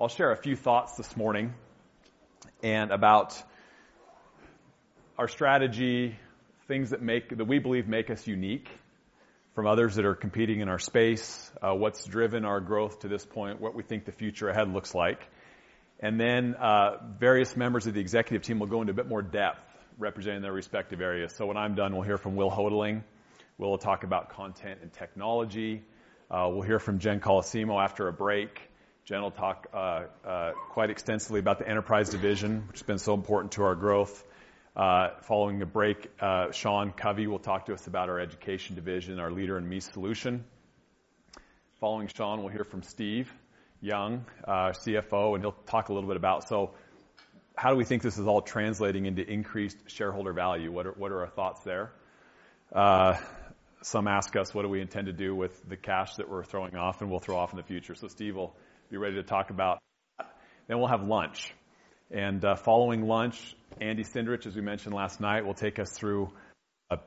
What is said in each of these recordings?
I'll share a few thoughts this morning and about our strategy, things that we believe make us unique from others that are competing in our space, what's driven our growth to this point, what we think the future ahead looks like. various members of the executive team will go into a bit more depth representing their respective areas. When I'm done, we'll hear from Will Houghteling. Will talk about content and technology. we'll hear from Jen Colosimo after a break. Jen will talk quite extensively about the Enterprise Division, which has been so important to our growth. Following the break, Sean Covey will talk to us about our Education Division, our Leader in Me solution. Following Sean Covey, we'll hear from Steve Young, our CFO, and he'll talk a little bit about how do we think this is all translating into increased shareholder value? What are our thoughts there? Some ask us what do we intend to do with the cash that we're throwing off and we'll throw off in the future. Steve will be ready to talk about that. We'll have lunch. Following lunch, Andy Cindrich, as we mentioned last night, will take us through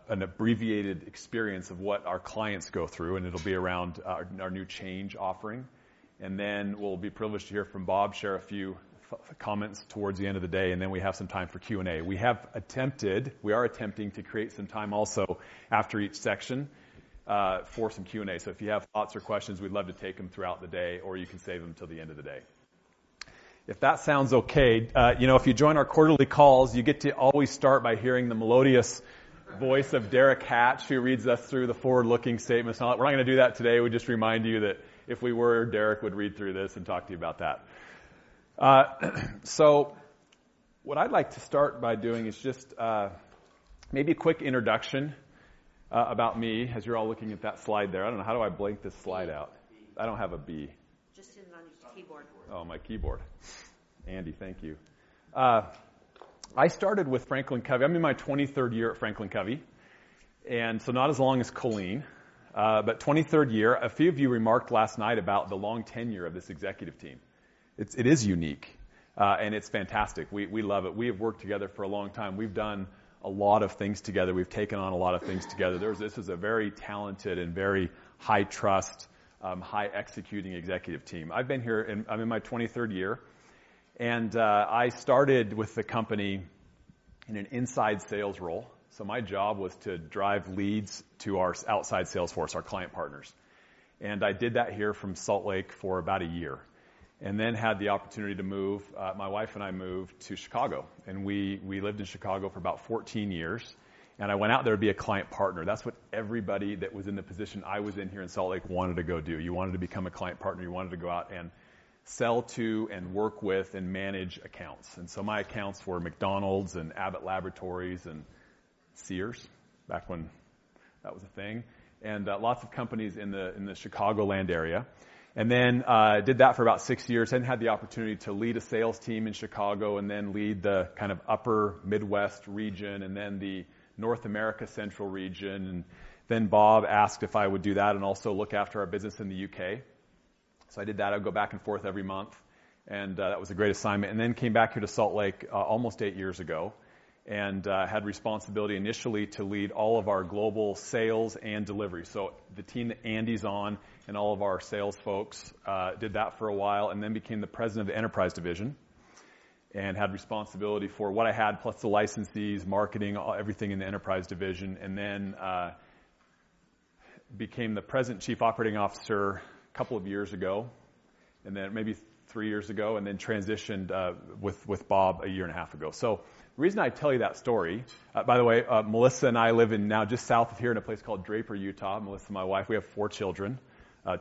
an abbreviated experience of what our clients go through, and it'll be around our new change offering. We'll be privileged to hear from Bob, share a few comments towards the end of the day, and then we have some time for Q&A. We are attempting to create some time also after each section, for some Q&A. If you have thoughts or questions, we'd love to take them throughout the day, or you can save them till the end of the day. If that sounds okay, you know, if you join our quarterly calls, you get to always start by hearing the melodious voice of Derek Hatch, who reads us through the forward-looking statements. We're not gonna do that today. We just remind you that if we were, Derek would read through this and talk to you about that. What I'd like to start by doing is just, maybe a quick introduction about me as you're all looking at that slide there. I don't know, how do I blank this slide out? B. I don't have a B. Just hit it on your keyboard. Oh, my keyboard. Andy, thank you. I started with FranklinCovey. I'm in my 23rd year at FranklinCovey, and so not as long as Colleen, but 23rd year. A few of you remarked last night about the long tenure of this executive team. It is unique, and it's fantastic. We love it. We have worked together for a long time. We've done a lot of things together. We've taken on a lot of things together. This is a very talented and very high trust, high executing executive team. I've been here, I'm in my 23rd year, and I started with the company in an inside sales role. My job was to drive leads to our outside sales force, our client partners. I did that here from Salt Lake for about a year and then had the opportunity to move, my wife and I moved to Chicago, and we lived in Chicago for about 14 years, and I went out there to be a client partner. That's what everybody that was in the position I was in here in Salt Lake wanted to go do. You wanted to become a client partner. You wanted to go out and sell to and work with and manage accounts. My accounts were McDonald's and Abbott Laboratories and Sears back when that was a thing, and lots of companies in the Chicagoland area. Did that for about six years, then had the opportunity to lead a sales team in Chicago and then lead the kind of upper Midwest region and then the North America central region. Bob asked if I would do that and also look after our business in the U.K. I did that. I'd go back and forth every month, and that was a great assignment. Came back here to Salt Lake, almost eight years ago and had responsibility initially to lead all of our global sales and delivery. The team that Andy's on and all of our sales folks did that for a while, and then became the president of the Enterprise Division and had responsibility for what I had, plus the licensees, marketing, everything in the Enterprise Division. Became the president chief operating officer two years ago, maybe three years ago, then transitioned with Bob a year and a half ago. The reason I tell you that story. By the way, Melissa and I live in now just south of here in a place called Draper, Utah. Melissa, my wife. We have four children,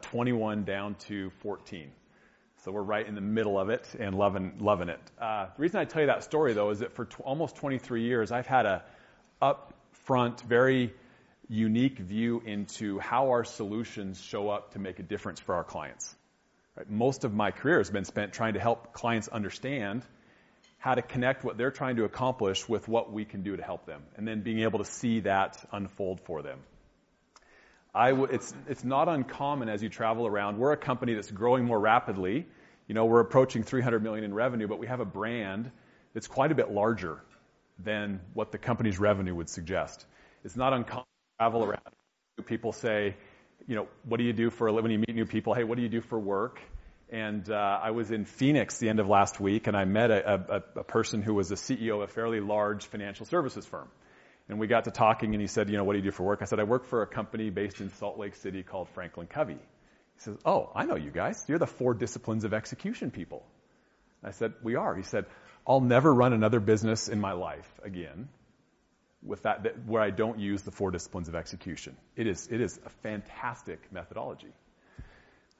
21 down to 14. We're right in the middle of it and loving it. The reason I tell you that story, though, is that for almost 23 years, I've had a upfront, very unique view into how our solutions show up to make a difference for our clients. Most of my career has been spent trying to help clients understand how to connect what they're trying to accomplish with what we can do to help them and then being able to see that unfold for them. It's not uncommon as you travel around. We're a company that's growing more rapidly. You know, we're approaching $300 million in revenue, but we have a brand that's quite a bit larger than what the company's revenue would suggest. It's not uncommon to travel around people say, you know, "What do you do for a living?" When you meet new people, "Hey, what do you do for work?" I was in Phoenix the end of last week, and I met a person who was a CEO of a fairly large financial services firm. We got to talking, and he said, "You know, what do you do for work?" I said, "I work for a company based in Salt Lake City called FranklinCovey." He says, "Oh, I know you guys. You're the Four Disciplines of Execution people." I said, "We are." He said, "I'll never run another business in my life again where I don't use the Four Disciplines of Execution. It is a fantastic methodology."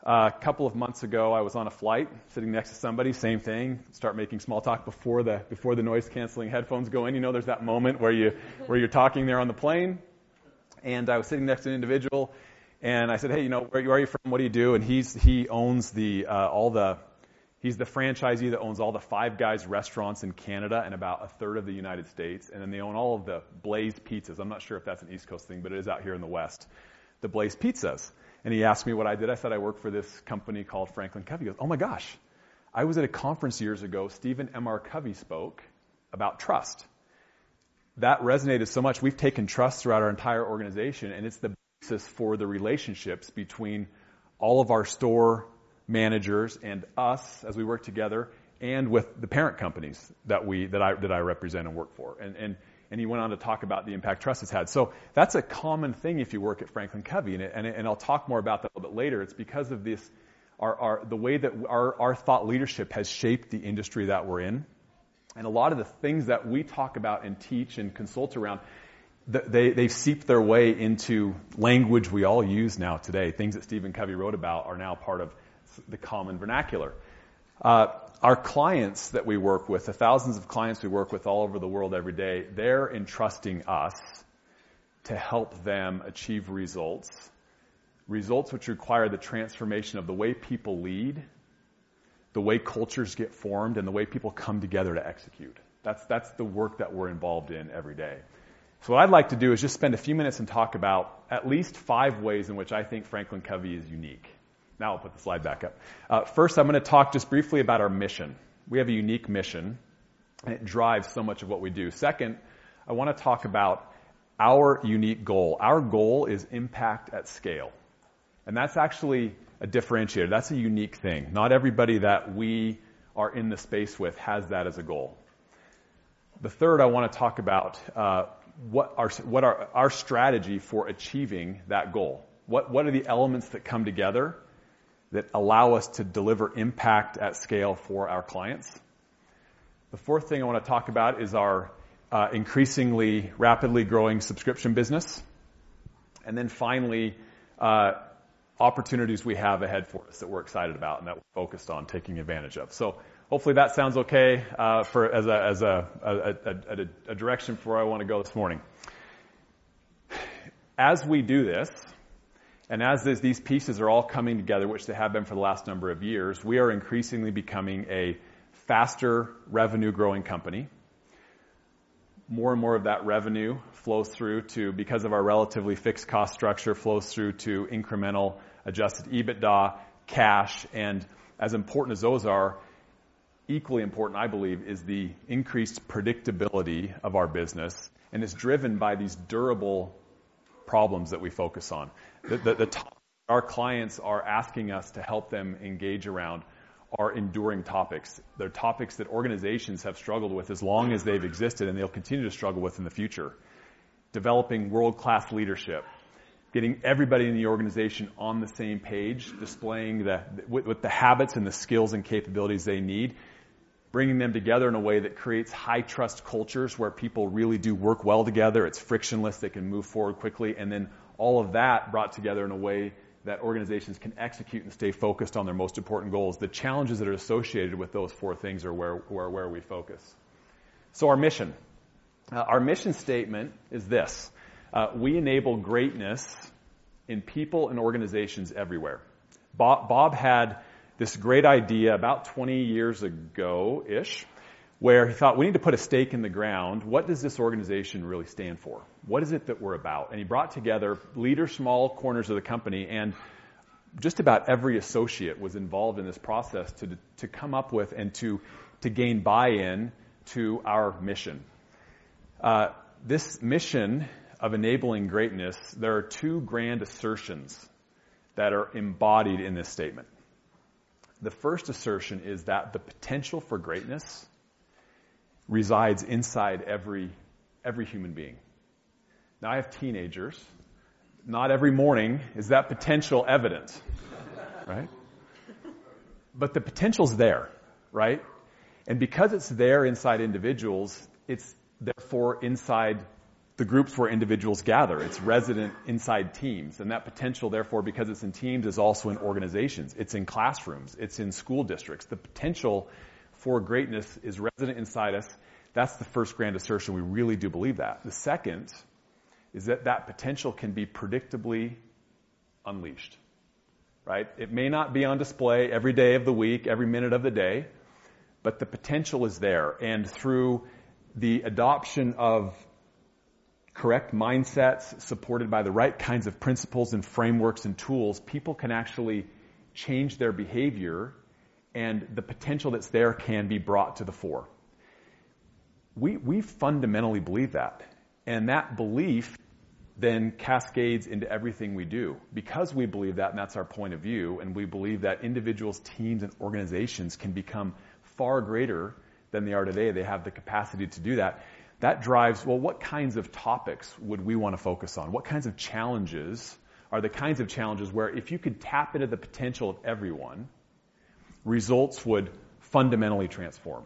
A couple of months ago, I was on a flight sitting next to somebody, same thing. Start making small talk before the noise-canceling headphones go in. You know, there's that moment where you're talking there on the plane. I was sitting next to an individual, and I said, "Hey, you know, where are you from? What do you do?" He owns the all the... He's the franchisee that owns all the Five Guys restaurants in Canada and about a third of the United States, and then they own all of the Blaze Pizzas. I'm not sure if that's an East Coast thing, but it is out here in the West, the Blaze Pizzas. He asked me what I did. I said, "I work for this company called FranklinCovey." He goes, "Oh my gosh. I was at a conference years ago. Stephen M. R. Covey spoke about trust." That resonated so much. We've taken trust throughout our entire organization, and it's the basis for the relationships between all of our store managers and us as we work together and with the parent companies that I represent and work for. He went on to talk about the impact trust has had. That's a common thing if you work at FranklinCovey. I'll talk more about that a little bit later. It's because of the way that our thought leadership has shaped the industry that we're in. A lot of the things that we talk about and teach and consult around, they seep their way into language we all use now today. Things that Stephen Covey wrote about are now part of the common vernacular. Our clients that we work with, the thousands of clients we work with all over the world every day, they're entrusting us to help them achieve results. Results which require the transformation of the way people lead, the way cultures get formed, and the way people come together to execute. That's the work that we're involved in every day. What I'd like to do is just spend a few minutes and talk about at least five ways in which I think FranklinCovey is unique. I'll put the slide back up. First, I'm gonna talk just briefly about our mission. We have a unique mission, and it drives so much of what we do. Second, I wanna talk about our unique goal. Our goal is impact at scale, and that's actually a differentiator. That's a unique thing. Not everybody that we are in the space with has that as a goal. The third I wanna talk about, what are our strategy for achieving that goal? What are the elements that come together that allow us to deliver impact at scale for our clients? The fourth thing I wanna talk about is our increasingly rapidly growing subscription business. Finally, opportunities we have ahead for us that we're excited about and that we're focused on taking advantage of. Hopefully that sounds okay for as a direction for where I wanna go this morning. As we do this, as these pieces are all coming together which they have been for the last number of years, we are increasingly becoming a faster revenue-growing company. More and more of that revenue flows through because of our relatively fixed cost structure, flows through to incremental Adjusted EBITDA cash. As important as those are, equally important, I believe, is the increased predictability of our business, and it's driven by these durable problems that we focus on. Our clients are asking us to help them engage around our enduring topics. They're topics that organizations have struggled with as long as they've existed, and they'll continue to struggle with in the future. Developing world-class leadership, getting everybody in the organization on the same page, displaying the with the habits and the skills and capabilities they need, bringing them together in a way that creates high-trust cultures where people really do work well together. It's frictionless. They can move forward quickly. All of that brought together in a way that organizations can execute and stay focused on their most important goals. The challenges that are associated with those four things are where we focus. Our mission. Our mission statement is this: We enable greatness in people and organizations everywhere. Bob had this great idea about 20 years ago-ish, where he thought, "We need to put a stake in the ground. What does this organization really stand for? What is it that we're about?" He brought together leaders from all corners of the company, and just about every associate was involved in this process to come up with and to gain buy-in to our mission. This mission of enabling greatness, there are two grand assertions that are embodied in this statement. The first assertion is that the potential for greatness resides inside every human being. Now, I have teenagers. Not every morning is that potential evident. Right? But the potential is there, right? Because it's there inside individuals, it's therefore inside the groups where individuals gather. It's resident inside teams. That potential, therefore, because it's in teams, is also in organizations. It's in classrooms. It's in school districts. The potential for greatness is resident inside us. That's the first grand assertion. We really do believe that. The second is that that potential can be predictably unleashed, right? It may not be on display every day of the week, every minute of the day, but the potential is there. Through the adoption of correct mindsets supported by the right kinds of principles and frameworks and tools, people can actually change their behavior, and the potential that's there can be brought to the fore. We fundamentally believe that, and that belief then cascades into everything we do. We believe that, and that's our point of view, and we believe that individuals, teams, and organizations can become far greater than they are today. They have the capacity to do that. That drives, well, what kinds of topics would we wanna focus on? What kinds of challenges are the kinds of challenges where if you could tap into the potential of everyone, results would fundamentally transform?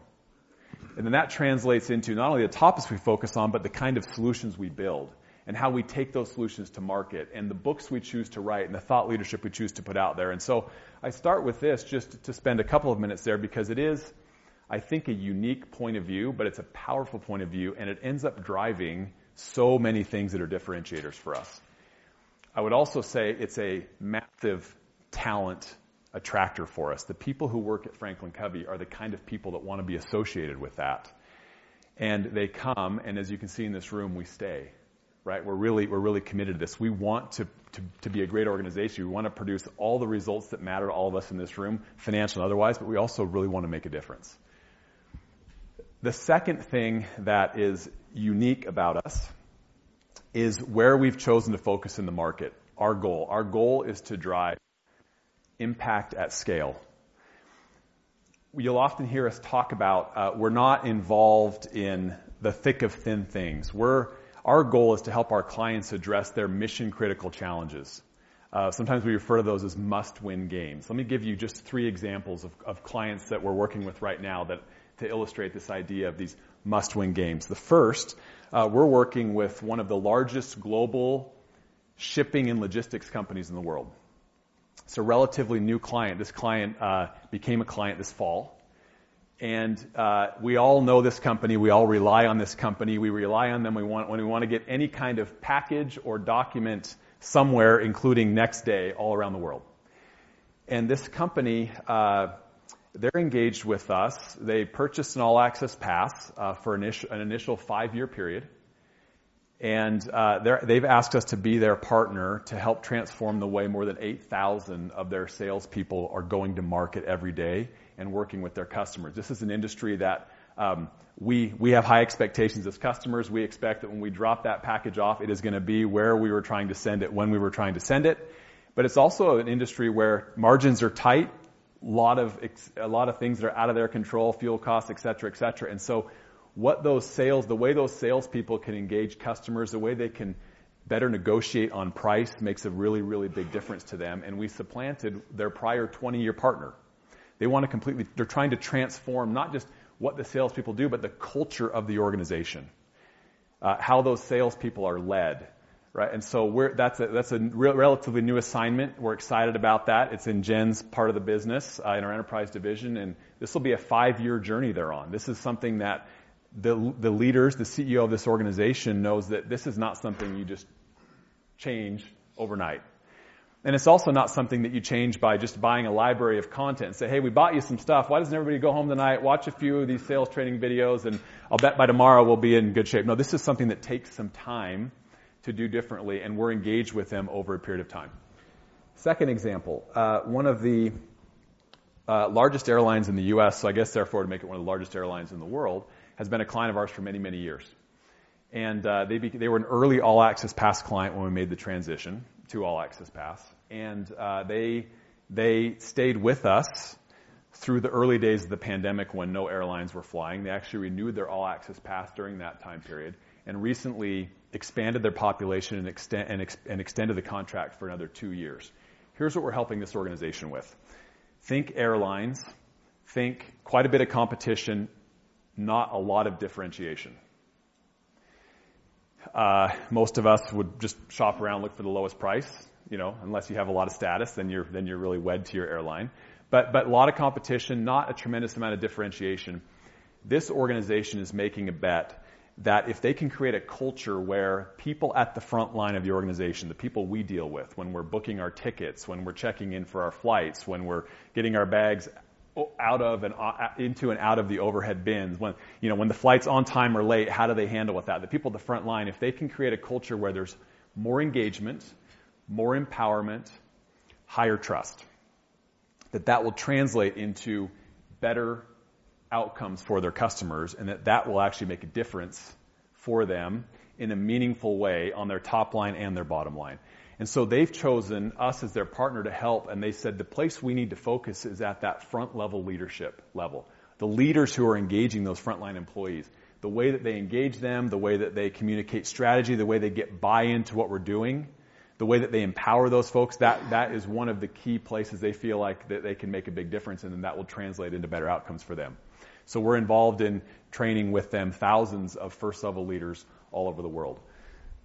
That translates into not only the topics we focus on, but the kind of solutions we build and how we take those solutions to market and the books we choose to write and the thought leadership we choose to put out there. I start with this just to spend a couple of minutes there because it is, I think, a unique point of view, but it's a powerful point of view, and it ends up driving so many things that are differentiators for us. I would also say it's a massive talent attractor for us. The people who work at FranklinCovey are the kind of people that wanna be associated with that. They come, and as you can see in this room, we stay. Right? We're really committed to this. We want to be a great organization. We wanna produce all the results that matter to all of us in this room, financial and otherwise. We also really wanna make a difference. The second thing that is unique about us is where we've chosen to focus in the market. Our goal is to drive impact at scale. You'll often hear us talk about, we're not involved in the thick of thin things. Our goal is to help our clients address their mission-critical challenges. Sometimes we refer to those as must-win games. Let me give you just 3 examples of clients that we're working with right now that to illustrate this idea of these must-win games. The first, we're working with one of the largest global shipping and logistics companies in the world. It's a relatively new client. This client became a client this fall, we all know this company, we all rely on this company. We rely on them. When we wanna get any kind of package or document somewhere, including next day, all around the world. This company, they're engaged with us. They purchased an All Access Pass for an initial 5-year period, they've asked us to be their partner to help transform the way more than 8,000 of their salespeople are going to market every day and working with their customers. This is an industry that, we have high expectations as customers. We expect that when we drop that package off, it is gonna be where we were trying to send it, when we were trying to send it. It's also an industry where margins are tight. A lot of things that are out of their control, fuel costs, et cetera, et cetera. The way those salespeople can engage customers, the way they can better negotiate on price makes a really, really big difference to them, and we supplanted their prior 20-year partner. They're trying to transform not just what the salespeople do, but the culture of the organization. How those salespeople are led, right? That's a relatively new assignment. We're excited about that. It's in Jen's part of the business, in our Enterprise Division, this will be a 5-year journey they're on. This is something that the leaders, the CEO of this organization knows that this is not something you just change overnight. It's also not something that you change by just buying a library of content and say, "Hey, we bought you some stuff. Why doesn't everybody go home tonight, watch a few of these sales training videos, and I'll bet by tomorrow we'll be in good shape." No, this is something that takes some time to do differently, we're engaged with them over a period of time. Second example. One of the largest airlines in the U.S., I guess therefore to make it one of the largest airlines in the world, has been a client of ours for many, many years. They were an early All-Access Pass client when we made the transition to All-Access Pass. They stayed with us through the early days of the pandemic when no airlines were flying. They actually renewed their All-Access Pass during that time period and recently expanded their population and extended the contract for another two years. Here's what we're helping this organization with. Think airlines, think quite a bit of competition, not a lot of differentiation. Most of us would just shop around, look for the lowest price, you know, unless you have a lot of status, then you're, then you're really wed to your airline. A lot of competition, not a tremendous amount of differentiation. This organization is making a bet that if they can create a culture where people at the front line of the organization, the people we deal with when we're booking our tickets, when we're checking in for our flights, when we're getting our bags out of and into and out of the overhead bins, when, you know, when the flight's on time or late, how do they handle with that? The people at the front line, if they can create a culture where there's more engagement, more empowerment, higher trust, that will translate into better outcomes for their customers, and that will actually make a difference for them in a meaningful way on their top line and their bottom line. They've chosen us as their partner to help, and they said, "The place we need to focus is at that front-level leadership level." The leaders who are engaging those frontline employees, the way that they engage them, the way that they communicate strategy, the way they get buy-in to what we're doing, the way that they empower those folks, that is one of the key places they feel like that they can make a big difference, and then that will translate into better outcomes for them. We're involved in training with them thousands of first-level leaders all over the world.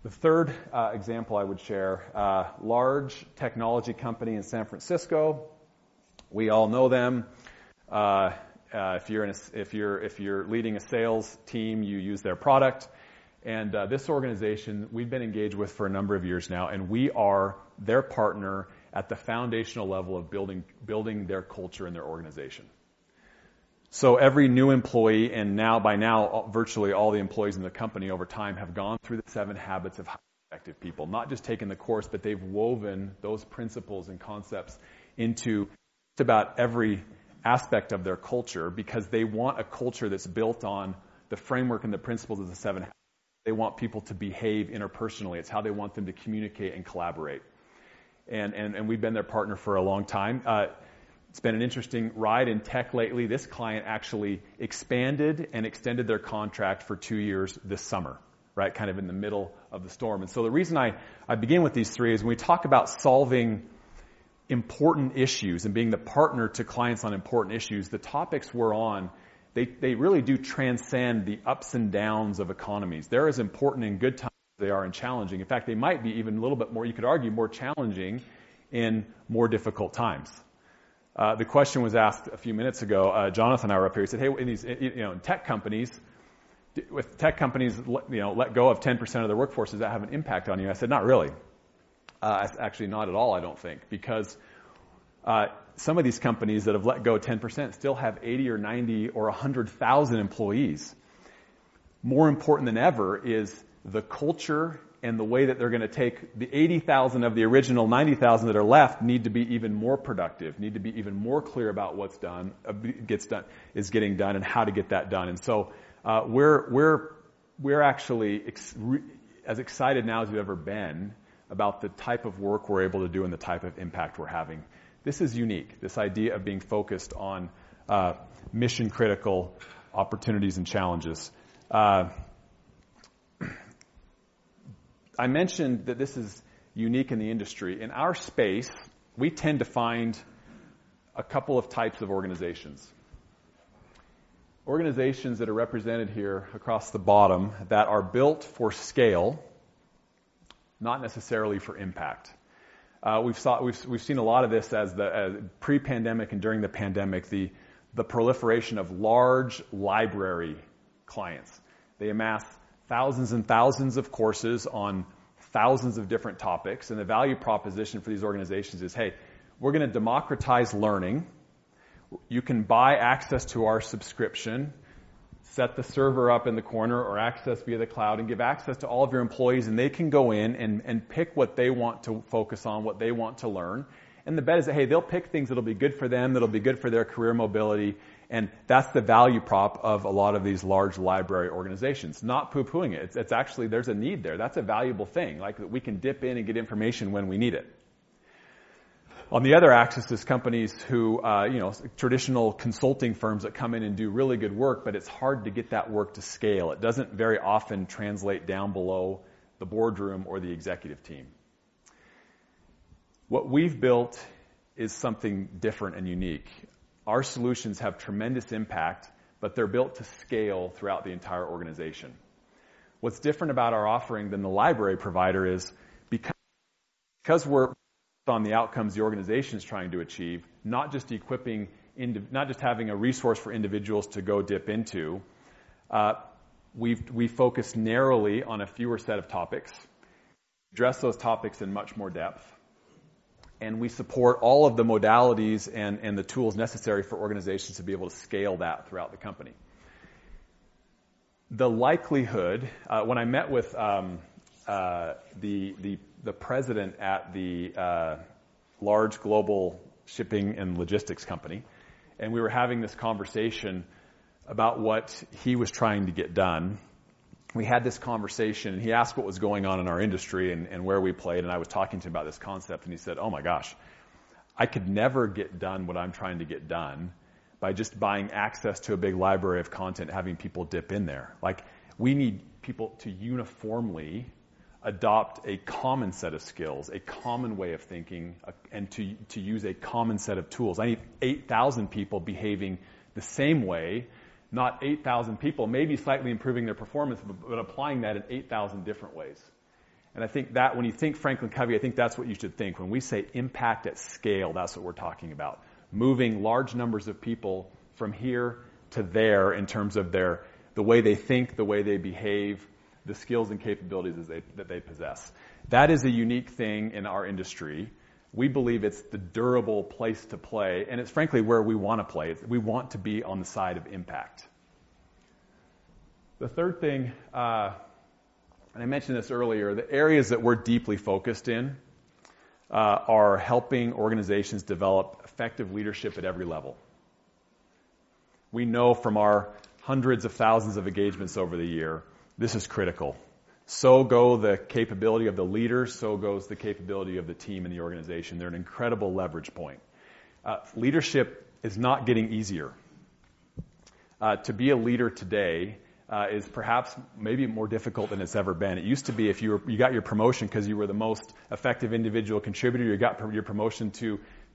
The third example I would share, large technology company in San Francisco. We all know them. If you're leading a sales team, you use their product. This organization we've been engaged with for a number of years now, and we are their partner at the foundational level of building their culture and their organization. Every new employee, by now, virtually all the employees in the company over time have gone through The 7 Habits of Highly Effective People. Not just taken the course, but they've woven those principles and concepts into just about every aspect of their culture because they want a culture that's built on the framework and the principles of The 7 Habits. They want people to behave interpersonally. It's how they want them to communicate and collaborate. We've been their partner for a long time. It's been an interesting ride in tech lately. This client actually expanded and extended their contract for two years this summer, right? Kind of in the middle of the storm. The reason I begin with these three is when we talk about solving important issues and being the partner to clients on important issues, the topics we're on, they really do transcend the ups and downs of economies. They're as important in good times as they are in challenging. In fact, they might be even a little bit more, you could argue, more challenging in more difficult times. The question was asked a few minutes ago, Jonathan were up here. He said, "Hey, in these, you know, tech companies... With tech companies, you know, let go of 10% of their workforces that have an impact on you. I said, Not really. Actually not at all, I don't think, because some of these companies that have let go 10% still have 80 or 90 or 100,000 employees. More important than ever is the culture and the way that they're gonna take the 80,000 of the original 90,000 that are left need to be even more productive, need to be even more clear about what's done, is getting done and how to get that done. We're actually as excited now as we've ever been about the type of work we're able to do and the type of impact we're having. This is unique, this idea of being focused on mission-critical opportunities and challenges. I mentioned that this is unique in the industry. In our space, we tend to find a couple of types of organizations. Organizations that are represented here across the bottom that are built for scale, not necessarily for impact. We've seen a lot of this as the pre-pandemic and during the pandemic, the proliferation of large library clients. They amassed thousands and thousands of courses on thousands of different topics, and the value proposition for these organizations is, "Hey, we're gonna democratize learning. You can buy access to our subscription, set the server up in the corner or access via the cloud, and give access to all of your employees, and they can go in and pick what they want to focus on, what they want to learn." The bet is that, hey, they'll pick things that'll be good for them, that'll be good for their career mobility, and that's the value prop of a lot of these large library organizations. Not poo-pooing it. It's actually there's a need there. That's a valuable thing. Like, we can dip in and get information when we need it. On the other axis is companies who, you know, traditional consulting firms that come in and do really good work, but it's hard to get that work to scale. It doesn't very often translate down below the boardroom or the executive team. What we've built is something different and unique. Our solutions have tremendous impact, they're built to scale throughout the entire organization. What's different about our offering than the library provider is because we're focused on the outcomes the organization's trying to achieve, not just having a resource for individuals to go dip into, we focus narrowly on a fewer set of topics, address those topics in much more depth, and we support all of the modalities and the tools necessary for organizations to be able to scale that throughout the company. The likelihood, when I met with the president at the large global shipping and logistics company, we were having this conversation about what he was trying to get done. We had this conversation. He asked what was going on in our industry and where we played, and I was talking to him about this concept, and he said, "Oh my gosh, I could never get done what I'm trying to get done by just buying access to a big library of content and having people dip in there. Like, we need people to uniformly adopt a common set of skills, a common way of thinking, and to use a common set of tools. I need 8,000 people behaving the same way, not 8,000 people maybe slightly improving their performance but applying that in 8,000 different ways." I think that when you think FranklinCovey, I think that's what you should think. When we say impact at scale, that's what we're talking about. Moving large numbers of people from here to there in terms of the way they think, the way they behave, the skills and capabilities that they possess. That is a unique thing in our industry. We believe it's the durable place to play, and it's frankly where we want to play. We want to be on the side of impact. The third thing, I mentioned this earlier, the areas that we're deeply focused in, are helping organizations develop effective leadership at every level. We know from our hundreds of thousands of engagements over the year, this is critical. Go the capability of the leader, so goes the capability of the team and the organization. They're an incredible leverage point. Leadership is not getting easier. To be a leader today, is perhaps maybe more difficult than it's ever been. It used to be if you were you got your promotion 'cause you were the most effective individual contributor, you got your promotion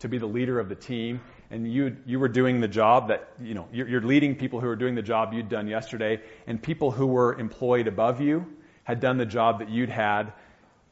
to be the leader of the team, and you were doing the job that, you know. You're leading people who are doing the job you'd done yesterday, and people who were employed above you had done the job that you'd had.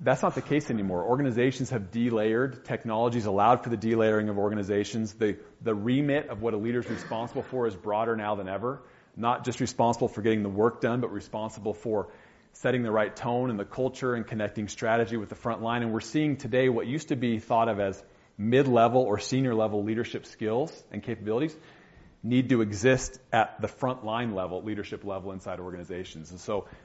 That's not the case anymore. Organizations have de-layered. Technology's allowed for the de-layering of organizations. The remit of what a leader's responsible for is broader now than ever. Not just responsible for getting the work done, but responsible for setting the right tone and the culture and connecting strategy with the front line. We're seeing today what used to be thought of as mid-level or senior-level leadership skills and capabilities need to exist at the front line level, leadership level inside organizations.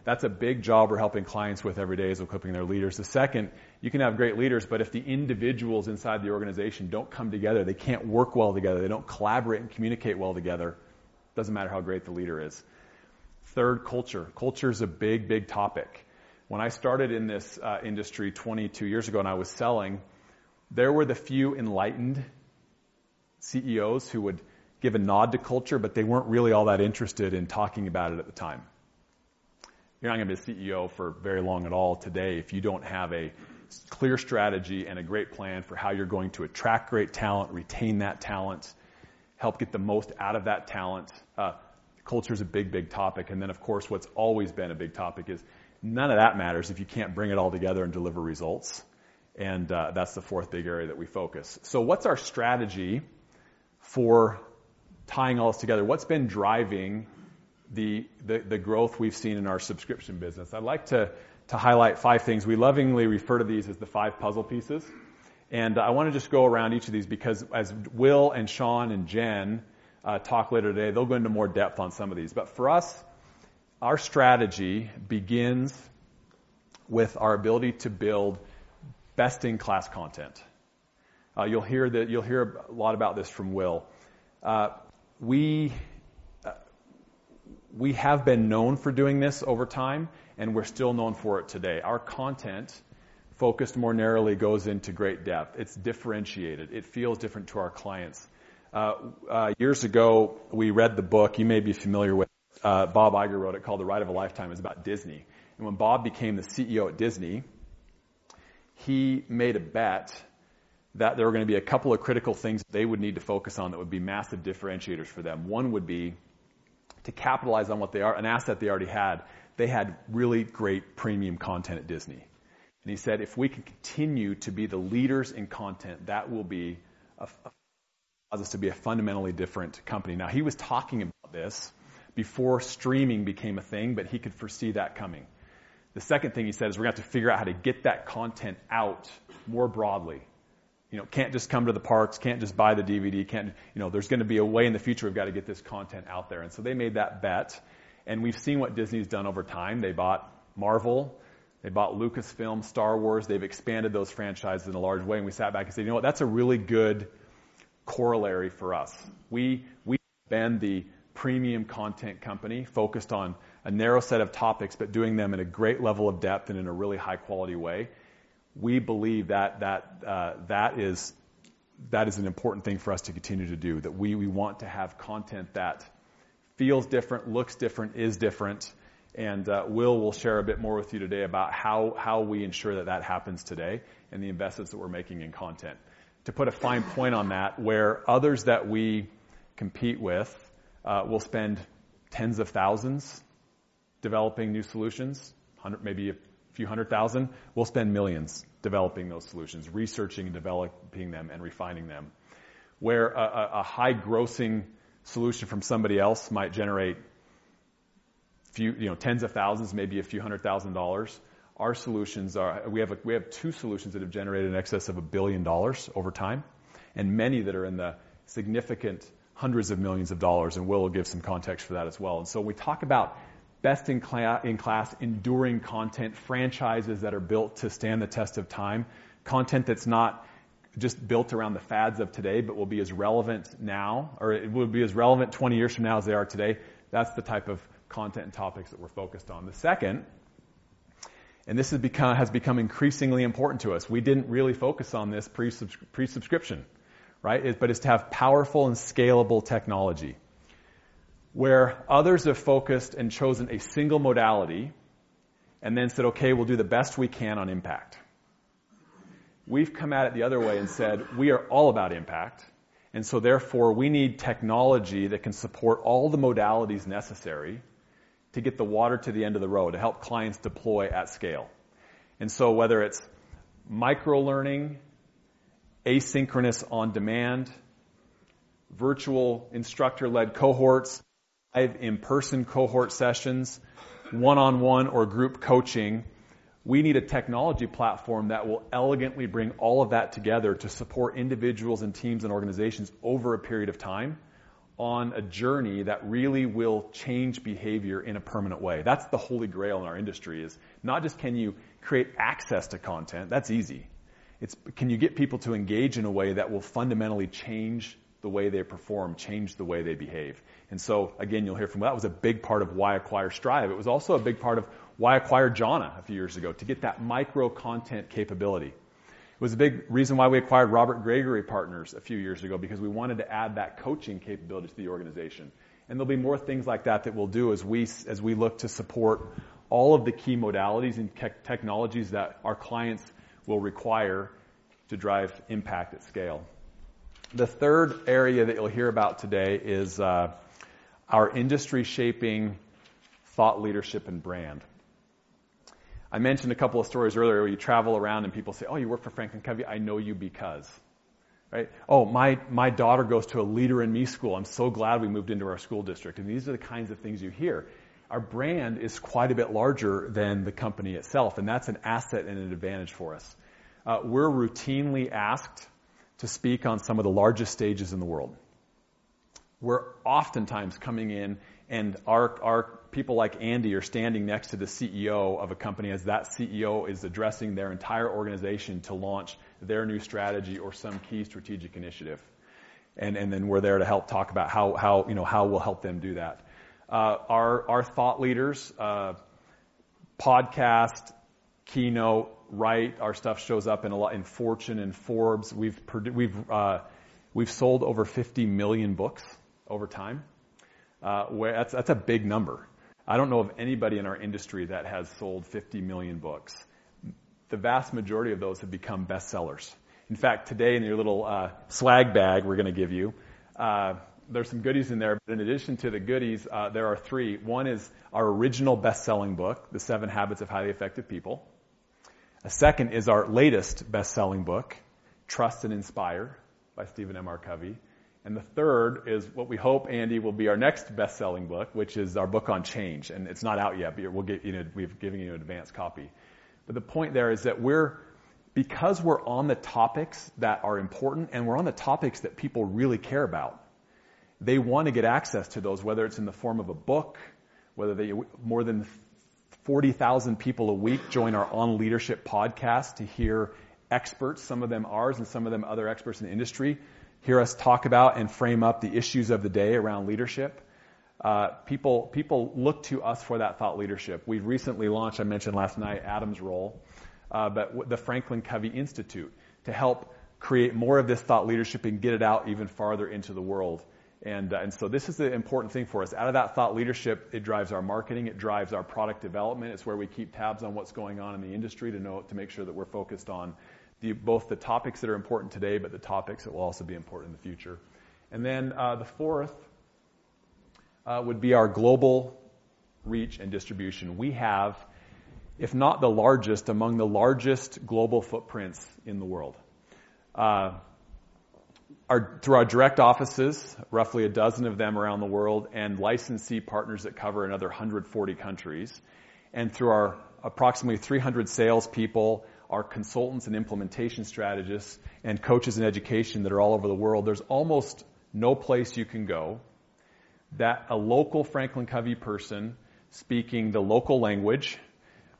That's a big job we're helping clients with every day is equipping their leaders. The second, you can have great leaders, but if the individuals inside the organization don't come together, they can't work well together, they don't collaborate and communicate well together, doesn't matter how great the leader is. Third, culture. Culture's a big, big topic. When I started in this industry 22 years ago, and I was selling, there were the few enlightened CEOs who would give a nod to culture, but they weren't really all that interested in talking about it at the time. You're not gonna be a CEO for very long at all today if you don't have a clear strategy and a great plan for how you're going to attract great talent, retain that talent, help get the most out of that talent. Culture's a big, big topic. Then, of course, what's always been a big topic is none of that matters if you can't bring it all together and deliver results, and that's the fourth big area that we focus. What's our strategy for tying all this together? What's been driving the growth we've seen in our subscription business? I'd like to highlight five things. We lovingly refer to these as the five puzzle pieces, and I wanna just go around each of these because as Will, and Sean, and Jen talk later today, they'll go into more depth on some of these. For us, our strategy begins with our ability to build best-in-class content. You'll hear a lot about this from Will. We have been known for doing this over time, and we're still known for it today. Our content, focused more narrowly, goes into great depth. It's differentiated. It feels different to our clients. Years ago, we read the book, you may be familiar with, Bob Iger wrote it, called The Ride of a Lifetime. It's about Disney. When Bob became the CEO at Disney, he made a bet that there were gonna be a couple of critical things they would need to focus on that would be massive differentiators for them. One would be to capitalize on what they are, an asset they already had. They had really great premium content at Disney. He said, "If we could continue to be the leaders in content, that will be a cause us to be a fundamentally different company." Now, he was talking about this before streaming became a thing, but he could foresee that coming. The second thing he said is, "We're gonna have to figure out how to get that content out more broadly. You know, can't just come to the parks, can't just buy the DVD, can't... You know, there's gonna be a way in the future we've gotta get this content out there." They made that bet, and we've seen what Disney's done over time. They bought Marvel. They bought Lucasfilm, Star Wars. They've expanded those franchises in a large way. We sat back and said, "You know what? That's a really good corollary for us." We have been the premium content company focused on a narrow set of topics but doing them in a great level of depth and in a really high-quality way. We believe that is an important thing for us to continue to do, that we want to have content that feels different, looks different, is different. Will will share a bit more with you today about how we ensure that that happens today and the investments that we're making in content. To put a fine point on that, where others that we compete with, will spend $10,000s developing new solutions, maybe a few $100,000s, we'll spend $ millions developing those solutions, researching and developing them and refining them. Where a, a high-grossing solution from somebody else might generate few, you know, $10,000s, maybe a few $100,000s, our solutions are... We have, we have two solutions that have generated in excess of $1 billion over time, and many that are in the significant $ hundreds of millions and will give some context for that as well. We talk about best-in-class enduring content, franchises that are built to stand the test of time, content that's not just built around the fads of today but will be as relevant now or will be as relevant 20 years from now as they are today. That's the type of content and topics that we're focused on. The second, this has become increasingly important to us, we didn't really focus on this pre-subscription, right? Is to have powerful and scalable technology. Where others have focused and chosen a single modality and then said, "Okay, we'll do the best we can on impact," we've come at it the other way and said, "We are all about impact, and so therefore we need technology that can support all the modalities necessary to get the water to the end of the road, to help clients deploy at scale." Whether it's microlearning, asynchronous on-demand, virtual instructor-led cohorts, live in-person cohort sessions, one-on-one or group coaching, we need a technology platform that will elegantly bring all of that together to support individuals and teams and organizations over a period of time on a journey that really will change behavior in a permanent way. That's the holy grail in our industry, is not just can you create access to content, that's easy, it's can you get people to engage in a way that will fundamentally change the way they perform, change the way they behave? Again, you'll hear from... That was a big part of why acquire Strive. It was also a big part of why acquire Jhana a few years ago, to get that microcontent capability. It was a big reason why we acquired Robert Gregory Partners a few years ago because we wanted to add that coaching capability to the organization. There'll be more things like that that we'll do as we look to support all of the key modalities and technologies that our clients will require to drive impact at scale. The third area that you'll hear about today is our industry-shaping thought leadership and brand. I mentioned a couple of stories earlier where you travel around and people say, "Oh, you work for FranklinCovey. I know you because..." Right? "Oh, my daughter goes to a Leader in Me school. I'm so glad we moved into our school district." These are the kinds of things you hear. Our brand is quite a bit larger than the company itself, and that's an asset and an advantage for us. We're routinely asked to speak on some of the largest stages in the world. We're oftentimes coming in and our people like Andy are standing next to the CEO of a company as that CEO is addressing their entire organization to launch their new strategy or some key strategic initiative, and then we're there to help talk about how, you know, how we'll help them do that. Our thought leaders podcast, keynote, write, our stuff shows up in Fortune and Forbes. We've sold over 50 million books over time. That's a big number. I don't know of anybody in our industry that has sold 50 million books. The vast majority of those have become bestsellers. In fact, today in your little swag bag we're gonna give you, there's some goodies in there, but in addition to the goodies, there are three. One is our original best-selling book, The 7 Habits of Highly Effective People. A second is our latest best-selling book, Trust & Inspire by Stephen M. R. Covey. The third is what we hope, Andy, will be our next best-selling book, which is our book on change. It's not out yet, but we'll get you know, we've given you an advanced copy. The point there is that we're because we're on the topics that are important and we're on the topics that people really care about, they wanna get access to those, whether it's in the form of a book, whether they. More than 40,000 people a week join our On Leadership podcast to hear experts, some of them ours, and some of them other experts in the industry, hear us talk about and frame up the issues of the day around leadership. People look to us for that thought leadership. We've recently launched, I mentioned last night, Adam's role, the FranklinCovey Institute to help create more of this thought leadership and get it out even farther into the world. This is the important thing for us. Out of that thought leadership, it drives our marketing, it drives our product development. It's where we keep tabs on what's going on in the industry to make sure that we're focused on the, both the topics that are important today, but the topics that will also be important in the future. The fourth would be our global reach and distribution. We have, if not the largest, among the largest global footprints in the world. Through our direct offices, roughly 12 of them around the world, and licensee partners that cover another 140 countries, and through our approximately 300 salespeople, our consultants and implementation strategists and coaches in education that are all over the world, there's almost no place you can go that a local FranklinCovey person speaking the local language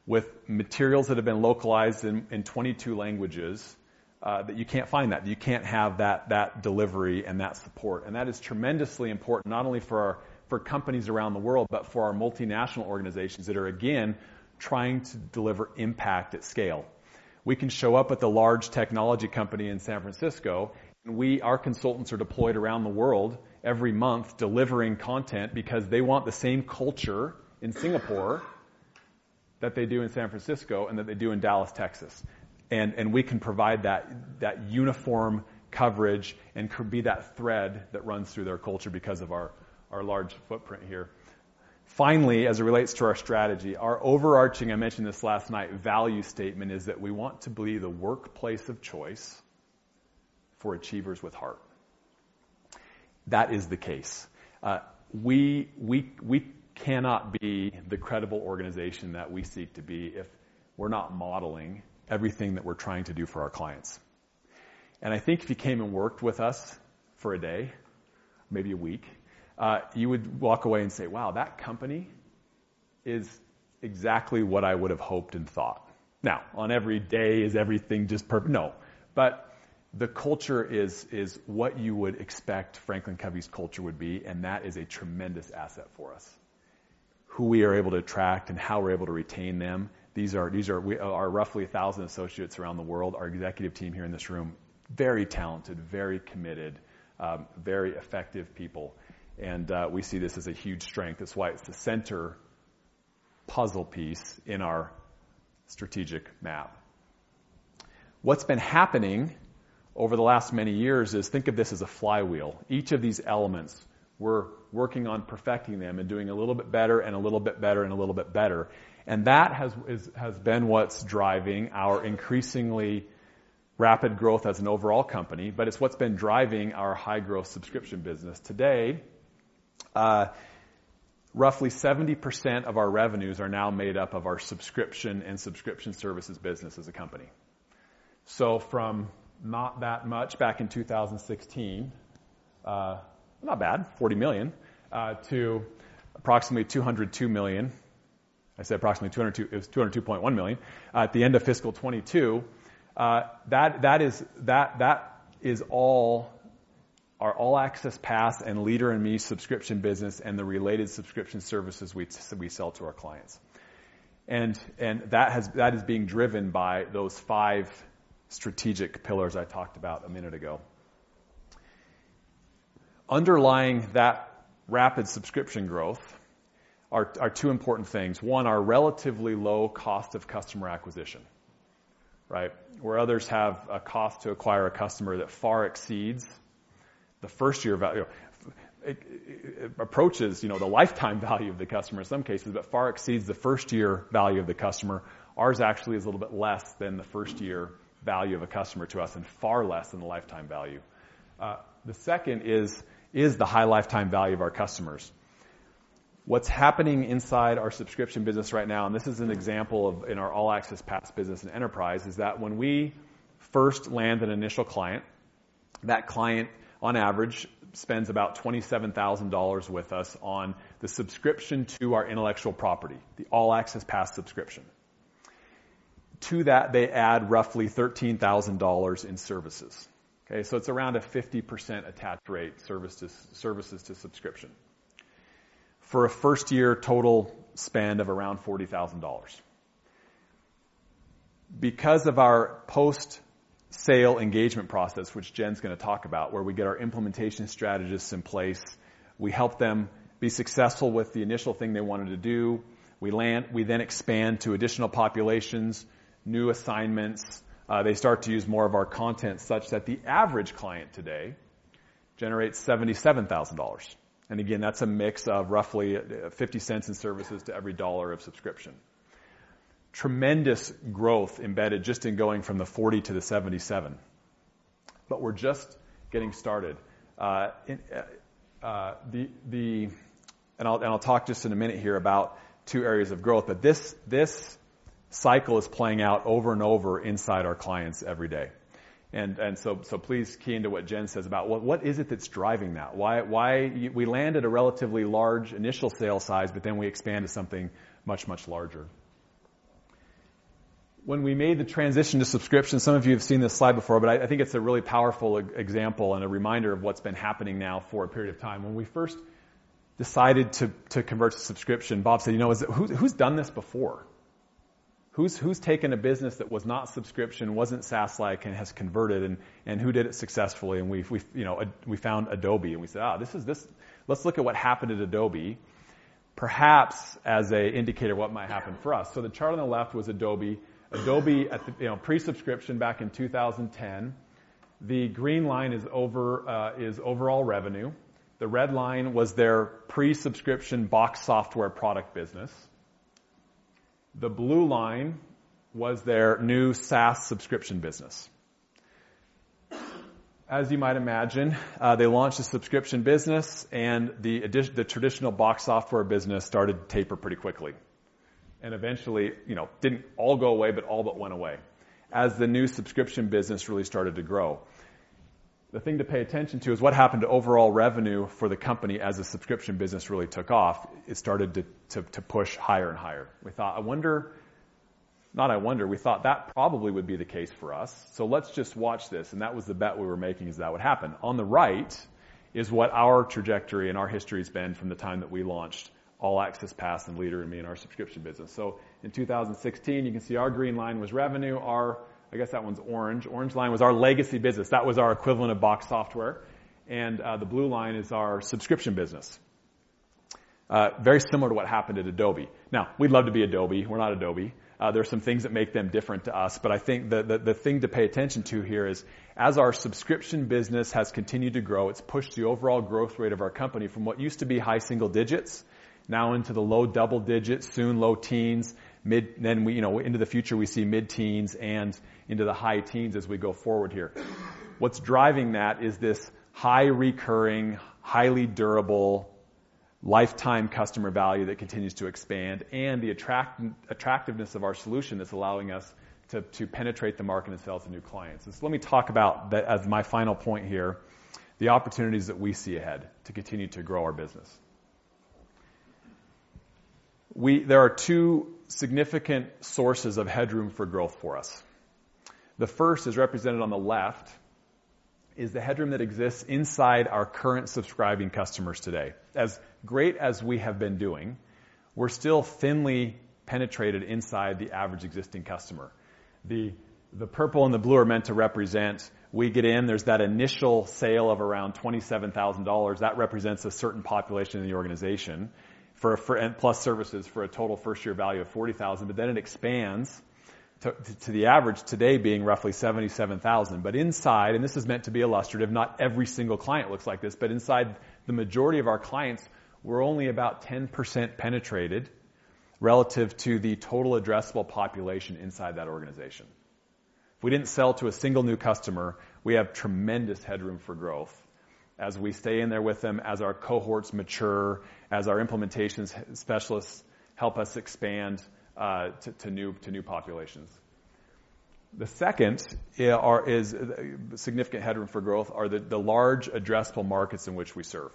with materials that have been localized in 22 languages, that you can't find that. You can't have that delivery and that support. That is tremendously important not only for our, for companies around the world, but for our multinational organizations that are again, trying to deliver impact at scale. We can show up at the large technology company in San Francisco, our consultants are deployed around the world every month delivering content because they want the same culture in Singapore that they do in San Francisco and that they do in Dallas, Texas. We can provide that uniform coverage and could be that thread that runs through their culture because of our large footprint here. Finally, as it relates to our strategy, our overarching, I mentioned this last night, value statement is that we want to be the workplace of choice for Achievers with Heart. That is the case. We cannot be the credible organization that we seek to be if we're not modeling everything that we're trying to do for our clients. I think if you came and worked with us for a day, maybe a week, you would walk away and say, "Wow, that company is exactly what I would have hoped and thought." Now, on every day, is everything just perfect? No. The culture is what you would expect FranklinCovey's culture would be, and that is a tremendous asset for us. Who we are able to attract and how we're able to retain them, we are roughly 1,000 associates around the world. Our executive team here in this room, very talented, very committed, very effective people, and we see this as a huge strength. That's why it's the center puzzle piece in our strategic map. What's been happening over the last many years is think of this as a flywheel. Each of these elements, we're working on perfecting them and doing a little bit better and a little bit better and a little bit better. That has been what's driving our increasingly rapid growth as an overall company, but it's what's been driving our high-growth subscription business. Today, roughly 70% of our revenues are now made up of our subscription and subscription services business as a company. From not that much back in 2016, not bad, $40 million, to approximately $202 million. I said approximately 202, it was $202.1 million, at the end of fiscal 2022. That is all our All Access Pass and Leader in Me subscription business and the related subscription services we sell to our clients. That is being driven by those five strategic pillars I talked about a minute ago. Underlying that rapid subscription growth are two important things. One, our relatively low cost of customer acquisition, right? Where others have a cost to acquire a customer that far exceeds the first-year value. It approaches, you know, the lifetime value of the customer in some cases, but far exceeds the first-year value of the customer. Ours actually is a little bit less than the first-year value of a customer to us and far less than the lifetime value. The second is the high lifetime value of our customers. What's happening inside our subscription business right now, and this is an example of in our All Access Pass business and enterprise, is that when we first land an initial client, that client on average spends about $27,000 with us on the subscription to our intellectual property, the All Access Pass subscription. To that, they add roughly $13,000 in services. Okay? It's around a 50% attached rate services to subscription for a first-year total spend of around $40,000. Because of our post-sale engagement process, which Jen's gonna talk about, where we get our implementation strategists in place, we help them be successful with the initial thing they wanted to do. We then expand to additional populations, new assignments. They start to use more of our content such that the average client today generates $77,000. Again, that's a mix of roughly $0.50 in services to every $1 of subscription. Tremendous growth embedded just in going from the 40 to the 77. We're just getting started. I'll talk just in a minute here about two areas of growth. This cycle is playing out over and over inside our clients every day. So please key into what Jen says about what is it that's driving that? We landed a relatively large initial sale size, then we expand to something much, much larger. When we made the transition to subscription, some of you have seen this slide before, but I think it's a really powerful example and a reminder of what's been happening now for a period of time. When we first decided to convert to subscription, Bob said, "You know, who's done this before? Who's taken a business that was not subscription, wasn't SaaS-like, and who did it successfully?" We've, you know, we found Adobe, we said, "Let's look at what happened at Adobe, perhaps as a indicator of what might happen for us." The chart on the left was Adobe. Adobe at the, you know, pre-subscription back in 2010. The green line is overall revenue. The red line was their pre-subscription box software product business. The blue line was their new SaaS subscription business. As you might imagine, they launched a subscription business, the traditional box software business started to taper pretty quickly. Eventually, you know, didn't all go away, but all but went away as the new subscription business really started to grow. The thing to pay attention to is what happened to overall revenue for the company as the subscription business really took off. It started to push higher and higher. We thought that probably would be the case for us, so let's just watch this. That was the bet we were making is that would happen. On the right is what our trajectory and our history has been from the time that we launched All Access Pass and Leader in Me in our subscription business. In 2016, you can see our green line was revenue. Our I guess that one's orange. Orange line was our legacy business. That was our equivalent of box software. The blue line is our subscription business. Very similar to what happened at Adobe. Now, we'd love to be Adobe. We're not Adobe. There are some things that make them different to us, but I think the thing to pay attention to here is as our subscription business has continued to grow, it's pushed the overall growth rate of our company from what used to be high single digits now into the low double digits, soon low teens. We, you know, into the future, we see mid-teens and into the high teens as we go forward here. What's driving that is this high recurring, highly durable lifetime customer value that continues to expand and the attractiveness of our solution that's allowing us to penetrate the market and sell to new clients. Let me talk about the, as my final point here, the opportunities that we see ahead to continue to grow our business. There are two significant sources of headroom for growth for us. The first is represented on the left, is the headroom that exists inside our current subscribing customers today. As great as we have been doing, we're still thinly penetrated inside the average existing customer. The purple and the blue are meant to represent we get in, there's that initial sale of around $27,000. That represents a certain population in the organization for and plus services for a total first year value of $40,000. It expands to the average today being roughly $77,000. Inside, and this is meant to be illustrative, not every single client looks like this. Inside the majority of our clients, we're only about 10% penetrated relative to the total addressable population inside that organization. If we didn't sell to a single new customer, we have tremendous headroom for growth as we stay in there with them, as our cohorts mature, as our implementation specialists help us expand to new populations. The second is significant headroom for growth are the large addressable markets in which we serve.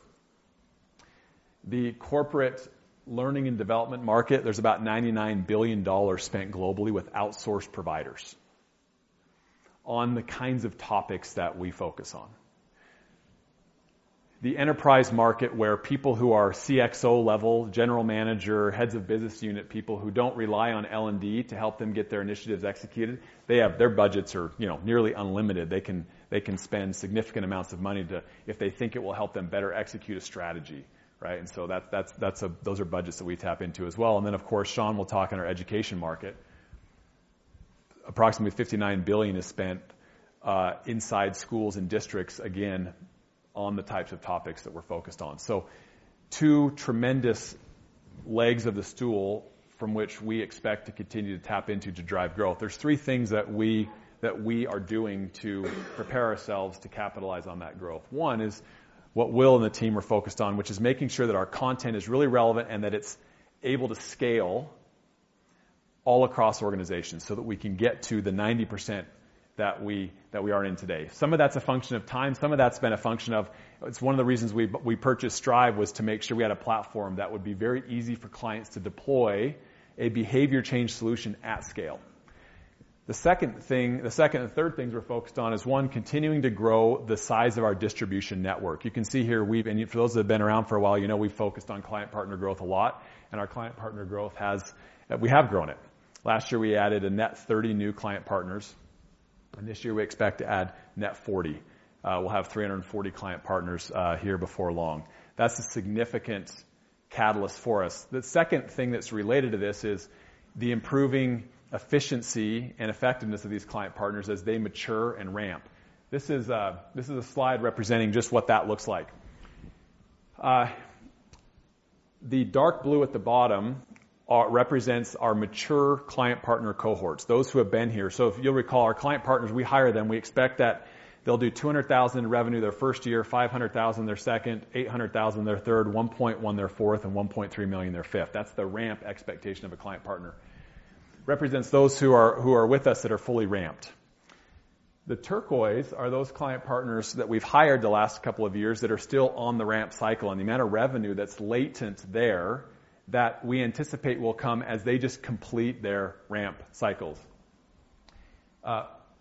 The corporate learning and development market, there's about $99 billion spent globally with outsourced providers on the kinds of topics that we focus on. The enterprise market, where people who are CXO level, general manager, heads of business unit people who don't rely on L&D to help them get their initiatives executed, their budgets are, you know, nearly unlimited. They can spend significant amounts of money if they think it will help them better execute a strategy, right? Those are budgets that we tap into as well. Of course, Sean will talk on our education market. Approximately $59 billion is spent inside schools and districts, again, on the types of topics that we're focused on. Two tremendous legs of the stool from which we expect to continue to tap into to drive growth. There's three things that we are doing to prepare ourselves to capitalize on that growth. One is what Will and the team are focused on, which is making sure that our content is really relevant and that it's able to scale all across organizations so that we can get to the 90% that we aren't in today. Some of that's a function of time, some of that's been a function of. It's one of the reasons we purchased Strive was to make sure we had a platform that would be very easy for clients to deploy a behavior change solution at scale. The second and third things we're focused on is, one, continuing to grow the size of our distribution network. You can see here, for those that have been around for a while, you know, we've focused on client partner growth a lot, and our client partner growth We have grown it. Last year, we added a net 30 new client partners, and this year we expect to add net 40. We'll have 340 client partners here before long. That's a significant catalyst for us. The second thing that's related to this is the improving efficiency and effectiveness of these client partners as they mature and ramp. This is a slide representing just what that looks like. The dark blue at the bottom represents our mature client partner cohorts, those who have been here. If you'll recall, our client partners, we hire them, we expect that they'll do $200,000 revenue their first year, $500,000 their second, $800,000 their third, $1.1 million their fourth, and $1.3 million their fifth. That's the ramp expectation of a client partner. Represents those who are with us that are fully ramped. The turquoise are those client partners that we've hired the last couple of years that are still on the ramp cycle and the amount of revenue that's latent there that we anticipate will come as they just complete their ramp cycles.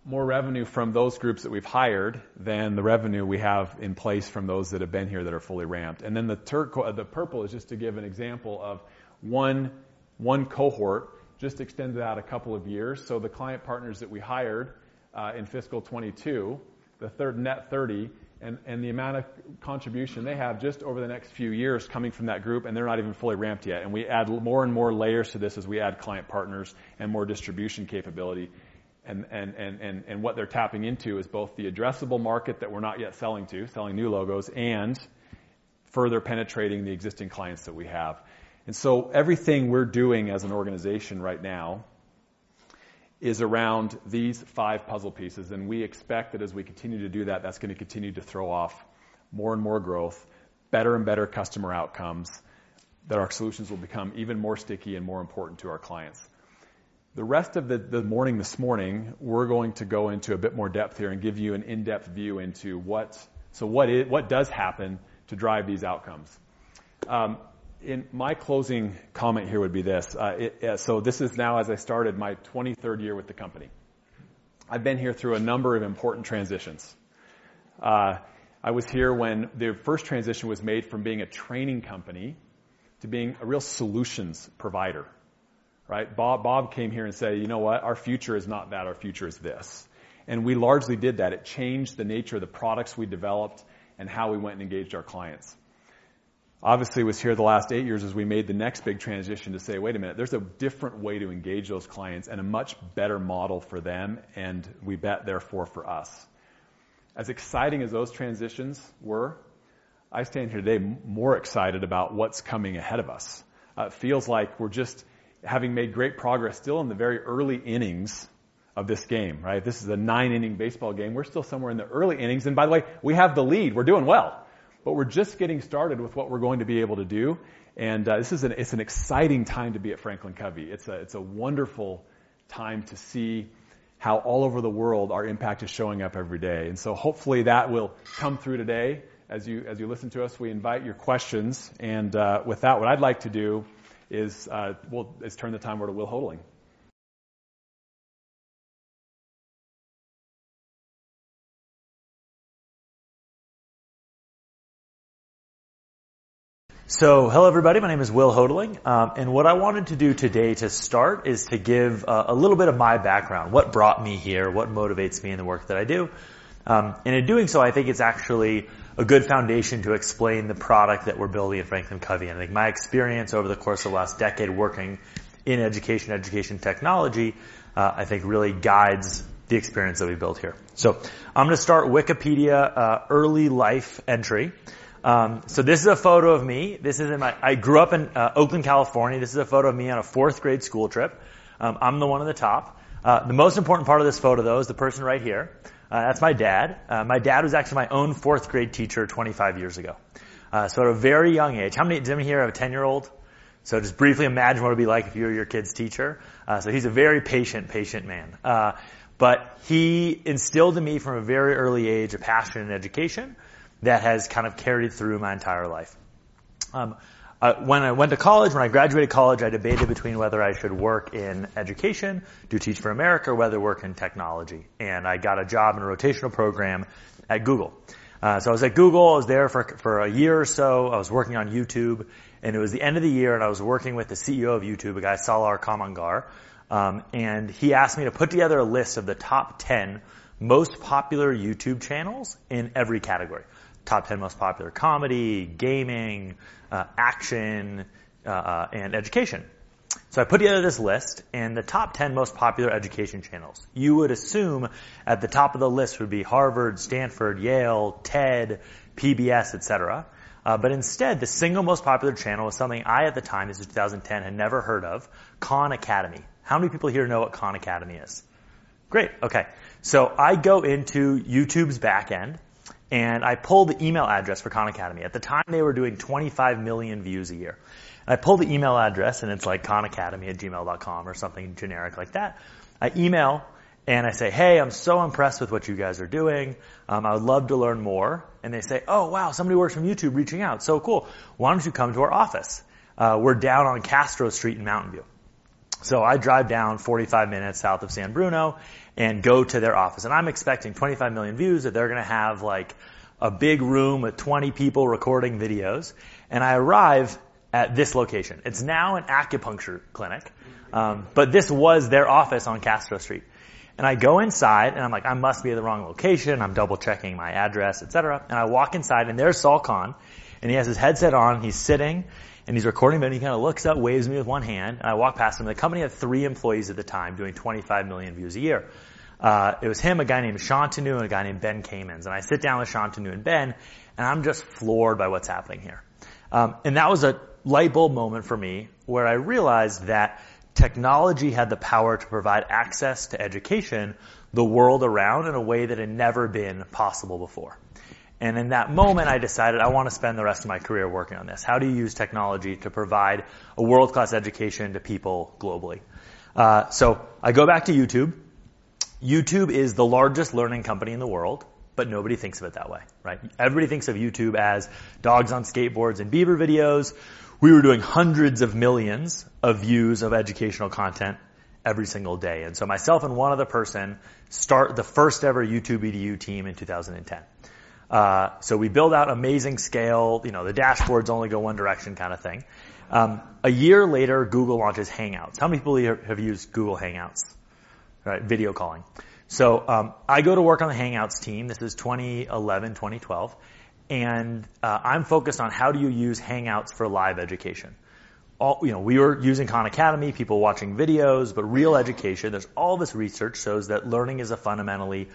More revenue from those groups that we've hired than the revenue we have in place from those that have been here that are fully ramped. The purple is just to give an example of one cohort just extended out a couple of years. The client partners that we hired in fiscal 22, the third net 30, and the amount of contribution they have just over the next few years coming from that group, and they're not even fully ramped yet. We add more and more layers to this as we add client partners and more distribution capability. What they're tapping into is both the addressable market that we're not yet selling to, selling new logos, and further penetrating the existing clients that we have. Everything we're doing as an organization right now is around these five puzzle pieces, and we expect that as we continue to do that's going to continue to throw off more and more growth, better and better customer outcomes, that our solutions will become even more sticky and more important to our clients. The rest of the morning this morning, we're going to go into a bit more depth here and give you an in-depth view into what does happen to drive these outcomes? My closing comment here would be this. This is now as I started my 23rd year with the company. I've been here through a number of important transitions. I was here when the first transition was made from being a training company to being a real solutions provider, right? Bob came here and said, "You know what? Our future is not that. Our future is this." We largely did that. It changed the nature of the products we developed and how we went and engaged our clients. Obviously, was here the last 8 years as we made the next big transition to say, "Wait a minute, there's a different way to engage those clients and a much better model for them, and we bet therefore for us." As exciting as those transitions were, I stand here today more excited about what's coming ahead of us. It feels like we're just having made great progress still in the very early innings of this game, right? This is a 9-inning baseball game. We're still somewhere in the early innings. By the way, we have the lead. We're doing well. We're just getting started with what we're going to be able to do. This is an exciting time to be at FranklinCovey. It's a wonderful time to see how all over the world our impact is showing up every day. Hopefully that will come through today as you listen to us. We invite your questions. With that, what I'd like to do is turn the time over to Will Houghteling. Hello, everybody. My name is Will Houghteling. What I wanted to do today to start is to give a little bit of my background, what brought me here, what motivates me in the work that I do. In doing so, I think it's actually a good foundation to explain the product that we're building at FranklinCovey. I think my experience over the course of the last decade working in education technology, I think really guides the experience that we built here. I'm going to start Wikipedia early life entry. This is a photo of me. This is in my I grew up in Oakland, California. This is a photo of me on a fourth-grade school trip. I'm the one on the top. The most important part of this photo, though, is the person right here. That's my dad. My dad was actually my own fourth-grade teacher 25 years ago. At a very young age. Does anyone here have a 10-year-old? Just briefly imagine what it'd be like if you were your kid's teacher. He's a very patient man. He instilled in me from a very early age a passion in education that has kind of carried through my entire life. When I went to college, when I graduated college, I debated between whether I should work in education, do Teach For America, or whether to work in technology. I got a job in a rotational program at Google. I was at Google. I was there for a year or so. I was working on YouTube, and it was the end of the year, and I was working with the CEO of YouTube, a guy, Salar Kamangar, he asked me to put together a list of the top 10 most popular YouTube channels in every category. Top 10 most popular comedy, gaming, action, education. I put together this list, the top 10 most popular education channels, you would assume at the top of the list would be Harvard, Stanford, Yale, TED, PBS, etc. Instead, the single most popular channel was something I, at the time, this was 2010, had never heard of, Khan Academy. How many people here know what Khan Academy is? Great. Okay. I go into YouTube's back end, I pull the email address for Khan Academy. At the time, they were doing 25 million views a year. I pull the email address, it's like khanacademy@gmail.com or something generic like that. I email, I say, "Hey, I'm so impressed with what you guys are doing. I would love to learn more." They say, "Oh, wow, somebody works from YouTube reaching out. Cool. Why don't you come to our office? We're down on Castro Street in Mountain View." I drive down 45 minutes south of San Bruno and go to their office. I'm expecting 25 million views, that they're going to have, like, a big room with 20 people recording videos. I arrive at this location. It's now an acupuncture clinic, but this was their office on Castro Street. I go inside, I'm like, "I must be at the wrong location." I'm double-checking my address, etc. I walk inside, and there's Sal Khan, and he has his headset on, he's sitting, and he's recording, but he kind of looks up, waves me with one hand, and I walk past him. The company had 3 employees at the time doing 25 million views a year. It was him, a guy named Shantanu, and a guy named Ben Kamens. I sit down with Shantanu and Ben, and I'm just floored by what's happening here. That was a light bulb moment for me, where I realized that technology had the power to provide access to education the world around in a way that had never been possible before. In that moment, I decided I wanna spend the rest of my career working on this. How do you use technology to provide a world-class education to people globally? I go back to YouTube. YouTube is the largest learning company in the world, nobody thinks of it that way, right? Everybody thinks of YouTube as dogs on skateboards and Bieber videos. We were doing hundreds of millions of views of educational content every single day. Myself and 1 other person start the first-ever YouTube EDU team in 2010. We build out amazing scale. You know, the dashboards only go 1 direction kind of thing. A year later, Google launches Hangouts. How many people here have used Google Hangouts? All right. Video calling. I go to work on the Hangouts team. This is 2011, 2012. I'm focused on how do you use Hangouts for live education. You know, we were using Khan Academy, people watching videos, but real education, there's all this research shows that learning is a fundamentally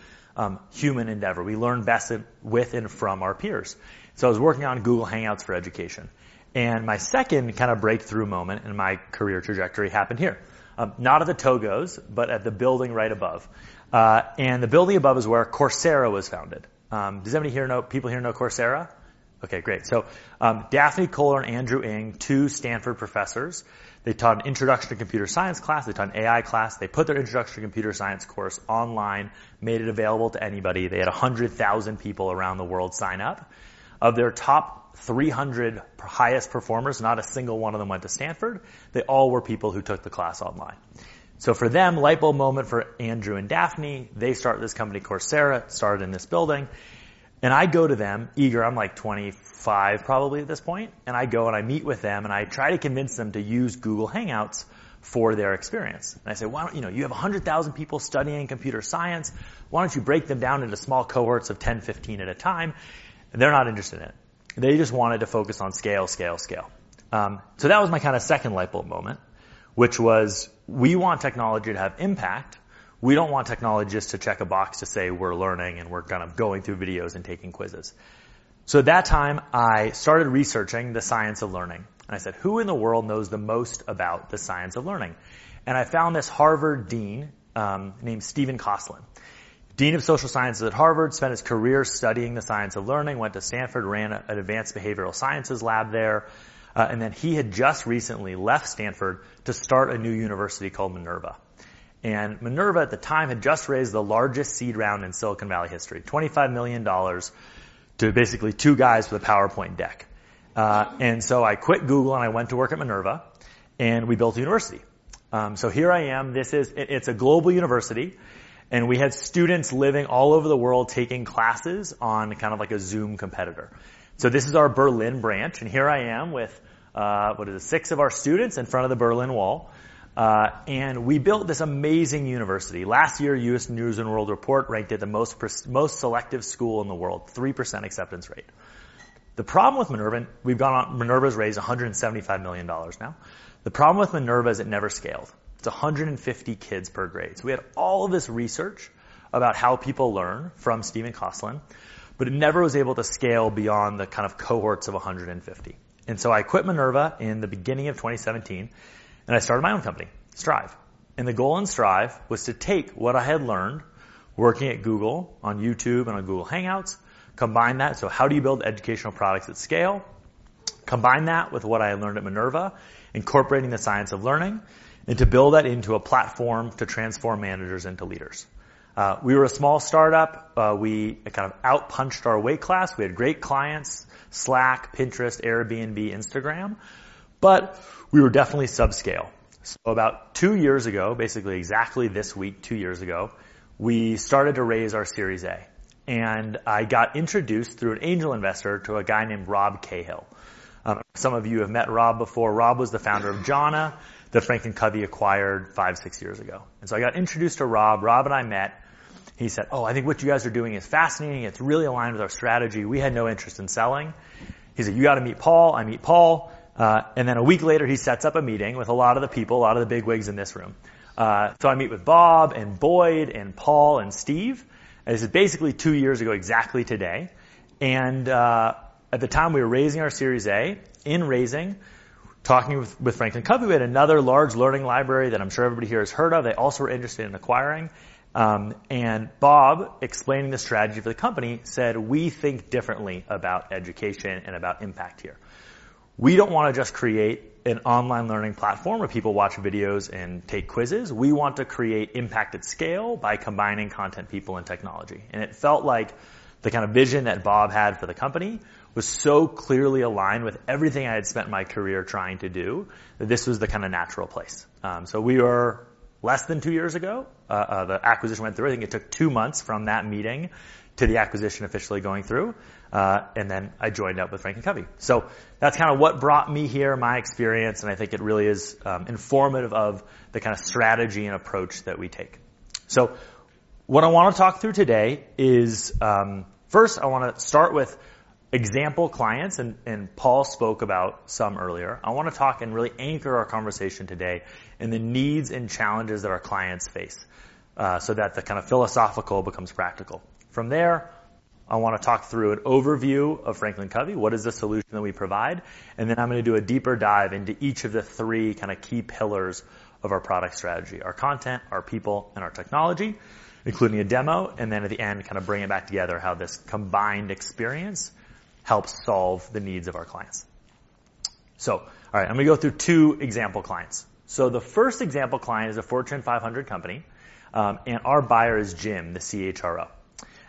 human endeavor. We learn best with and from our peers. I was working on Google Hangouts for education. My second kinda breakthrough moment in my career trajectory happened here. Not at the TOGO'S, but at the building right above. The building above is where Coursera was founded. Does anybody here know people here know Coursera? Okay, great. Daphne Koller and Andrew Ng, two Stanford professors. They taught an introduction to computer science class. They taught an AI class. They put their introduction to computer science course online, made it available to anybody. They had 100,000 people around the world sign up. Of their top 300 highest performers, not a single one of them went to Stanford. They all were people who took the class online. For them, light bulb moment for Andrew and Daphne. They start this company, Coursera, started in this building. I go to them eager. I'm like 25 probably at this point. I go and I meet with them, and I try to convince them to use Google Hangouts for their experience. I say, "You know, you have 100,000 people studying computer science. Why don't you break them down into small cohorts of 10, 15 at a time?" They're not interested in it. They just wanted to focus on scale, scale. That was my kinda second light bulb moment, which was, we want technology to have impact. We don't want technologists to check a box to say we're learning and we're kind of going through videos and taking quizzes. At that time, I started researching the science of learning, and I said, "Who in the world knows the most about the science of learning?" I found this Harvard dean, named Stephen M. Kosslyn. Dean of Social Sciences at Harvard, spent his career studying the science of learning, went to Stanford, ran an advanced behavioral sciences lab there, and then he had just recently left Stanford to start a new university called Minerva. Minerva, at the time, had just raised the largest seed round in Silicon Valley history. $25 million to basically two guys with a PowerPoint deck. I quit Google, and I went to work at Minerva, and we built a university. Here I am. It's a global university. We had students living all over the world taking classes on kind of like a Zoom competitor. This is our Berlin branch. Here I am with, what is it? 6 of our students in front of the Berlin Wall. We built this amazing university. Last year, U.S. News & World Report ranked it the most selective school in the world, 3% acceptance rate. The problem with Minerva. Minerva's raised $175 million now. The problem with Minerva is it never scaled. It's 150 kids per grade. We had all this research about how people learn from Stephen Kosslyn, but it never was able to scale beyond the kind of cohorts of 150. I quit Minerva University in the beginning of 2017, and I started my own company, Strive. The goal in Strive was to take what I had learned working at Google LLC on YouTube and on Google Hangouts, combine that. How do you build educational products at scale? Combine that with what I learned at Minerva University, incorporating the science of learning, and to build that into a platform to transform managers into leaders. We were a small startup. We kind of out-punched our weight class. We had great clients, Slack, Pinterest, Airbnb, Instagram, but we were definitely subscale. About 2 years ago, basically exactly this week, 2 years ago, we started to raise our Series A. I got introduced through an angel investor to a guy named Rob Cahill. Some of you have met Rob before. Rob was the founder of Jhana that FranklinCovey acquired 5, 6 years ago. I got introduced to Rob. Rob and I met. He said, "Oh, I think what you guys are doing is fascinating. It's really aligned with our strategy." We had no interest in selling. He said, "You gotta meet Paul." I meet Paul. 1 week later, he sets up a meeting with a lot of the people, a lot of the big wigs in this room. I meet with Bob and Boyd and Paul and Steve. This is basically 2 years ago, exactly today. At the time, we were raising our Series A. In raising, talking with FranklinCovey. We had another large learning library that I'm sure everybody here has heard of. They also were interested in acquiring. Bob, explaining the strategy for the company, said, "We think differently about education and about impact here. We don't wanna just create an online learning platform where people watch videos and take quizzes. We want to create impact at scale by combining content, people, and technology." It felt like the kind of vision that Bob had for the company was so clearly aligned with everything I had spent my career trying to do, that this was the kinda natural place. We are less than two years ago, the acquisition went through. I think it took two months from that meeting to the acquisition officially going through, and then I joined up with FranklinCovey. That's kinda what brought me here, my experience, and I think it really is, informative of the kinda strategy and approach that we take. What I wanna talk through today is, first, I wanna start with example clients, and Paul spoke about some earlier. I wanna talk and really anchor our conversation today in the needs and challenges that our clients face, so that the kinda philosophical becomes practical. From there I want to talk through an overview of FranklinCovey, what is the solution that we provide, and then I'm gonna do a deeper dive into each of the three kinda key pillars of our product strategy: our content, our people, and our technology, including a demo, and then at the end, kind of bring it back together how this combined experience helps solve the needs of our clients. All right, I'm gonna go through two example clients. The first example client is a Fortune 500 company, and our buyer is Jim, the CHRO.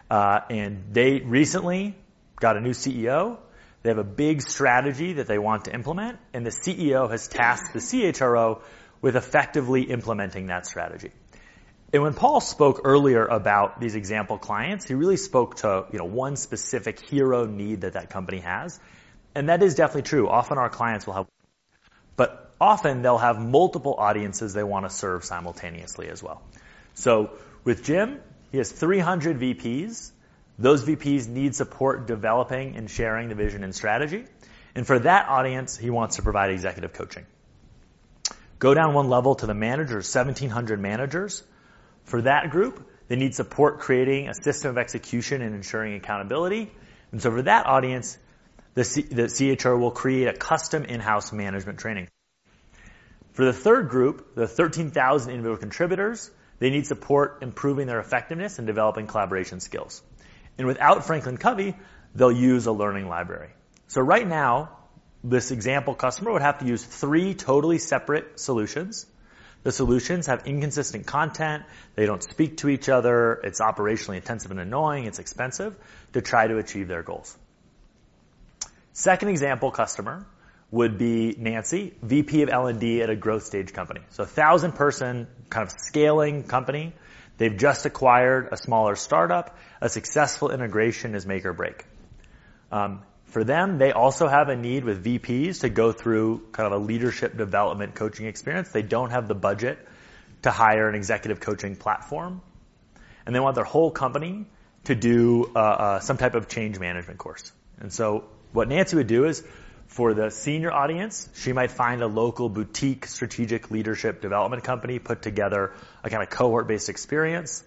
They recently got a new CEO. They have a big strategy that they want to implement, the CEO has tasked the CHRO with effectively implementing that strategy. When Paul spoke earlier about these example clients, he really spoke to, you know, one specific hero need that that company has, and that is definitely true. Often they'll have multiple audiences they wanna serve simultaneously as well. With Jim, he has 300 VPs. Those VPs need support developing and sharing the vision and strategy, and for that audience, he wants to provide executive coaching. Go down 1 level to the managers, 1,700 managers. For that group, they need support creating a system of execution and ensuring accountability. For that audience, the CHR will create a custom in-house management training. For the third group, the 13,000 individual contributors, they need support improving their effectiveness and developing collaboration skills. Without FranklinCovey, they'll use a learning library. Right now, this example customer would have to use three totally separate solutions. The solutions have inconsistent content. They don't speak to each other. It's operationally intensive and annoying. It's expensive to try to achieve their goals. Second example customer would be Nancy, VP of L&D at a growth stage company. A 1,000-person kind of scaling company. They've just acquired a smaller startup. A successful integration is make or break. For them, they also have a need with VPs to go through kind of a leadership development coaching experience. They don't have the budget to hire an executive coaching platform, and they want their whole company to do some type of change management course. What Nancy would do is for the senior audience, she might find a local boutique strategic leadership development company, put together a kinda cohort-based experience,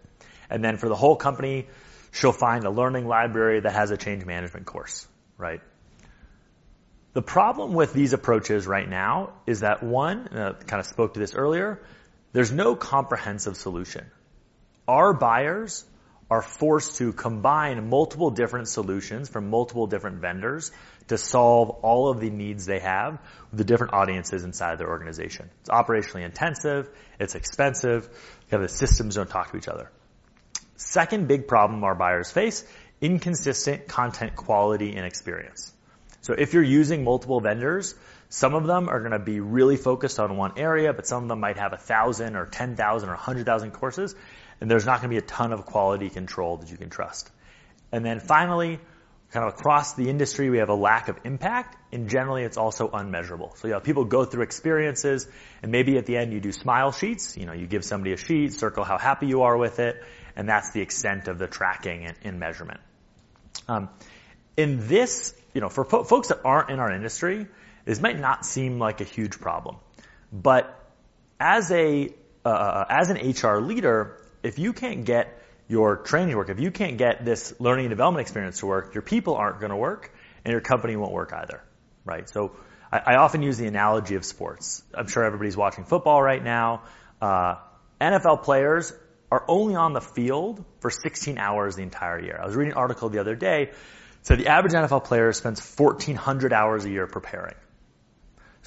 and then for the whole company, she'll find a learning library that has a change management course, right? The problem with these approaches right now is that, one, and I kind of spoke to this earlier, there's no comprehensive solution. Our buyers are forced to combine multiple different solutions from multiple different vendors to solve all of the needs they have with the different audiences inside their organization. It's operationally intensive. It's expensive. The systems don't talk to each other. Second big problem our buyers face. Inconsistent content quality and experience. If you're using multiple vendors, some of them are gonna be really focused on one area, but some of them might have 1,000 or 10,000 or 100,000 courses, and there's not gonna be a ton of quality control that you can trust. Finally, kind of across the industry, we have a lack of impact, and generally, it's also unmeasurable. You'll have people go through experiences, and maybe at the end you do smile sheets. You know, you give somebody a sheet, circle how happy you are with it, and that's the extent of the tracking and measurement. In this... You know, for folks that aren't in our industry, this might not seem like a huge problem. As an HR leader, if you can't get your training to work, if you can't get this learning and development experience to work, your people aren't gonna work, and your company won't work either, right? I often use the analogy of sports. I'm sure everybody's watching football right now. NFL players are only on the field for 16 hours the entire year. I was reading an article the other day, said the average NFL player spends 1,400 hours a year preparing.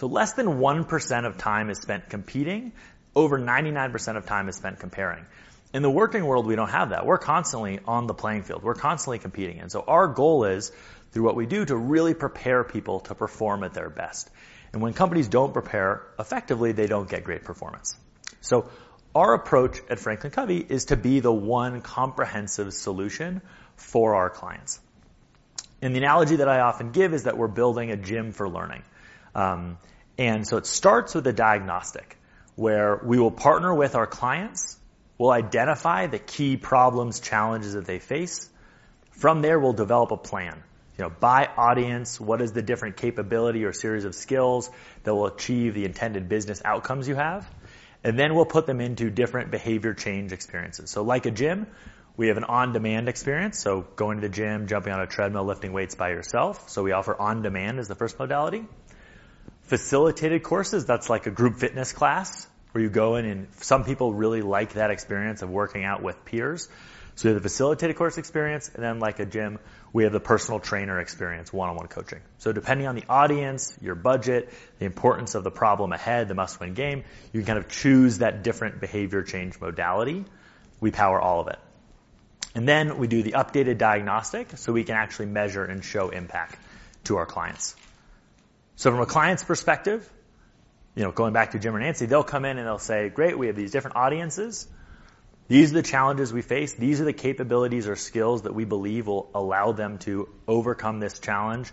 Less than 1% of time is spent competing. Over 99% of time is spent comparing. In the working world, we don't have that. We're constantly on the playing field. We're constantly competing, our goal is, through what we do, to really prepare people to perform at their best. When companies don't prepare effectively, they don't get great performance. Our approach at FranklinCovey is to be the one comprehensive solution for our clients. The analogy that I often give is that we're building a gym for learning. It starts with a diagnostic where we will partner with our clients. We'll identify the key problems, challenges that they face. From there, we'll develop a plan. You know, by audience, what is the different capability or series of skills that will achieve the intended business outcomes you have? We'll put them into different behavior change experiences. Like a gym, we have an on-demand experience, so going to the gym, jumping on a treadmill, lifting weights by yourself. We offer on-demand as the first modality. Facilitated courses, that's like a group fitness class where you go in, some people really like that experience of working out with peers. We have the facilitated course experience, like a gym, we have the personal trainer experience, one-on-one coaching. Depending on the audience, your budget, the importance of the problem ahead, the must-win game, you kind of choose that different behavior change modality. We power all of it. We do the updated diagnostic, so we can actually measure and show impact to our clients. From a client's perspective, you know, going back to Jim or Nancy, they'll come in, and they'll say, "Great, we have these different audiences. These are the challenges we face. These are the capabilities or skills that we believe will allow them to overcome this challenge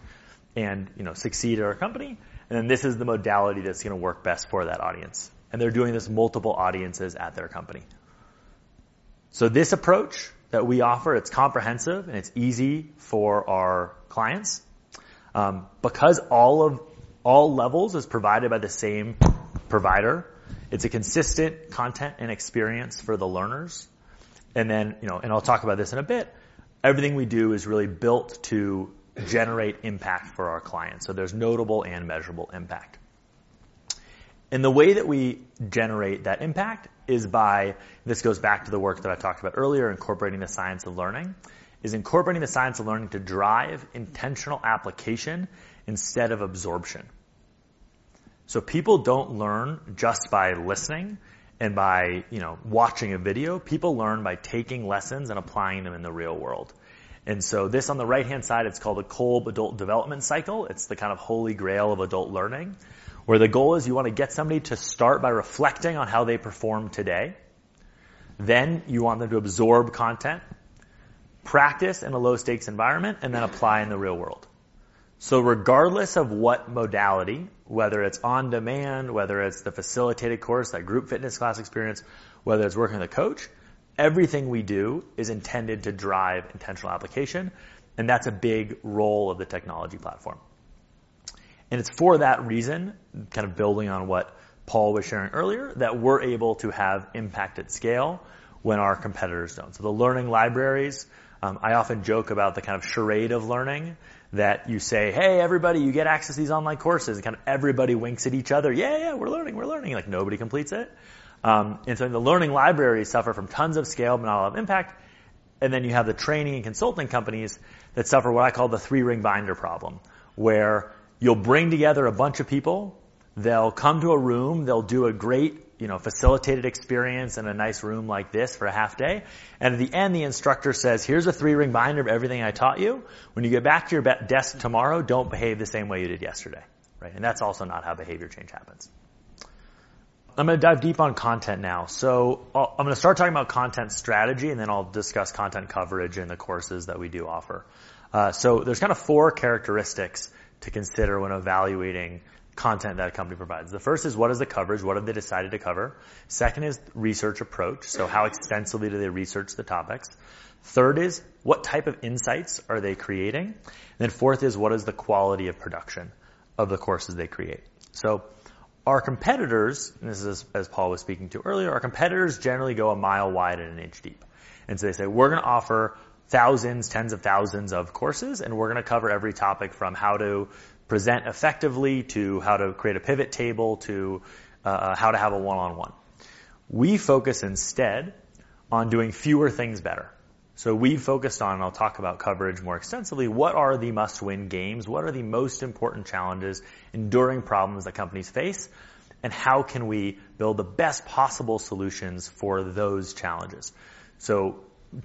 and, you know, succeed at our company, this is the modality that's gonna work best for that audience. They're doing this multiple audiences at their company. This approach that we offer, it's comprehensive, and it's easy for our clients because all levels is provided by the same provider, it's a consistent content and experience for the learners. You know, I'll talk about this in a bit, everything we do is really built to generate impact for our clients. There's notable and measurable impact. The way that we generate that impact is by, this goes back to the work that I talked about earlier, incorporating the science of learning to drive intentional application instead of absorption. People don't learn just by listening and by, you know, watching a video. People learn by taking lessons and applying them in the real world. This on the right-hand side, it's called a Kolb Adult Development Cycle. It's the kind of holy grail of adult learning, where the goal is you want to get somebody to start by reflecting on how they perform today, then you want them to absorb content, practice in a low-stakes environment, and then apply in the real world. Regardless of what modality, whether it's on-demand, whether it's the facilitated course, that group fitness class experience, whether it's working with a coach, everything we do is intended to drive intentional application, and that's a big role of the technology platform. It's for that reason, kind of building on what Paul was sharing earlier, that we're able to have impact at scale when our competitors don't. The learning libraries, I often joke about the kind of charade of learning that you say, "Hey, everybody, you get access to these online courses," and kind of everybody winks at each other, "Yeah, yeah, we're learning, we're learning." Like, nobody completes it. The learning libraries suffer from tons of scale, but not a lot of impact. Then you have the training and consulting companies that suffer what I call the three-ring binder problem, where you'll bring together a bunch of people, they'll come to a room, they'll do a great, you know, facilitated experience in a nice room like this for a half day, and at the end, the instructor says, "Here's a three-ring binder of everything I taught you. When you get back to your desk tomorrow, don't behave the same way you did yesterday." Right? That's also not how behavior change happens. I'm gonna dive deep on content now. I'm gonna start talking about content strategy, and then I'll discuss content coverage in the courses that we do offer. There's kind of 4 characteristics to consider when evaluating content that a company provides. The first is what is the coverage? What have they decided to cover? Second is research approach. How extensively do they research the topics? Third is what type of insights are they creating? Fourth is what is the quality of production of the courses they create? Our competitors, and this is, as Paul was speaking to earlier, our competitors generally go a mile wide and an inch deep. They say, "We're gonna offer thousands, 10s of thousands of courses, and we're gonna cover every topic from how to present effectively to how to create a pivot table to how to have a one-on-one." We focus instead on doing fewer things better. We've focused on, I'll talk about coverage more extensively, what are the must-win games? What are the most important challenges, enduring problems that companies face? How can we build the best possible solutions for those challenges?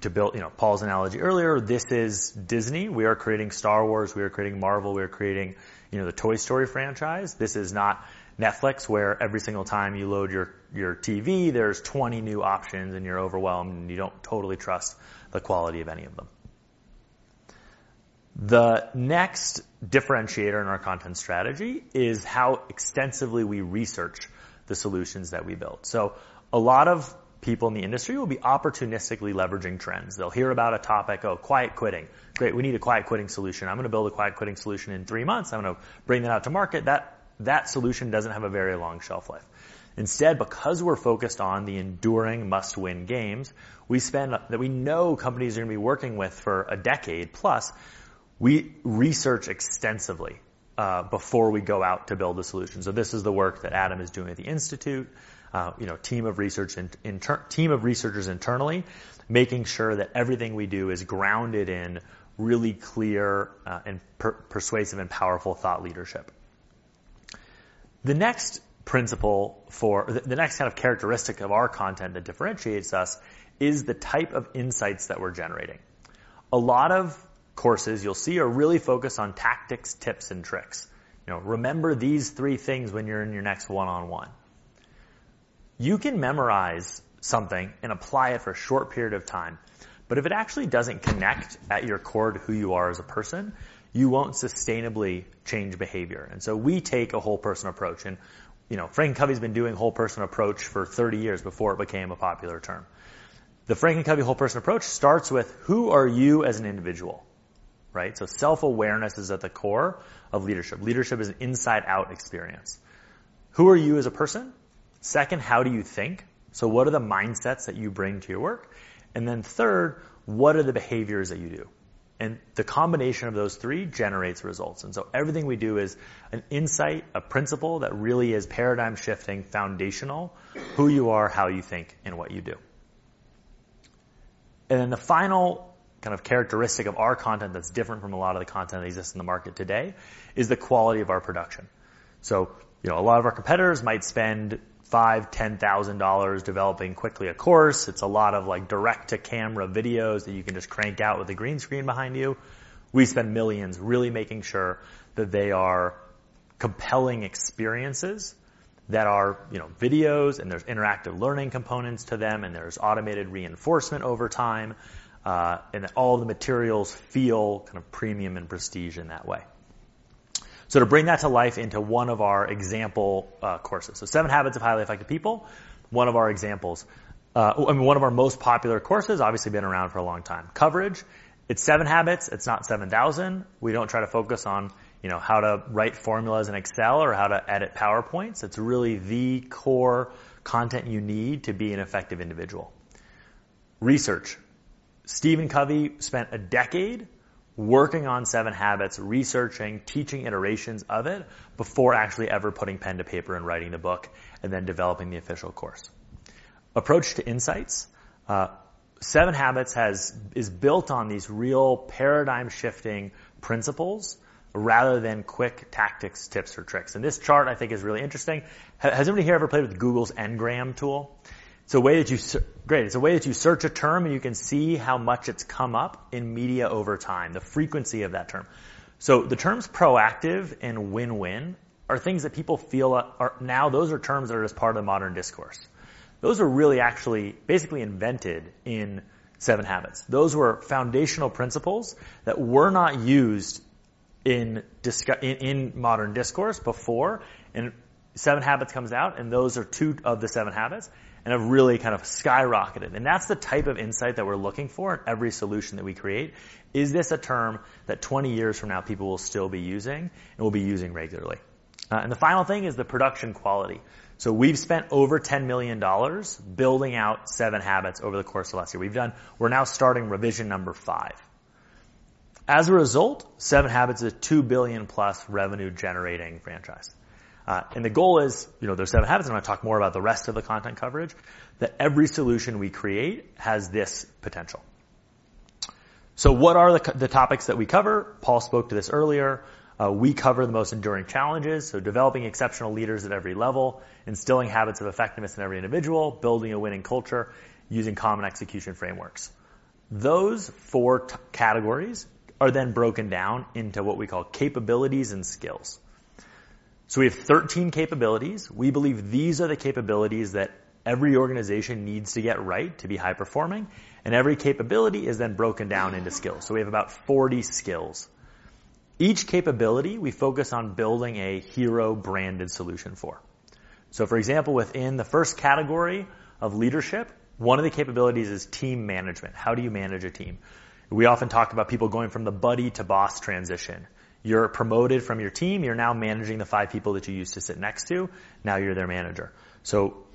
To build, you know, Paul's analogy earlier, this is Disney. We are creating Star Wars. We are creating Marvel. We are creating, you know, the Toy Story franchise. This is not Netflix, where every single time you load your TV, there's 20 new options, and you're overwhelmed, and you don't totally trust the quality of any of them. The next differentiator in our content strategy is how extensively we research the solutions that we build. A lot of people in the industry will be opportunistically leveraging trends. They'll hear about a topic, oh, quiet quitting. Great, we need a quiet quitting solution. I'm gonna build a quiet quitting solution in 3 months. I'm gonna bring that out to market. That solution doesn't have a very long shelf life. Instead, because we're focused on the enduring must-win games, that we know companies are going to be working with for a decade plus, we research extensively before we go out to build a solution. This is the work that Adam is doing at the Institute, you know, team of researchers internally, making sure that everything we do is grounded in really clear and persuasive and powerful thought leadership. The next kind of characteristic of our content that differentiates us is the type of insights that we're generating. A lot of courses you'll see are really focused on tactics, tips, and tricks. You know, remember these three things when you're in your next one-on-one. You can memorize something and apply it for a short period of time, but if it actually doesn't connect at your core to who you are as a person, you won't sustainably change behavior. We take a whole person approach. you know, FranklinCovey's been doing whole person approach for 30 years before it became a popular term. The FranklinCovey whole person approach starts with who are you as an individual, right? Self-awareness is at the core of leadership. Leadership is an inside out experience. Who are you as a person? Second, how do you think? What are the mindsets that you bring to your work? Third, what are the behaviors that you do? The combination of those three generates results. Everything we do is an insight, a principle that really is paradigm shifting, foundational, who you are, how you think, and what you do. The final kind of characteristic of our content that's different from a lot of the content that exists in the market today is the quality of our production. You know, a lot of our competitors might spend $5 thousand, $10 thousand developing quickly a course. It's a lot of like direct to camera videos that you can just crank out with a green screen behind you. We spend $ millions really making sure that they are compelling experiences that are, you know, videos, and there's interactive learning components to them, and there's automated reinforcement over time, and all the materials feel kind of premium and prestige in that way. To bring that to life into one of our example courses. The 7 Habits of Highly Effective People, one of our examples, and one of our most popular courses, obviously been around for a long time. Covey, it's 7 Habits, it's not 7,000. We don't try to focus on, you know, how to write formulas in Excel or how to edit PowerPoints. It's really the core content you need to be an effective individual. Stephen Covey spent a decade working on 7 Habits, researching, teaching iterations of it before actually ever putting pen to paper and writing the book and then developing the official course. 7 Habits is built on these real paradigm-shifting principles rather than quick tactics, tips, or tricks. This chart I think is really interesting. Has anybody here ever played with Google Books Ngram Viewer? It's a way that you. Great. It's a way that you search a term, and you can see how much it's come up in media over time, the frequency of that term. The terms proactive and win-win are things that people feel now those are terms that are just part of the modern discourse. Those were really actually basically invented in Seven Habits. Those were foundational principles that were not used in modern discourse before. Seven Habits comes out, and those are 2 of the 7 habits and have really kind of skyrocketed. That's the type of insight that we're looking for in every solution that we create. Is this a term that 20 years from now, people will still be using and will be using regularly? The final thing is the production quality. We've spent over $10 million building out 7 Habits over the course of last year. We're now starting revision number 5. As a result, 7 Habits is a $2 billion-plus revenue-generating franchise. And the goal is, you know, there's 7 Habits, and I'm gonna talk more about the rest of the content coverage, that every solution we create has this potential. What are the topics that we cover? Paul spoke to this earlier. We cover the most enduring challenges, so developing exceptional leaders at every level, instilling habits of effectiveness in every individual, building a winning culture using common execution frameworks. Those 4 categories are then broken down into what we call capabilities and skills. We have 13 capabilities. We believe these are the capabilities that every organization needs to get right to be high performing. Every capability is then broken down into skills. We have about 40 skills. Each capability we focus on building a hero-branded solution for. For example, within the first category of leadership, one of the capabilities is team management. How do you manage a team? We often talk about people going from the buddy to boss transition. You're promoted from your team; you're now managing the 5 people that you used to sit next to. Now you're their manager.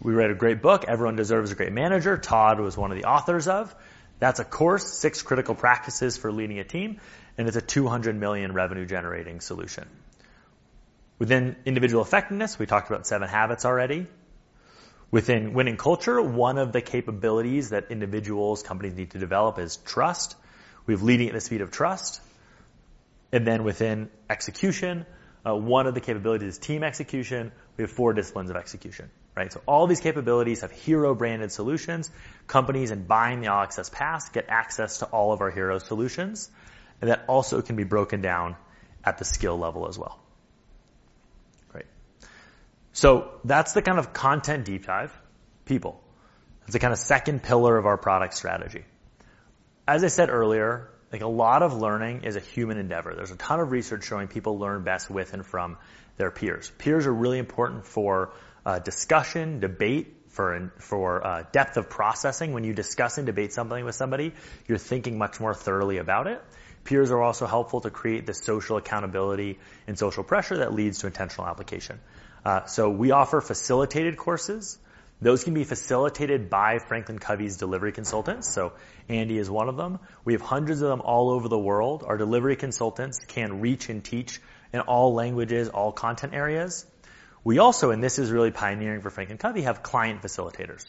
We wrote a great book, Everyone Deserves a Great Manager. Todd was one of the authors of. That's a course, 6 Critical Practices for Leading a Team. It's a $200 million revenue-generating solution. Within individual effectiveness, we talked about 7 Habits already. Within winning culture, one of the capabilities that individuals, companies need to develop is trust. We have Leading at the Speed of Trust. Within execution, one of the capabilities is team execution. We have The 4 Disciplines of Execution, right? All these capabilities have hero-branded solutions. Companies in buying the All Access Pass get access to all of our heroes solutions, and that also can be broken down at the skill level as well. Great. That's the kind of content deep dive, people. It's the kind of second pillar of our product strategy. As I said earlier, like, a lot of learning is a human endeavor. There's a ton of research showing people learn best with and from their peers. Peers are really important for discussion, debate, for depth of processing. When you discuss and debate something with somebody, you're thinking much more thoroughly about it. Peers are also helpful to create the social accountability and social pressure that leads to intentional application. We offer facilitated courses. Those can be facilitated by FranklinCovey's delivery consultants. Andy is one of them. We have hundreds of them all over the world. Our delivery consultants can reach and teach in all languages, all content areas. We also, this is really pioneering for FranklinCovey, have client facilitators.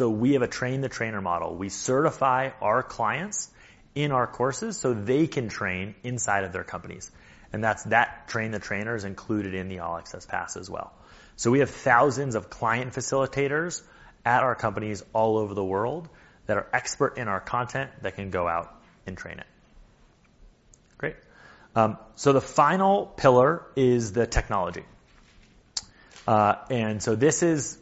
We have a train-the-trainer model. We certify our clients in our courses, they can train inside of their companies. That train-the-trainer is included in the All Access Pass as well. We have thousands of client facilitators at our companies all over the world that are expert in our content that can go out and train it. Great. The final pillar is the technology. This is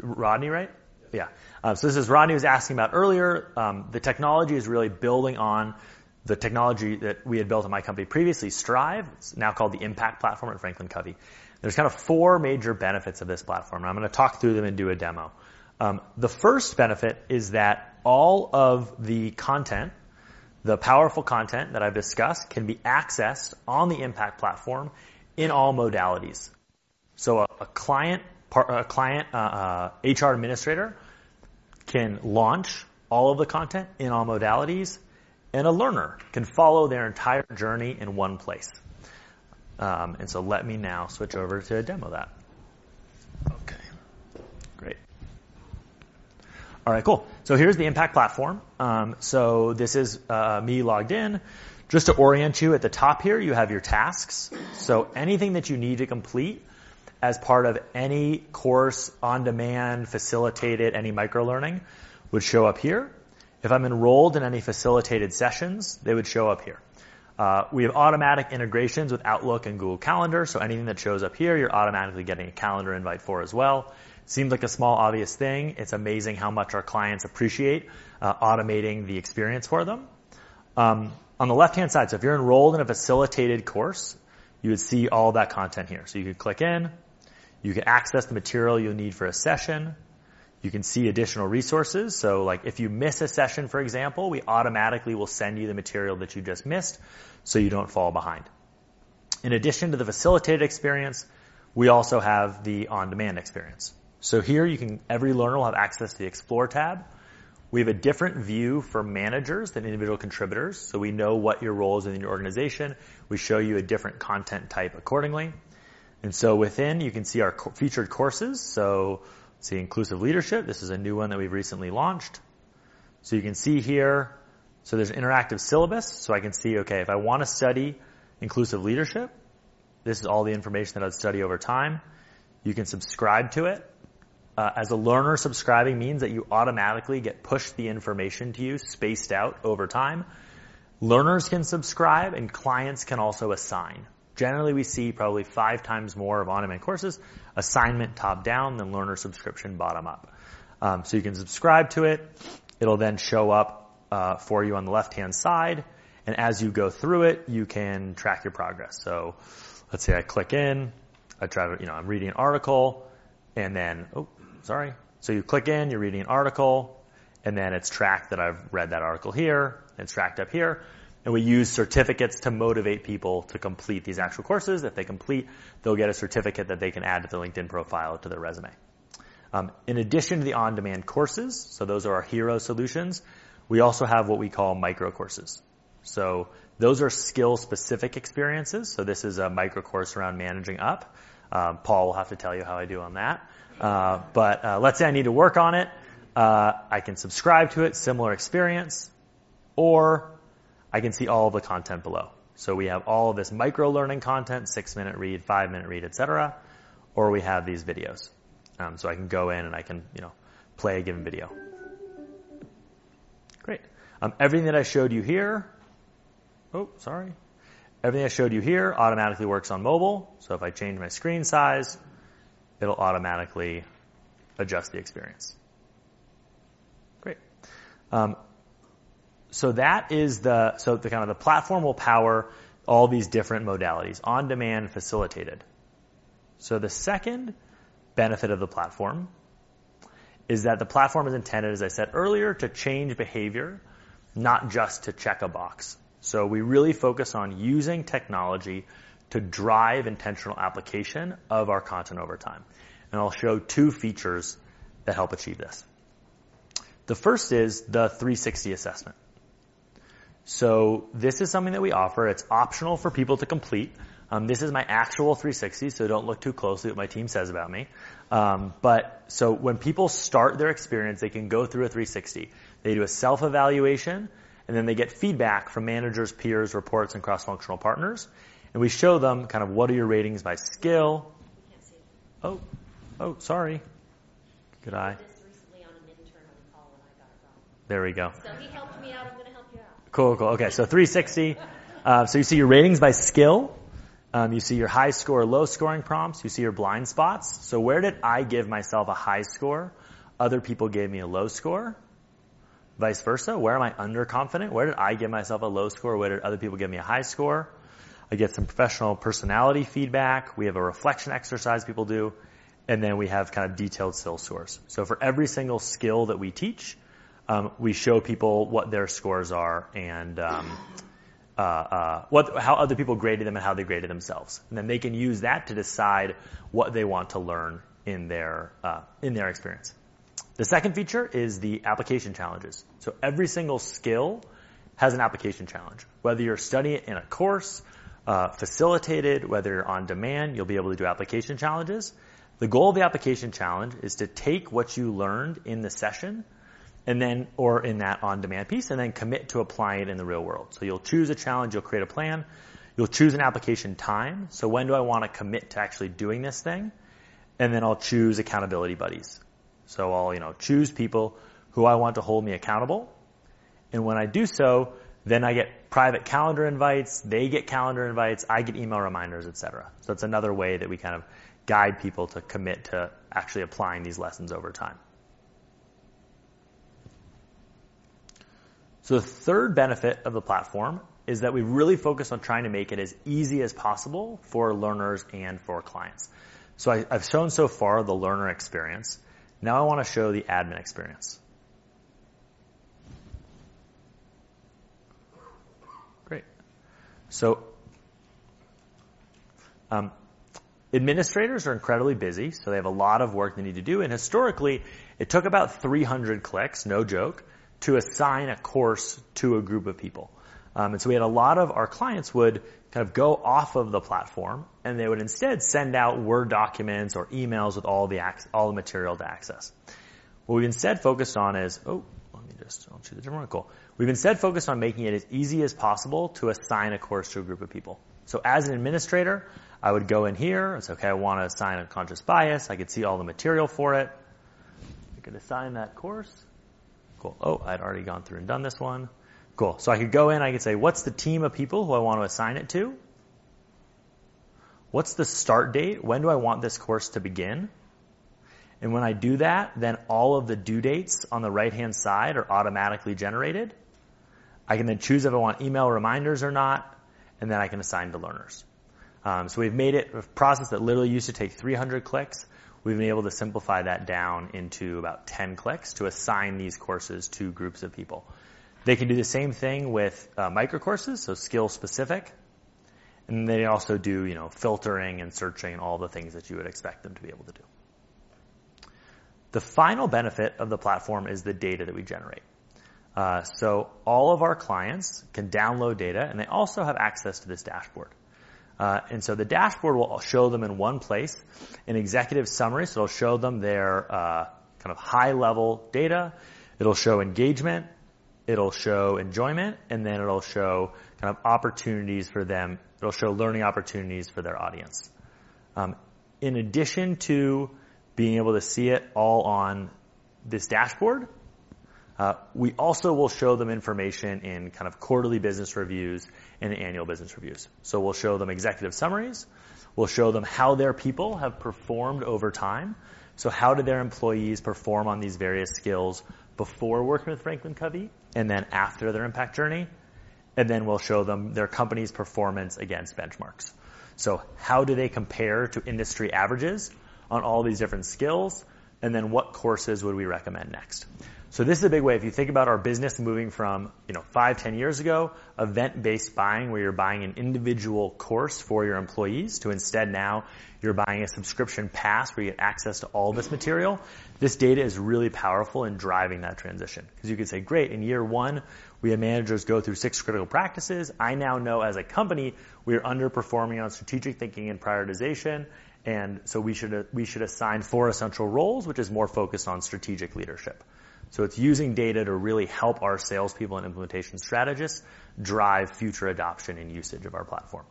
Rodney, right? Yeah. Yeah. This is Rodney was asking about earlier, the technology is really building on the technology that we had built in my company previously, Strive. It's now called the Impact Platform at FranklinCovey. There's kind of four major benefits of this platform. I'm gonna talk through them and do a demo. The first benefit is that all of the content, the powerful content that I've discussed, can be accessed on the Impact Platform in all modalities. A client, HR administrator can launch all of the content in all modalities, and a learner can follow their entire journey in one place. Let me now switch over to demo that. Okay, great. All right, cool. Here's the Impact Platform. This is me logged in. Just to orient you at the top here, you have your tasks. Anything that you need to complete as part of any course on-demand, facilitated, any microlearning would show up here. We have automatic integrations with Outlook and Google Calendar, so anything that shows up here, you're automatically getting a calendar invite for as well. Seems like a small, obvious thing. It's amazing how much our clients appreciate automating the experience for them. On the left-hand side, so if you're enrolled in a facilitated course, you would see all that content here. You can access the material you'll need for a session. You can see additional resources. So like if you miss a session, for example, we automatically will send you the material that you just missed, so you don't fall behind. In addition to the facilitated experience, we also have the on-demand experience. Every learner will have access to the Explore tab. We have a different view for managers than individual contributors. We know what your role is in your organization. We show you a different content type accordingly. Within, you can see our featured courses. Let's see, Inclusive Leadership. This is a new one that we've recently launched. You can see here, so there's an interactive syllabus. I can see, okay, if I wanna study Inclusive Leadership, this is all the information that I'd study over time. You can subscribe to it. As a learner, subscribing means that you automatically get pushed the information to you spaced out over time. Learners can subscribe, and clients can also assign. Generally, we see probably five times more of on-demand courses, assignment top-down than learner subscription bottom-up. You can subscribe to it. It'll then show up for you on the left-hand side, and as you go through it, you can track your progress. Let's say I click in, you know, I'm reading an article. You click in, you're reading an article, and then it's tracked that I've read that article here and it's tracked up here. We use certificates to motivate people to complete these actual courses. If they complete, they'll get a certificate that they can add to their LinkedIn profile or to their resume. In addition to the on-demand courses, those are our hero solutions, we also have what we call micro courses. Those are skill-specific experiences. This is a micro course around managing up. Paul will have to tell you how I do on that. Let's say I need to work on it. I can subscribe to it, similar experience, I can see all of the content below. We have all of this micro-learning content, six-minute read, five-minute read, etc., we have these videos. I can go in, I can, you know, play a given video. Great. Everything that I showed you here. Everything I showed you here automatically works on mobile. If I change my screen size, it'll automatically adjust the experience. Great. That is the... The, kind of the platform will power all these different modalities, on-demand, facilitated. The second benefit of the platform is that the platform is intended, as I said earlier, to change behavior, not just to check a box. We really focus on using technology to drive intentional application of our content over time. I'll show two features that help achieve this. The first is the three-sixty assessment. This is something that we offer. It's optional for people to complete. This is my actual three-sixty, so don't look too closely at what my team says about me. When people start their experience, they can go through a three-sixty. They do a self-evaluation, and then they get feedback from managers, peers, reports, and cross-functional partners. We show them kind of what are your ratings by skill. You can't see. Oh, oh, sorry. Good eye. I did this recently on an internal call, and I got a problem. There we go. He helped me out. I'm gonna help you out. Cool, cool. Okay, 360. You see your ratings by skill. You see your high score, low scoring prompts. You see your blind spots. Where did I give myself a high score? Other people gave me a low score. Vice versa. Where am I underconfident? Where did I give myself a low score? Where did other people give me a high score? I get some professional personality feedback. We have a reflection exercise people do, we have kind of detailed skill scores. For every single skill that we teach, we show people what their scores are, and how other people graded them and how they graded themselves. They can use that to decide what they want to learn in their experience. The second feature is the application challenges. Every single skill has an application challenge. Whether you're studying it in a course, facilitated, whether you're on demand, you'll be able to do application challenges. The goal of the application challenge is to take what you learned in the session or in that on-demand piece, and then commit to applying it in the real world. You'll choose a challenge, you'll create a plan, you'll choose an application time. When do I wanna commit to actually doing this thing? I'll choose accountabilibuddies. I'll, you know, choose people who I want to hold me accountable. When I do so, then I get private calendar invites, they get calendar invites, I get email reminders, etc. It's another way that we kind of guide people to commit to actually applying these lessons over time. The third benefit of the platform is that we really focus on trying to make it as easy as possible for learners and for clients. I've shown so far the learner experience. Now I wanna show the admin experience. Great. Administrators are incredibly busy, so they have a lot of work they need to do. Historically, it took about 300 clicks, no joke, to assign a course to a group of people. A lot of our clients would kind of go off of the platform, and they would instead send out Word documents or emails with all the material to access. I'll show the general article. We've instead focused on making it as easy as possible to assign a course to a group of people. As an administrator, I would go in here and say, okay, I want to assign unconscious bias. I could see all the material for it. I could assign that course. Cool. Oh, I'd already gone through and done this one. Cool. I could go in, I could say, "What's the team of people who I want to assign it to? What's the start date? When do I want this course to begin?" When I do that, all of the due dates on the right-hand side are automatically generated. I can choose if I want email reminders or not, and I can assign the learners. We've made it a process that literally used to take 300 clicks. We've been able to simplify that down into about 10 clicks to assign these courses to groups of people. They can do the same thing with micro courses, so skill specific, and they also do, you know, filtering and searching, all the things that you would expect them to be able to do. The final benefit of the platform is the data that we generate. All of our clients can download data, and they also have access to this dashboard. The dashboard will show them in one place an executive summary. It'll show them their kind of high-level data. It'll show engagement, it'll show enjoyment, and then it'll show kind of opportunities for them. It'll show learning opportunities for their audience. In addition to being able to see it all on this dashboard, we also will show them information in kind of quarterly business reviews and annual business reviews. We'll show them executive summaries. We'll show them how their people have performed over time. How did their employees perform on these various skills before working with FranklinCovey and then after their impact journey? We'll show them their company's performance against benchmarks. How do they compare to industry averages on all these different skills? What courses would we recommend next? This is a big way. If you think about our business moving from, you know, 5, 10 years ago, event-based buying, where you're buying an individual course for your employees to instead now you're buying a subscription pass where you get access to all this material. This data is really powerful in driving that transition because you could say, "Great, in year 1, we had managers go through 6 Critical Practices. I now know as a company we're underperforming on strategic thinking and prioritization, and so we should assign 4 Essential Roles, which is more focused on strategic leadership. It's using data to really help our salespeople and Implementation Strategists drive future adoption and usage of our platform.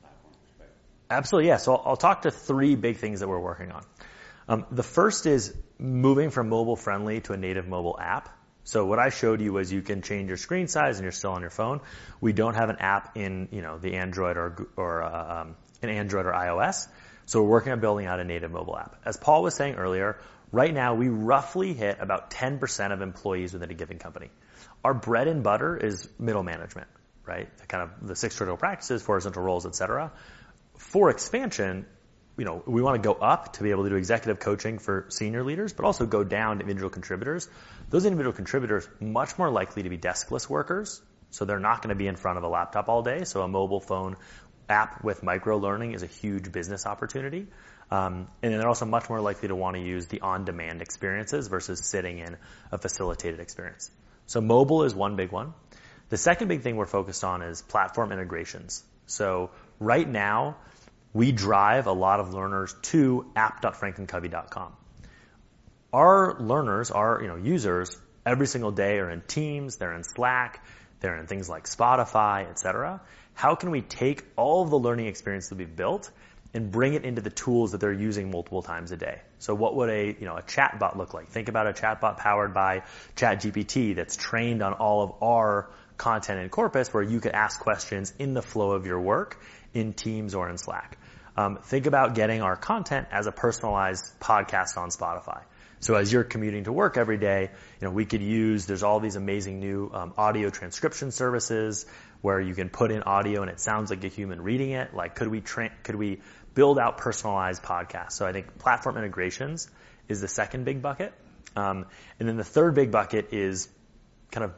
Platform perspective. Absolutely. I'll talk to 3 big things that we're working on. The first is moving from mobile-friendly to a native mobile app. What I showed you was you can change your screen size and you're still on your phone. We don't have an app in, you know, an Android or iOS. We're working on building out a native mobile app. As Paul was saying earlier, right now, we roughly hit about 10% of employees within a given company. Our bread and butter is middle management, right? Kind of the 6 total practices, 4 Essential Roles, et cetera. For expansion, you know, we want to go up to be able to do executive coaching for senior leaders, but also go down to individual contributors. Those individual contributors, much more likely to be desk-less workers, they're not going to be in front of a laptop all day. A mobile phone app with micro-learning is a huge business opportunity. And they're also much more likely to want to use the on-demand experiences versus sitting in a facilitated experience. Mobile is one big one. The second big thing we're focused on is platform integrations. Right now we drive a lot of learners to app.franklincovey.com. Our learners are, you know, users every single day are in Teams, they're in Slack, they're in things like Spotify, et cetera. How can we take all the learning experience that we've built and bring it into the tools that they're using multiple times a day? What would a, you know, a chatbot look like? Think about a chatbot powered by ChatGPT that's trained on all of our content and corpus, where you could ask questions in the flow of your work in Teams or in Slack. Think about getting our content as a personalized podcast on Spotify. As you're commuting to work every day, you know, there's all these amazing new audio transcription services where you can put in audio, and it sounds like a human reading it. Like, could we build out personalized podcasts? I think platform integrations is the second big bucket. Then the third big bucket is kind of